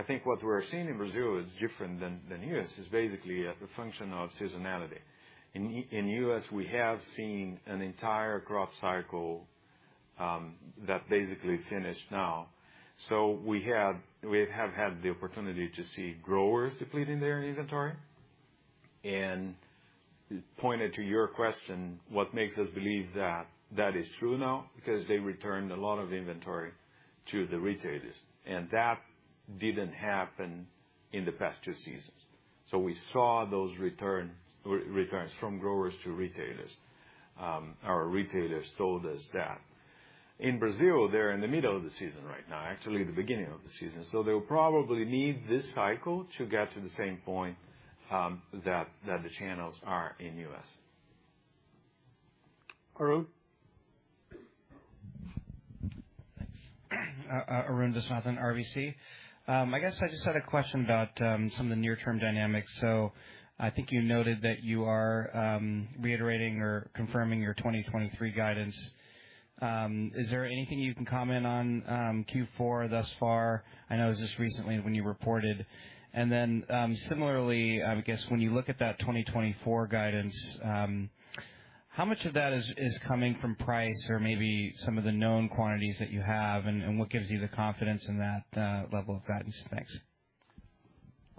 I think what we're seeing in Brazil is different than U.S., is basically a function of seasonality. In U.S., we have seen an entire crop cycle that basically finished now. So we have had the opportunity to see growers depleting their inventory. And pointed to your question, what makes us believe that that is true now? Because they returned a lot of inventory to the retailers, and that didn't happen in the past two seasons. So we saw those returns from growers to retailers. Our retailers told us that. In Brazil, they're in the middle of the season right now, actually, the beginning of the season, so they'll probably need this cycle to get to the same point, that, that the channels are in U.S. Arun? Thanks. Arun Viswanathan, RBC. I guess I just had a question about some of the near-term dynamics. So I think you noted that you are reiterating or confirming your 2023 guidance. Is there anything you can comment on Q4 thus far? I know it was just recently when you reported. And then, similarly, I guess when you look at that 2024 guidance, how much of that is coming from price or maybe some of the known quantities that you have, and what gives you the confidence in that level of guidance? Thanks.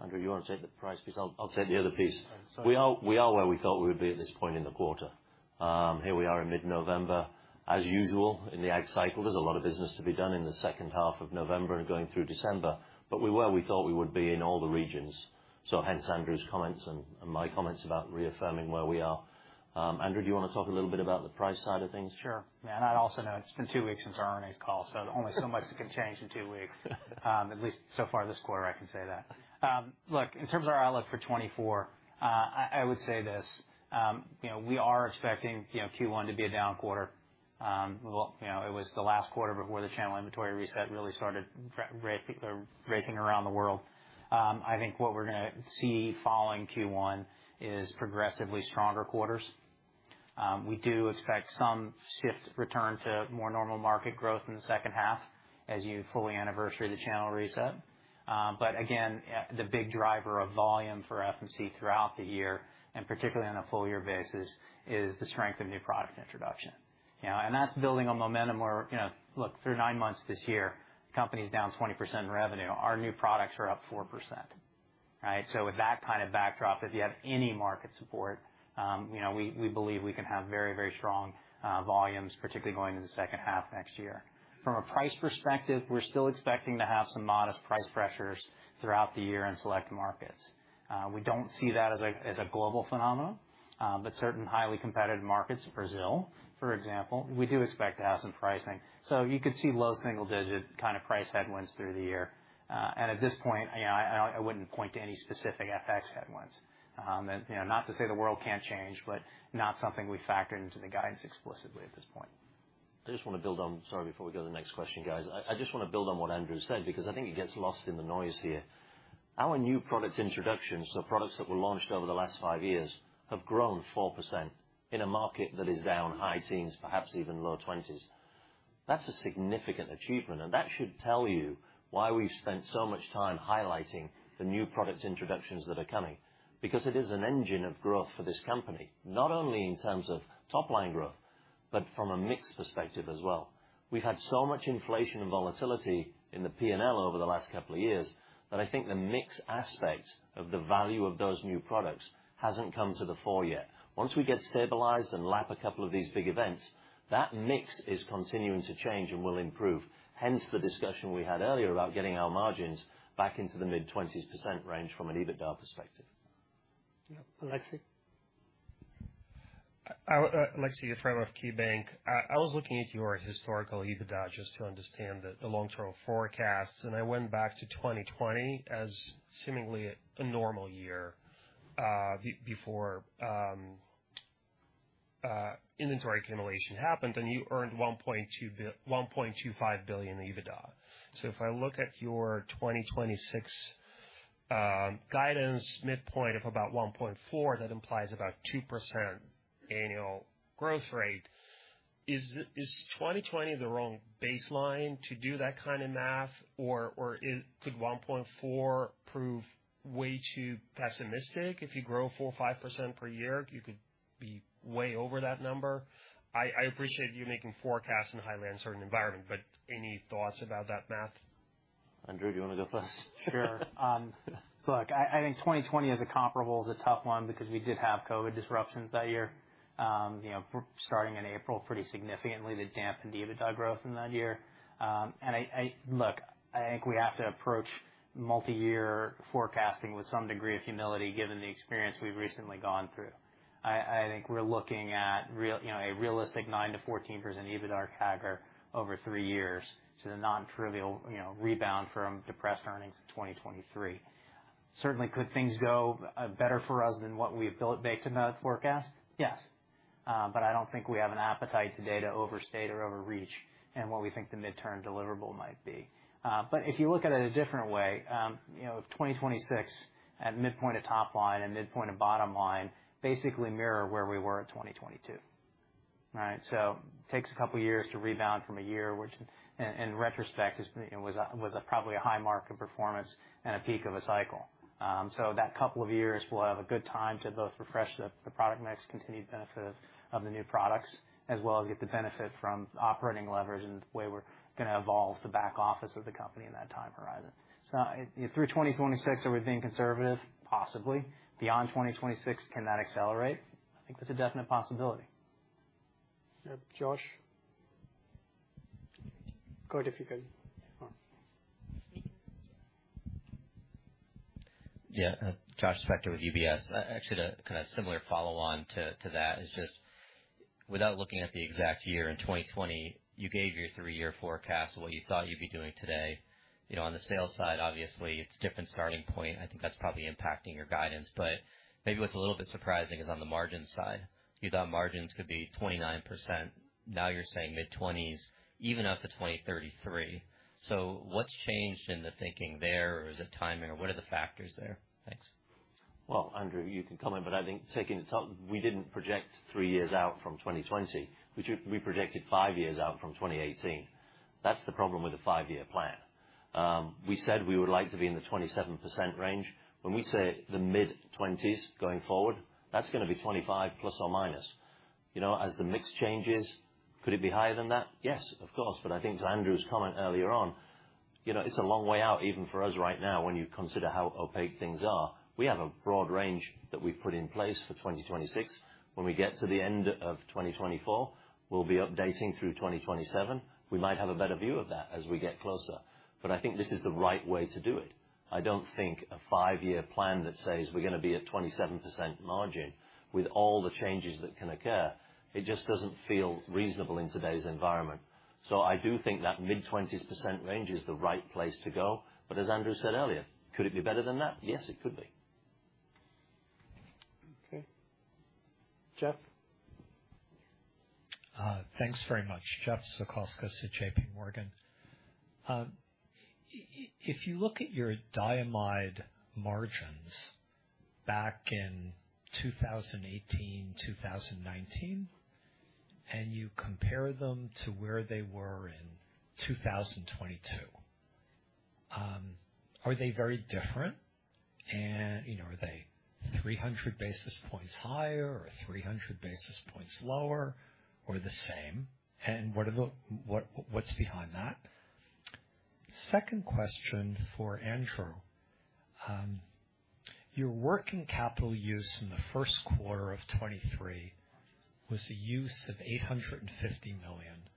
Andrew, you wanna take the price piece? I'll take the other piece. All right. We are, we are where we thought we would be at this point in the quarter. Here we are in mid-November. As usual, in the ag cycle, there's a lot of business to be done in the second half of November and going through December, but we were where we thought we would be in all the regions. So hence Andrew's comments and, and my comments about reaffirming where we are. Andrew, do you wanna talk a little bit about the price side of things? Sure. Man, I also know it's been two weeks since our earnings call, so only so much can change in two weeks. At least so far this quarter, I can say that. Look, in terms of our outlook for 2024, I, I would say this, you know, we are expecting, you know, Q1 to be a down quarter. Well, you know, it was the last quarter before the channel inventory reset really started racing around the world. I think what we're gonna see following Q1 is progressively stronger quarters. We do expect some shift return to more normal market growth in the second half as you fully anniversary the channel reset. But again, the big driver of volume for FMC throughout the year, and particularly on a full year basis, is the strength of new product introduction. You know, and that's building on momentum where, you know, look, through nine months this year, company's down 20% in revenue. Our new products are up 4%, right? So with that kind of backdrop, if you have any market support, you know, we believe we can have very, very strong volumes, particularly going into the second half next year. From a price perspective, we're still expecting to have some modest price pressures throughout the year in select markets. We don't see that as a global phenomenon, but certain highly competitive markets, Brazil, for example, we do expect to have some pricing. So you could see low single digit kind of price headwinds through the year. And at this point, you know, I wouldn't point to any specific FX headwinds. You know, not to say the world can't change, but not something we've factored into the guidance explicitly at this point. I just wanna build on... Sorry, before we go to the next question, guys. I just wanna build on what Andrew said, because I think it gets lost in the noise here. Our new product introductions, so products that were launched over the last five years, have grown 4% in a market that is down high teens%, perhaps even low twenties%. That's a significant achievement, and that should tell you why we've spent so much time highlighting the new product introductions that are coming, because it is an engine of growth for this company, not only in terms of top-line growth, but from a mix perspective as well. We've had so much inflation and volatility in the P&L over the last couple of years that I think the mix aspect of the value of those new products hasn't come to the fore yet. Once we get stabilized and lap a couple of these big events, that mix is continuing to change and will improve, hence the discussion we had earlier about getting our margins back into the mid-20s% range from an EBITDA perspective. Yeah. Aleksey? Aleksey Yefremov, KeyBanc Capital Markets. I was looking at your historical EBITDA just to understand the long-term forecasts, and I went back to 2020 as seemingly a normal year, before inventory accumulation happened, and you earned $1.25 billion EBITDA. So if I look at your 2026 guidance midpoint of about $1.4 billion, that implies about 2% annual growth rate. Is 2020 the wrong baseline to do that kind of math, or it could one point four prove way too pessimistic if you grow 4%-5% per year, you could be way over that number? I appreciate you making forecasts in a highly uncertain environment, but any thoughts about that math? Andrew, do you wanna go first? Sure. Look, I think 2020 as a comparable is a tough one because we did have COVID disruptions that year. You know, starting in April, pretty significantly, that dampened EBITDA growth in that year. And... Look, I think we have to approach multiyear forecasting with some degree of humility, given the experience we've recently gone through. I think we're looking at real- you know, a realistic 9%-14% EBITDA CAGR over three years to the nontrivial, you know, rebound from depressed earnings of 2023. Certainly, could things go better for us than what we have built into that forecast? Yes.... but I don't think we have an appetite today to overstate or overreach in what we think the midterm deliverable might be. But if you look at it a different way, you know, 2026 at midpoint of top line and midpoint of bottom line basically mirror where we were at 2022, right? So takes a couple of years to rebound from a year, which in retrospect is, you know, was a probably a high mark of performance and a peak of a cycle. So that couple of years, we'll have a good time to both refresh the product mix, continued benefit of the new products, as well as get the benefit from operating leverage and the way we're gonna evolve the back office of the company in that time horizon. Through 2026, are we being conservative? Possibly. Beyond 2026, can that accelerate? I think that's a definite possibility. Yep. Josh? Go ahead, if you can. Yeah, Josh Spector with UBS. Actually, kind of similar follow-on to that is just without looking at the exact year in 2020, you gave your three-year forecast of what you thought you'd be doing today. You know, on the sales side, obviously, it's a different starting point. I think that's probably impacting your guidance, but maybe what's a little bit surprising is on the margin side. You thought margins could be 29%. Now you're saying mid-20s, even out to 2033. So what's changed in the thinking there? Or is it timing? What are the factors there? Thanks. Well, Andrew, you can comment, but I think taking the top, we didn't project 3 years out from 2020. We projected 5 years out from 2018. That's the problem with a 5-year plan. We said we would like to be in the 27% range. When we say the mid-20s going forward, that's gonna be 25, plus or minus. You know, as the mix changes, could it be higher than that? Yes, of course, but I think to Andrew's comment earlier on, you know, it's a long way out, even for us right now, when you consider how opaque things are. We have a broad range that we've put in place for 2026. When we get to the end of 2024, we'll be updating through 2027. We might have a better view of that as we get closer, but I think this is the right way to do it. I don't think a five-year plan that says we're gonna be at 27% margin with all the changes that can occur, it just doesn't feel reasonable in today's environment. So I do think that mid-20s% range is the right place to go, but as Andrew said earlier, could it be better than that? Yes, it could be. Okay. Jeff? Thanks very much. Jeff Zekauskas at J.P. Morgan. If you look at your diamide margins back in 2018, 2019, and you compare them to where they were in 2022, are they very different? And, you know, are they three hundred basis points higher or three hundred basis points lower or the same? And what are the... What’s behind that? Second question for Andrew. Your working capital use in the first quarter of 2023 was a use of $850 million,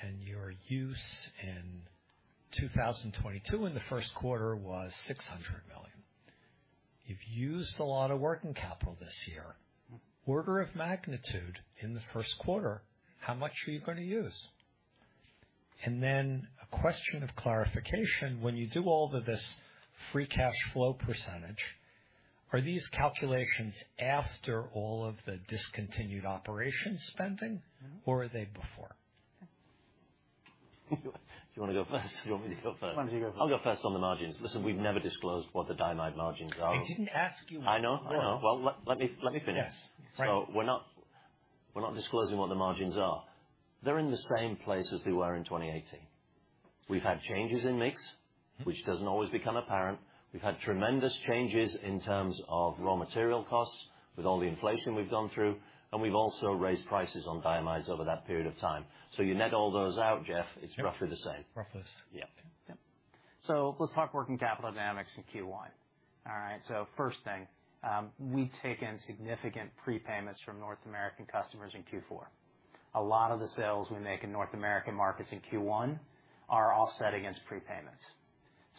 and your use in 2022 in the first quarter was $600 million. You’ve used a lot of working capital this year. Order of magnitude in the first quarter, how much are you going to use? And then a question of clarification, when you do all of this free cash flow percentage, are these calculations after all of the discontinued operations spending, or are they before? Do you wanna go first? Do you want me to go first? Why don't you go first. I'll go first on the margins. Listen, we've never disclosed what the diamide margins are. I didn't ask you- I know, I know. Well, let me finish. Yes. So we're not, we're not disclosing what the margins are. They're in the same place as they were in 2018. We've had changes in mix, which doesn't always become apparent. We've had tremendous changes in terms of raw material costs with all the inflation we've gone through, and we've also raised prices on diamides over that period of time. So you net all those out, Jeff, it's roughly the same. Roughly. Yeah. Yeah. So let's talk working capital dynamics in Q1. All right, so first thing, we've taken significant prepayments from North American customers in Q4. A lot of the sales we make in North American markets in Q1 are offset against prepayments.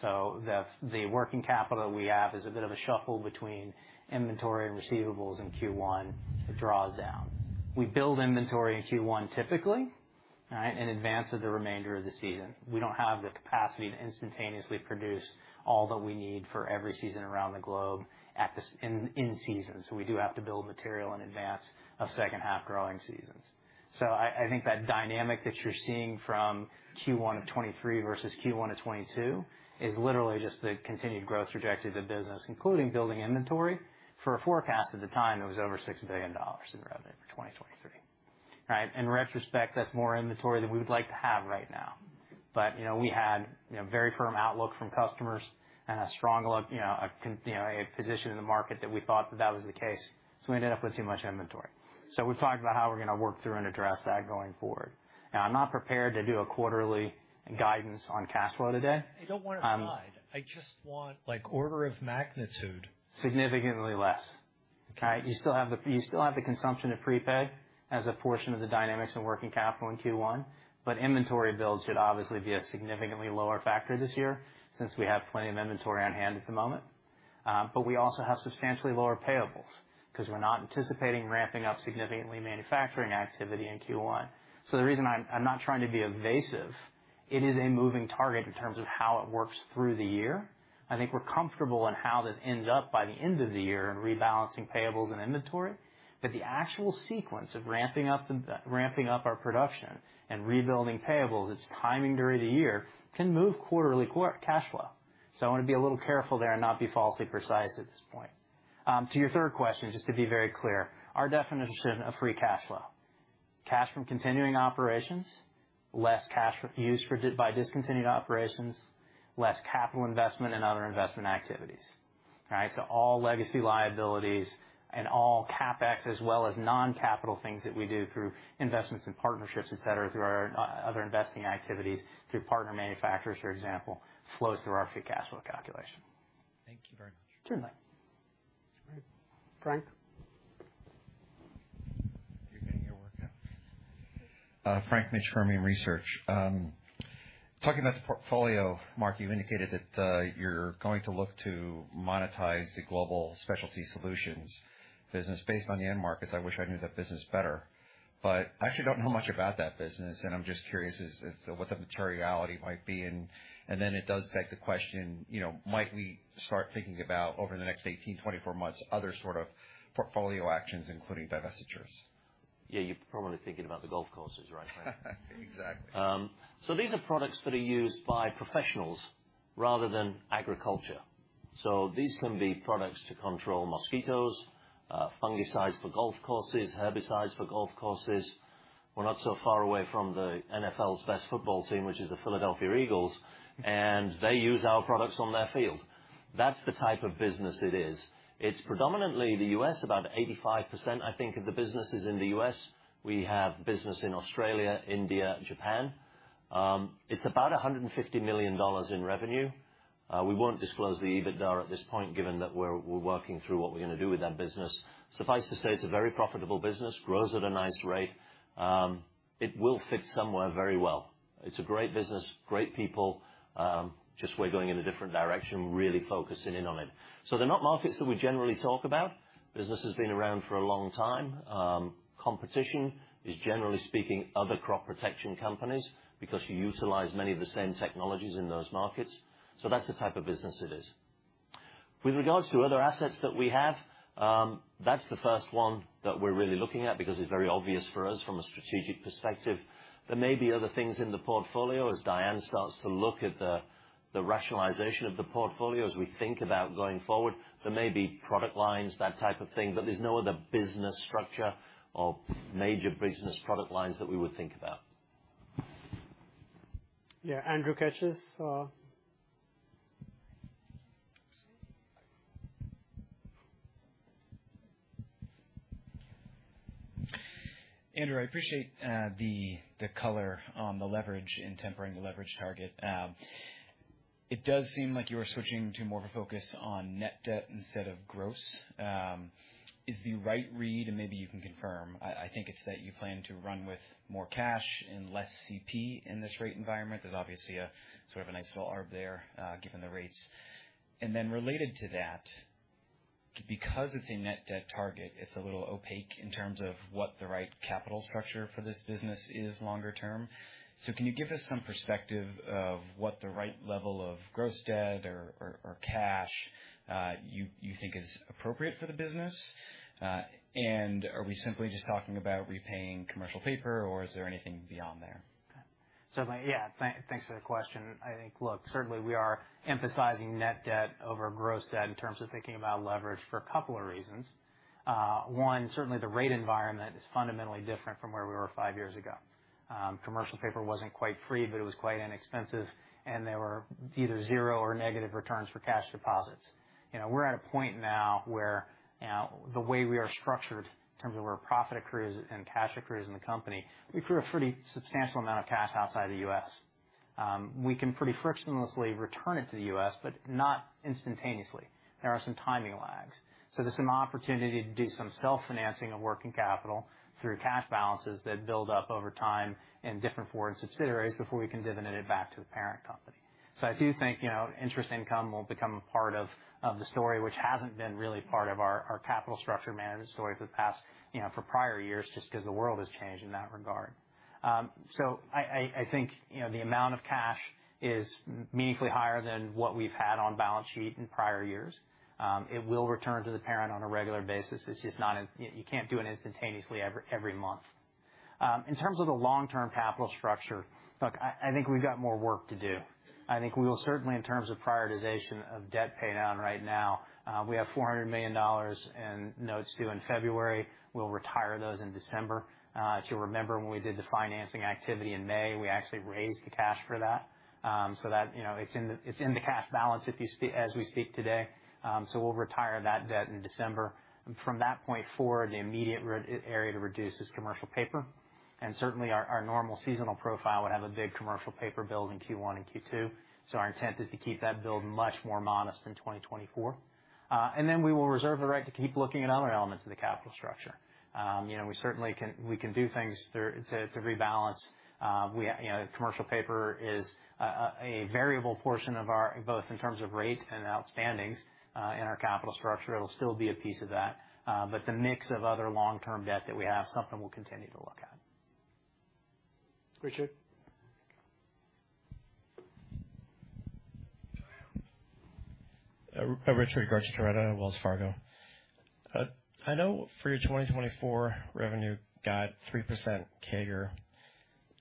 So the working capital we have is a bit of a shuffle between inventory and receivables in Q1. It draws down. We build inventory in Q1 typically, all right, in advance of the remainder of the season. We don't have the capacity to instantaneously produce all that we need for every season around the globe at this in season. So we do have to build material in advance of second half growing seasons. So I think that dynamic that you're seeing from Q1 of 2023 versus Q1 of 2022 is literally just the continued growth trajectory of the business, including building inventory for a forecast at the time that was over $6 billion in revenue for 2023. All right? In retrospect, that's more inventory than we would like to have right now, but, you know, we had, you know, very firm outlook from customers and a strong look, you know, a position in the market that we thought that that was the case, so we ended up with too much inventory. So we've talked about how we're gonna work through and address that going forward. Now, I'm not prepared to do a quarterly guidance on cash flow today. I don't want to guide. I just want, like, order of magnitude. Significantly less. Okay, you still have the consumption of prepaid as a portion of the dynamics in working capital in Q1, but inventory builds should obviously be a significantly lower factor this year since we have plenty of inventory on hand at the moment. But we also have substantially lower payables because we're not anticipating ramping up significantly manufacturing activity in Q1. So the reason I'm not trying to be evasive-... It is a moving target in terms of how it works through the year. I think we're comfortable in how this ends up by the end of the year in rebalancing payables and inventory, but the actual sequence of ramping up our production and rebuilding payables, its timing during the year, can move quarterly cash flow. So I wanna be a little careful there and not be falsely precise at this point. To your third question, just to be very clear, our definition of free cash flow, cash from continuing operations, less cash used by discontinued operations, less capital investment and other investment activities. All right? All legacy liabilities and all CapEx, as well as non-capital things that we do through investments and partnerships, et cetera, through our other investing activities, through partner manufacturers, for example, flows through our free cash flow calculation. Thank you very much. Sure. All right, Frank? Good evening, you're working. Frank Mitsch, Fermium Research. Talking about the portfolio, Mark, you indicated that you're going to look to monetize the Global Specialty Solutions business based on the end markets. I wish I knew that business better, but I actually don't know much about that business, and I'm just curious as to what the materiality might be. And then it does beg the question, you know, might we start thinking about over the next 18, 24 months, other sort of portfolio actions, including divestitures? Yeah, you're probably thinking about the golf courses, right? Exactly. So these are products that are used by professionals rather than agriculture. So these can be products to control mosquitoes, fungicides for golf courses, herbicides for golf courses. We're not so far away from the NFL's best football team, which is the Philadelphia Eagles, and they use our products on their field. That's the type of business it is. It's predominantly the US, about 85%, I think, of the business is in the US. We have business in Australia, India, and Japan. It's about $150 million in revenue. We won't disclose the EBITDA at this point, given that we're working through what we're gonna do with that business. Suffice to say, it's a very profitable business, grows at a nice rate. It will fit somewhere very well. It's a great business, great people, just we're going in a different direction, really focusing in on it. So they're not markets that we generally talk about. Business has been around for a long time. Competition is, generally speaking, other crop protection companies, because you utilize many of the same technologies in those markets. So that's the type of business it is. With regards to other assets that we have, that's the first one that we're really looking at because it's very obvious for us from a strategic perspective. There may be other things in the portfolio as Diane starts to look at the, the rationalization of the portfolio as we think about going forward. There may be product lines, that type of thing, but there's no other business structure or major business product lines that we would think about. Yeah. Andrew Ketches... Andrew, I appreciate the color on the leverage and tempering the leverage target. It does seem like you are switching to more of a focus on net debt instead of gross. Is the right read, and maybe you can confirm? I think it's that you plan to run with more cash and less CP in this rate environment. There's obviously a sort of a nice little arb there, given the rates. And then related to that, because it's a net debt target, it's a little opaque in terms of what the right capital structure for this business is longer term. So can you give us some perspective of what the right level of gross debt or cash you think is appropriate for the business? Are we simply just talking about repaying commercial paper, or is there anything beyond there? So, yeah, thanks for the question. I think, look, certainly we are emphasizing net debt over gross debt in terms of thinking about leverage for a couple of reasons. One, certainly the rate environment is fundamentally different from where we were five years ago. Commercial paper wasn't quite free, but it was quite inexpensive, and there were either zero or negative returns for cash deposits. You know, we're at a point now where, you know, the way we are structured in terms of where profit accrues and cash accrues in the company, we accrue a pretty substantial amount of cash outside the U.S. We can pretty frictionlessly return it to the U.S., but not instantaneously. There are some timing lags. So this is an opportunity to do some self-financing of working capital through cash balances that build up over time in different foreign subsidiaries before we can dividend it back to the parent company. So I do think, you know, interest income will become a part of the story, which hasn't been really part of our capital structure management story for the past, you know, for prior years, just 'cause the world has changed in that regard. So I think, you know, the amount of cash is meaningfully higher than what we've had on balance sheet in prior years. It will return to the parent on a regular basis. It's just not in... You can't do it instantaneously every month. In terms of the long-term capital structure, look, I think we've got more work to do. I think we will certainly, in terms of prioritization of debt paydown right now, we have $400 million in notes due in February. We'll retire those in December. If you remember, when we did the financing activity in May, we actually raised the cash for that. So that, you know, it's in the cash balance, as we speak today. So we'll retire that debt in December, and from that point forward, the immediate area to reduce is commercial paper. And certainly, our normal seasonal profile would have a big commercial paper build in Q1 and Q2, so our intent is to keep that build much more modest in 2024. And then we will reserve the right to keep looking at other elements of the capital structure. You know, we certainly can, we can do things through to, to rebalance. We, you know, commercial paper is-... a variable portion of our, both in terms of rate and outstandings, in our capital structure, it'll still be a piece of that. But the mix of other long-term debt that we have, something we'll continue to look at. Richard? Richard Garchitorena, Wells Fargo. I know for your 2024 revenue guide, 3% CAGR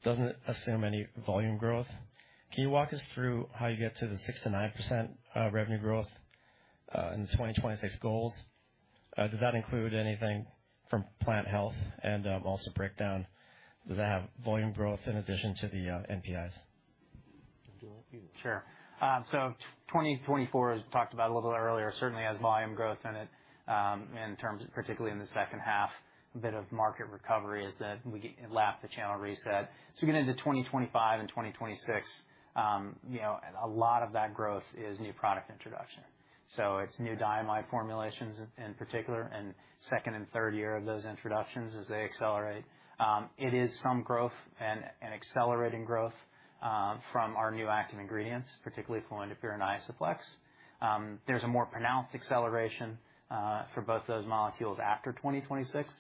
doesn't assume any volume growth. Can you walk us through how you get to the 6%-9% revenue growth in the 2026 goals? Does that include anything from Plant Health? And, also break down, does that have volume growth in addition to the NPIs? Andrew, you. Sure. So 2024, as we talked about a little bit earlier, certainly has volume growth in it. In terms of particularly in the second half, a bit of market recovery as we lap the channel reset. So we get into 2025 and 2026, you know, a lot of that growth is new product introduction. So it's new diamide formulations in particular, and second and third year of those introductions as they accelerate. It is some growth and accelerating growth from our new active ingredients, particularly fluindapyr and Isoflex. There's a more pronounced acceleration for both those molecules after 2026.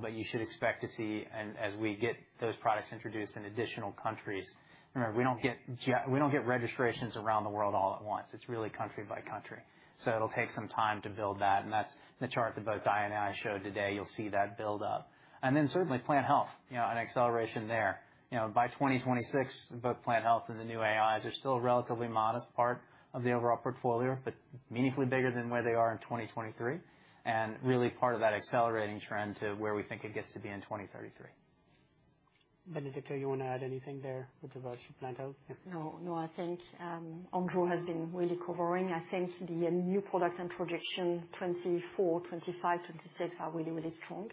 But you should expect to see, and as we get those products introduced in additional countries, remember, we don't get registrations around the world all at once. It's really country by country. So it'll take some time to build that, and that's the chart that both Diane and I showed today. You'll see that build up. And then certainly Plant Health, you know, an acceleration there. You know, by 2026, both Plant Health and the new AIs are still a relatively modest part of the overall portfolio, but meaningfully bigger than where they are in 2023. And really part of that accelerating trend to where we think it gets to be in 2033. Bénédicte, you want to add anything there with regards to Plant Health? No, no, I think Andrew has been really covering. I think the new product and projections 2024, 2025, 2026 are really, really strong.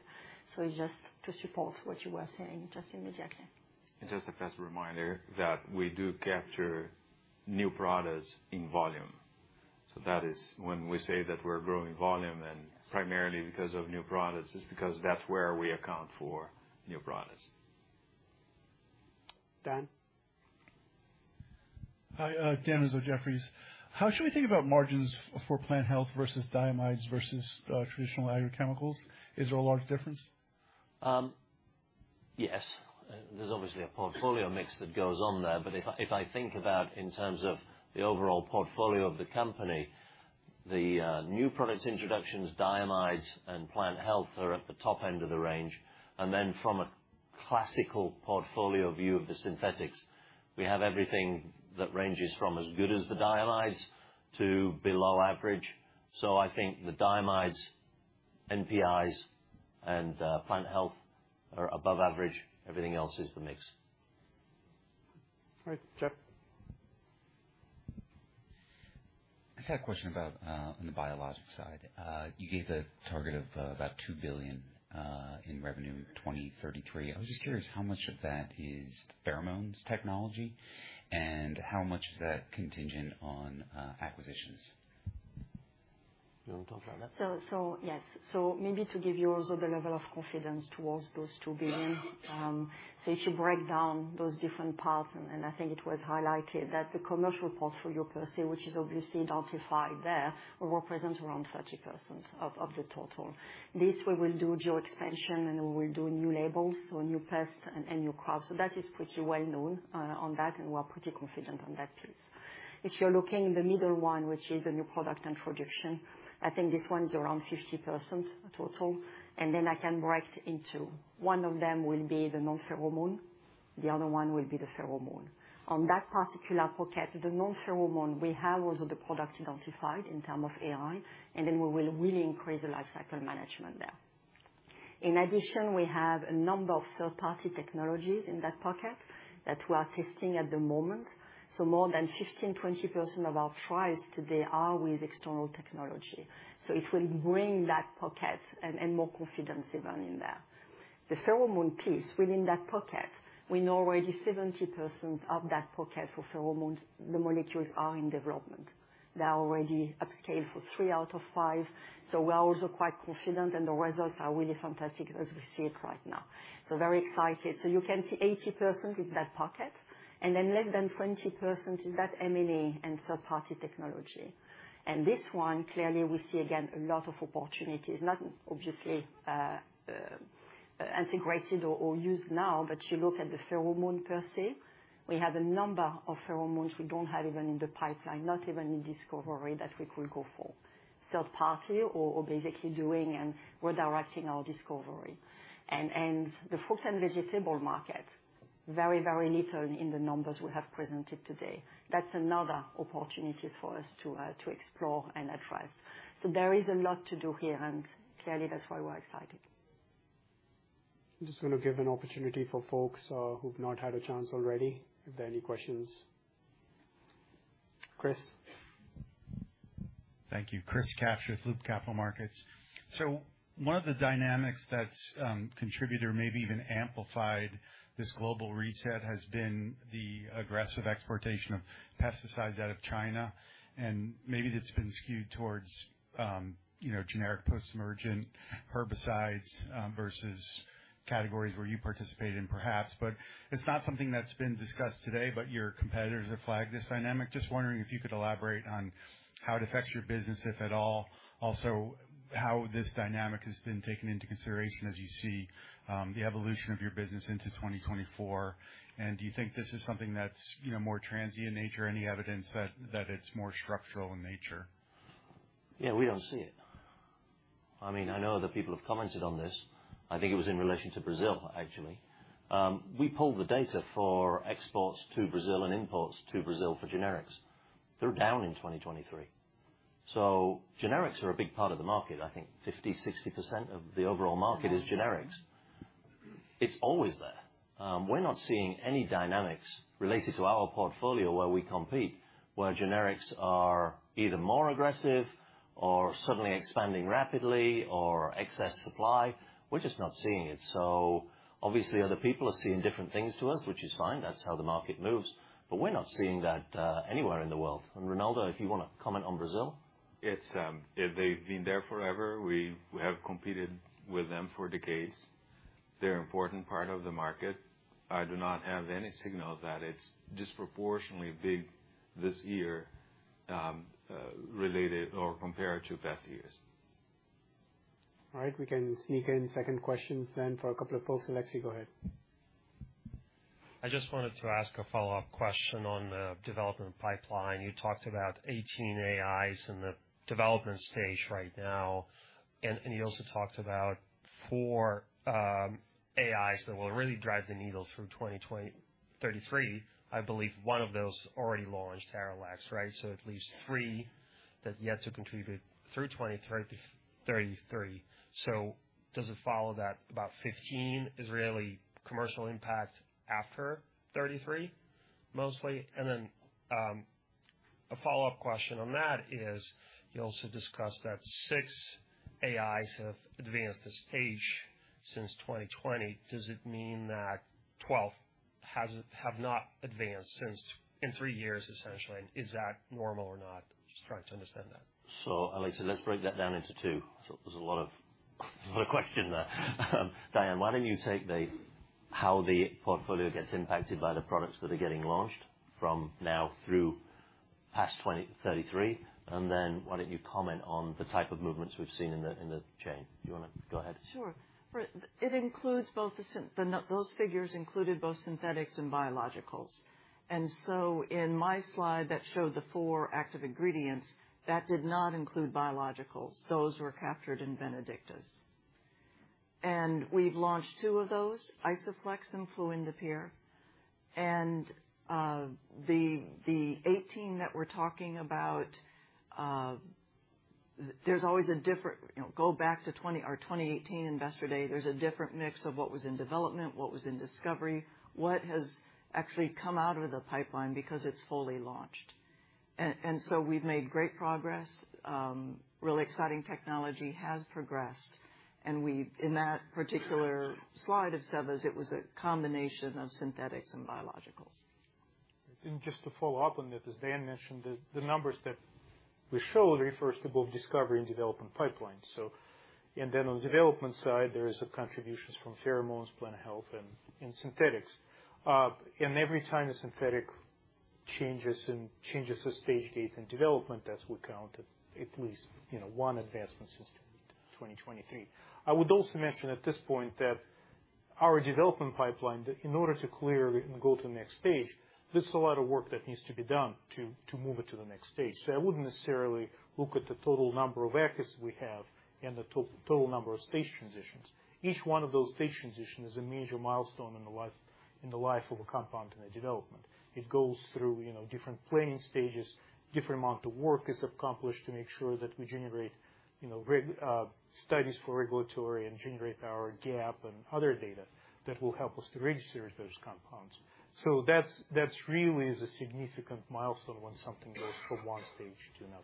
So it's just to support what you were saying, just exactly. Just as a reminder that we do capture new products in volume. That is when we say that we're growing volume, and primarily because of new products, it's because that's where we account for new products. Dan? Hi, Dan Ives, Jefferies. How should we think about margins for Plant Health versus diamides versus traditional agrochemicals? Is there a large difference? Yes. There's obviously a portfolio mix that goes on there, but if I, if I think about in terms of the overall portfolio of the company, the new products introductions, diamides, and Plant Health are at the top end of the range. And then from a classical portfolio view of the synthetics, we have everything that ranges from as good as the diamides to below average. So I think the diamides, NPIs, and Plant Health are above average. Everything else is the mix. All right. Jeff? I just had a question about on the biological side. You gave the target of about $2 billion in revenue 2033. I was just curious, how much of that is pheromones technology, and how much is that contingent on acquisitions? You want to talk about that? Yes. So maybe to give you also the level of confidence towards those $2 billion. So if you break down those different paths, and I think it was highlighted, that the commercial portfolio per se, which is obviously identified there, will represent around 30% of the total. This, we will do geo expansion, and we will do new labels, so new pests and new crops. So that is pretty well known on that, and we are pretty confident on that piece. If you're looking in the middle one, which is the new product introduction, I think this one is around 50% total, and then I can break into one of them will be the non-pheromone, the other one will be the pheromone. On that particular pocket, the non-pheromone, we have also the product identified in term of AI, and then we will really increase the lifecycle management there. In addition, we have a number of third-party technologies in that pocket that we are testing at the moment. So more than 15%-20% of our trials today are with external technology. So it will bring that pocket and more confidence even in there. The pheromone piece, within that pocket, we know already 70% of that pocket for pheromones, the molecules are in development. They are already upscaled for 3 out of 5, so we are also quite confident, and the results are really fantastic as we see it right now. So very excited. So you can see 80% is that pocket, and then less than 20% is that M&A and third-party technology. This one, clearly, we see again, a lot of opportunities, not obviously, integrated or used now, but you look at the pheromone per se. We have a number of pheromones we don't have even in the pipeline, not even in discovery, that we could go for. Third party or basically doing and redirecting our discovery. And the fruit and vegetable market, very, very little in the numbers we have presented today. That's another opportunity for us to explore and address. So there is a lot to do here, and clearly, that's why we're excited. I'm just going to give an opportunity for folks who've not had a chance already, if there are any questions. Chris? Thank you. Chris Kapsch with Loop Capital Markets. So one of the dynamics that's contributed or maybe even amplified this global reset has been the aggressive exportation of pesticides out of China, and maybe it's been skewed towards you know, generic post-emergent herbicides versus categories where you participate in, perhaps. But it's not something that's been discussed today, but your competitors have flagged this dynamic. Just wondering if you could elaborate on how it affects your business, if at all. Also, how this dynamic has been taken into consideration as you see the evolution of your business into 2024. And do you think this is something that's you know, more transient in nature? Any evidence that it's more structural in nature? Yeah, we don't see it. I mean, I know other people have commented on this. I think it was in relation to Brazil, actually. We pulled the data for exports to Brazil and imports to Brazil for generics. They're down in 2023. So generics are a big part of the market. I think 50%-60% of the overall market is generics. It's always there. We're not seeing any dynamics related to our portfolio where we compete, where generics are either more aggressive or suddenly expanding rapidly or excess supply. We're just not seeing it. So obviously, other people are seeing different things to us, which is fine. That's how the market moves. But we're not seeing that anywhere in the world. And Ronaldo, if you wanna comment on Brazil? It's, they've been there forever. We have competed with them for decades. They're an important part of the market. I do not have any signal that it's disproportionately big this year, related or compared to past years. All right, we can sneak in second questions then for a couple of folks. Aleksey, go ahead. I just wanted to ask a follow-up question on the development pipeline. You talked about 18 AIs in the development stage right now, and you also talked about 4 AIs that will really drive the needle through 2020-2033. I believe one of those already launched, Arylex, right? So it leaves 3 that are yet to contribute through 2033. So does it follow that about 15 is really commercial impact after 2033, mostly? And then, a follow-up question on that is, you also discussed that 6 AIs have advanced the stage since 2020. Does it mean that 12 has, have not advanced since, in 3 years, essentially? Is that normal or not? Just trying to understand that. Alexi, let's break that down into two. There's a lot of question there. Diane, why don't you take how the portfolio gets impacted by the products that are getting launched from now through past 2033, and then why don't you comment on the type of movements we've seen in the chain? Do you wanna go ahead? Sure. It includes both the synthetics and biologicals. Those figures included both synthetics and biologicals. And so in my slide that showed the 4 active ingredients, that did not include biologicals. Those were captured in Bénédicte's. And we've launched 2 of those, Isoflex and fluindapyr. And the 18 that we're talking about, there's always a different mix. You know, go back to 20, our 2018 Investor Day, there's a different mix of what was in development, what was in discovery, what has actually come out of the pipeline because it's fully launched. And so we've made great progress, really exciting technology has progressed, and we've in that particular slide of Seva's, it was a combination of synthetics and biologicals. Just to follow up on that, as Dan mentioned, the numbers that we show refers to both discovery and development pipeline, so. Then on the development side, there is contributions from pheromones, Plant Health, and synthetics. And every time the synthetic changes the stage gate in development, as we count it, at least, you know, one advancement since 2023. I would also mention at this point that our development pipeline, that in order to clear it and go to the next stage, there's a lot of work that needs to be done to move it to the next stage. So I wouldn't necessarily look at the total number of ACREs we have and the total number of stage transitions. Each one of those stage transition is a major milestone in the life of a compound in a development. It goes through, you know, different planning stages, different amount of work is accomplished to make sure that we generate, you know, studies for regulatory and generate our gap and other data that will help us to register those compounds. So that's, that's really is a significant milestone when something goes from one stage to another.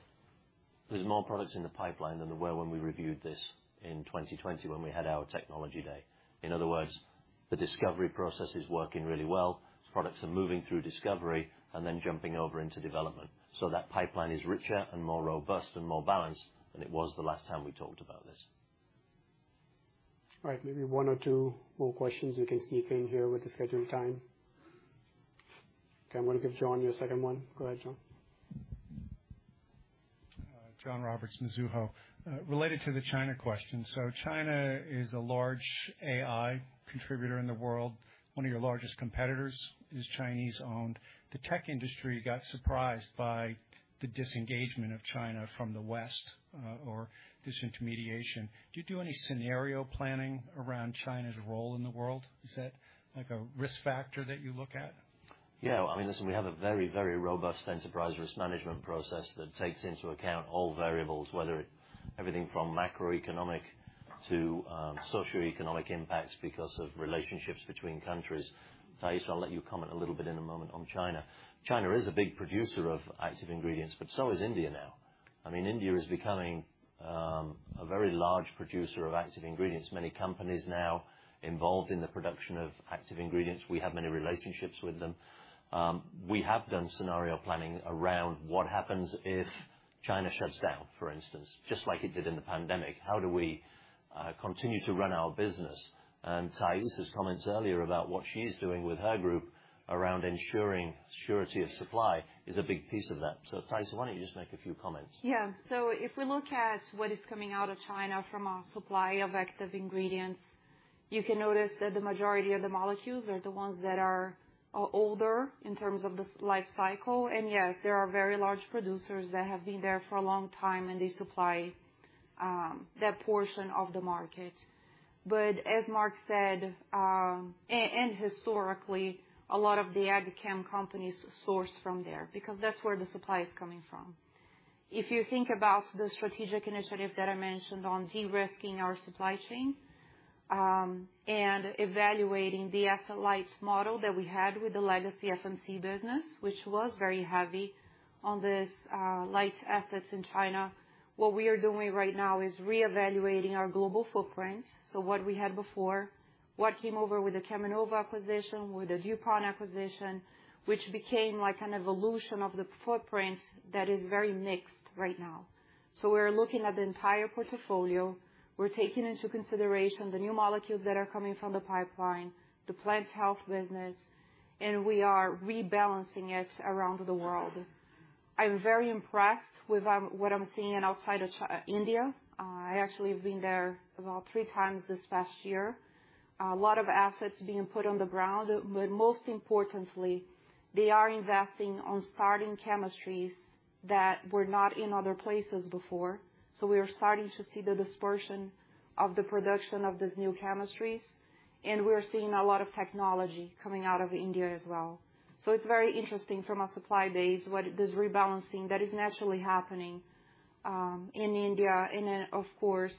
There's more products in the pipeline than there were when we reviewed this in 2020, when we had our Technology Day. In other words, the discovery process is working really well. Products are moving through discovery and then jumping over into development. So that pipeline is richer and more robust and more balanced than it was the last time we talked about this. All right, maybe one or two more questions we can sneak in here with the scheduled time. Okay, I'm going to give John your second one. Go ahead, John. John Roberts from Mizuho. Related to the China question. China is a large AI contributor in the world. One of your largest competitors is Chinese-owned. The tech industry got surprised by the disengagement of China from the West, or disintermediation. Do you do any scenario planning around China's role in the world? Is that like a risk factor that you look at? Yeah. I mean, listen, we have a very, very robust enterprise risk management process that takes into account all variables, everything from macroeconomic to socioeconomic impacts because of relationships between countries. Raissa, I'll let you comment a little bit in a moment on China. China is a big producer of active ingredients, but so is India now. I mean, India is becoming a very large producer of active ingredients. Many companies now involved in the production of active ingredients, we have many relationships with them. We have done scenario planning around what happens if China shuts down, for instance, just like it did in the pandemic, how do we continue to run our business? And Raissa's comments earlier about what she's doing with her group around ensuring surety of supply is a big piece of that. Raissa, why don't you just make a few comments? Yeah. So if we look at what is coming out of China from a supply of active ingredients, you can notice that the majority of the molecules are the ones that are older in terms of the life cycle. And yes, there are very large producers that have been there for a long time, and they supply that portion of the market. But as Mark said, and historically, a lot of the ag chem companies source from there because that's where the supply is coming from. If you think about the strategic initiative that I mentioned on de-risking our supply chain, and evaluating the asset-light model that we had with the legacy FMC business, which was very heavy on this light assets in China, what we are doing right now is reevaluating our global footprint. So what we had before, what came over with the Cheminova acquisition, with the DuPont acquisition, which became like an evolution of the footprint that is very mixed right now. So we're looking at the entire portfolio. We're taking into consideration the new molecules that are coming from the pipeline, the Plant Health business, and we are rebalancing it around the world. I'm very impressed with what I'm seeing in and outside of China, India. I actually have been there about three times this past year. A lot of assets being put on the ground, but most importantly, they are investing on starting chemistries that were not in other places before. So we are starting to see the dispersion of the production of these new chemistries, and we are seeing a lot of technology coming out of India as well. So it's very interesting from a supply base, what... This rebalancing that is naturally happening, in India, and then, of course,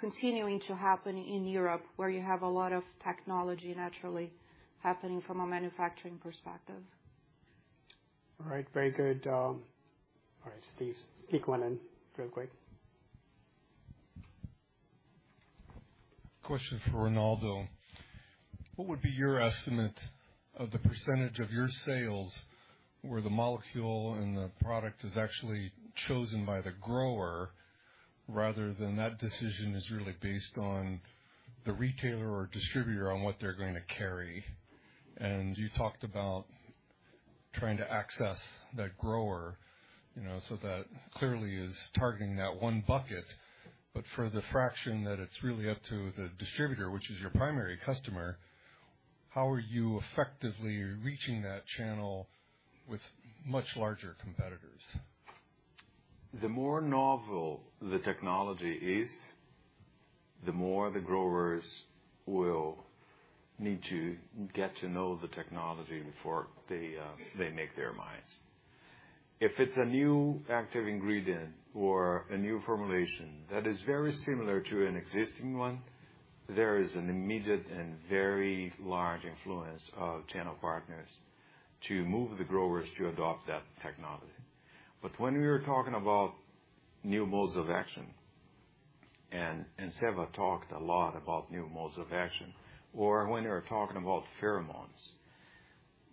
continuing to happen in Europe, where you have a lot of technology naturally happening from a manufacturing perspective. All right, very good. All right, Steve, sneak one in real quick. Question for Ronaldo. What would be your estimate of the percentage of your sales, where the molecule and the product is actually chosen by the grower, rather than that decision is really based on the retailer or distributor on what they're going to carry? And you talked about trying to access that grower, you know, so that clearly is targeting that one bucket. But for the fraction that it's really up to the distributor, which is your primary customer, how are you effectively reaching that channel with much larger competitors? The more novel the technology is, the more the growers will need to get to know the technology before they, they make their minds. If it's a new active ingredient or a new formulation that is very similar to an existing one, there is an immediate and very large influence of channel partners to move the growers to adopt that technology. But when we are talking about new modes of action, and, and Seva talked a lot about new modes of action, or when they are talking about pheromones,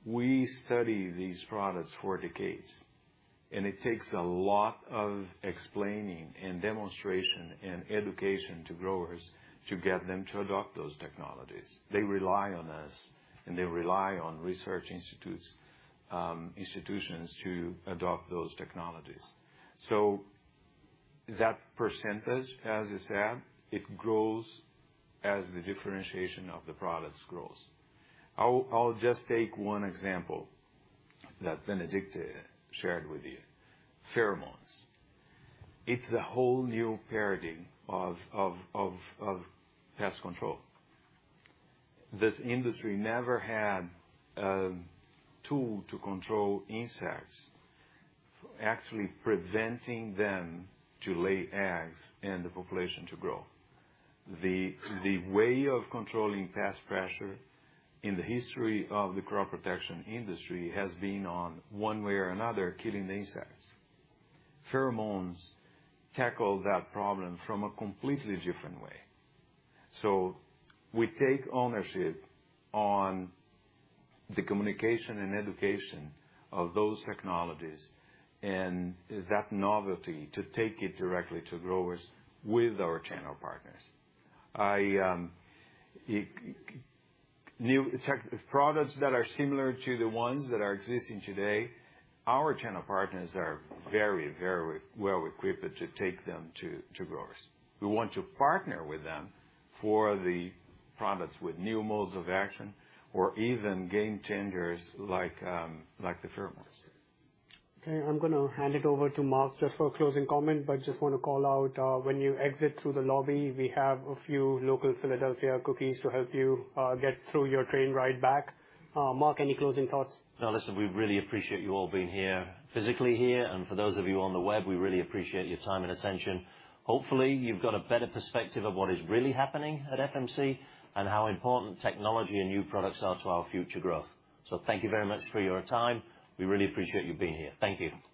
we study these products for decades, and it takes a lot of explaining and demonstration and education to growers to get them to adopt those technologies. They rely on us, and they rely on research institutes, institutions to adopt those technologies. So that percentage, as you said, it grows as the differentiation of the products grows. I'll just take one example that Bénédicte shared with you. Pheromones. It's a whole new paradigm of pest control. This industry never had a tool to control insects, actually preventing them to lay eggs and the population to grow. The way of controlling pest pressure in the history of the crop protection industry has been, one way or another, killing the insects. Pheromones tackle that problem from a completely different way. So we take ownership on the communication and education of those technologies and that novelty to take it directly to growers with our channel partners. I, high-tech products that are similar to the ones that are existing today, our channel partners are very, very well equipped to take them to growers. We want to partner with them for the products with new modes of action or even game changers like, like the pheromones. Okay, I'm gonna hand it over to Mark just for a closing comment, but just wanna call out, when you exit through the lobby, we have a few local Philadelphia cookies to help you get through your train ride back. Mark, any closing thoughts? No, listen, we really appreciate you all being here, physically here, and for those of you on the web, we really appreciate your time and attention. Hopefully, you've got a better perspective of what is really happening at FMC and how important technology and new products are to our future growth. So thank you very much for your time. We really appreciate you being here. Thank you. Thank you.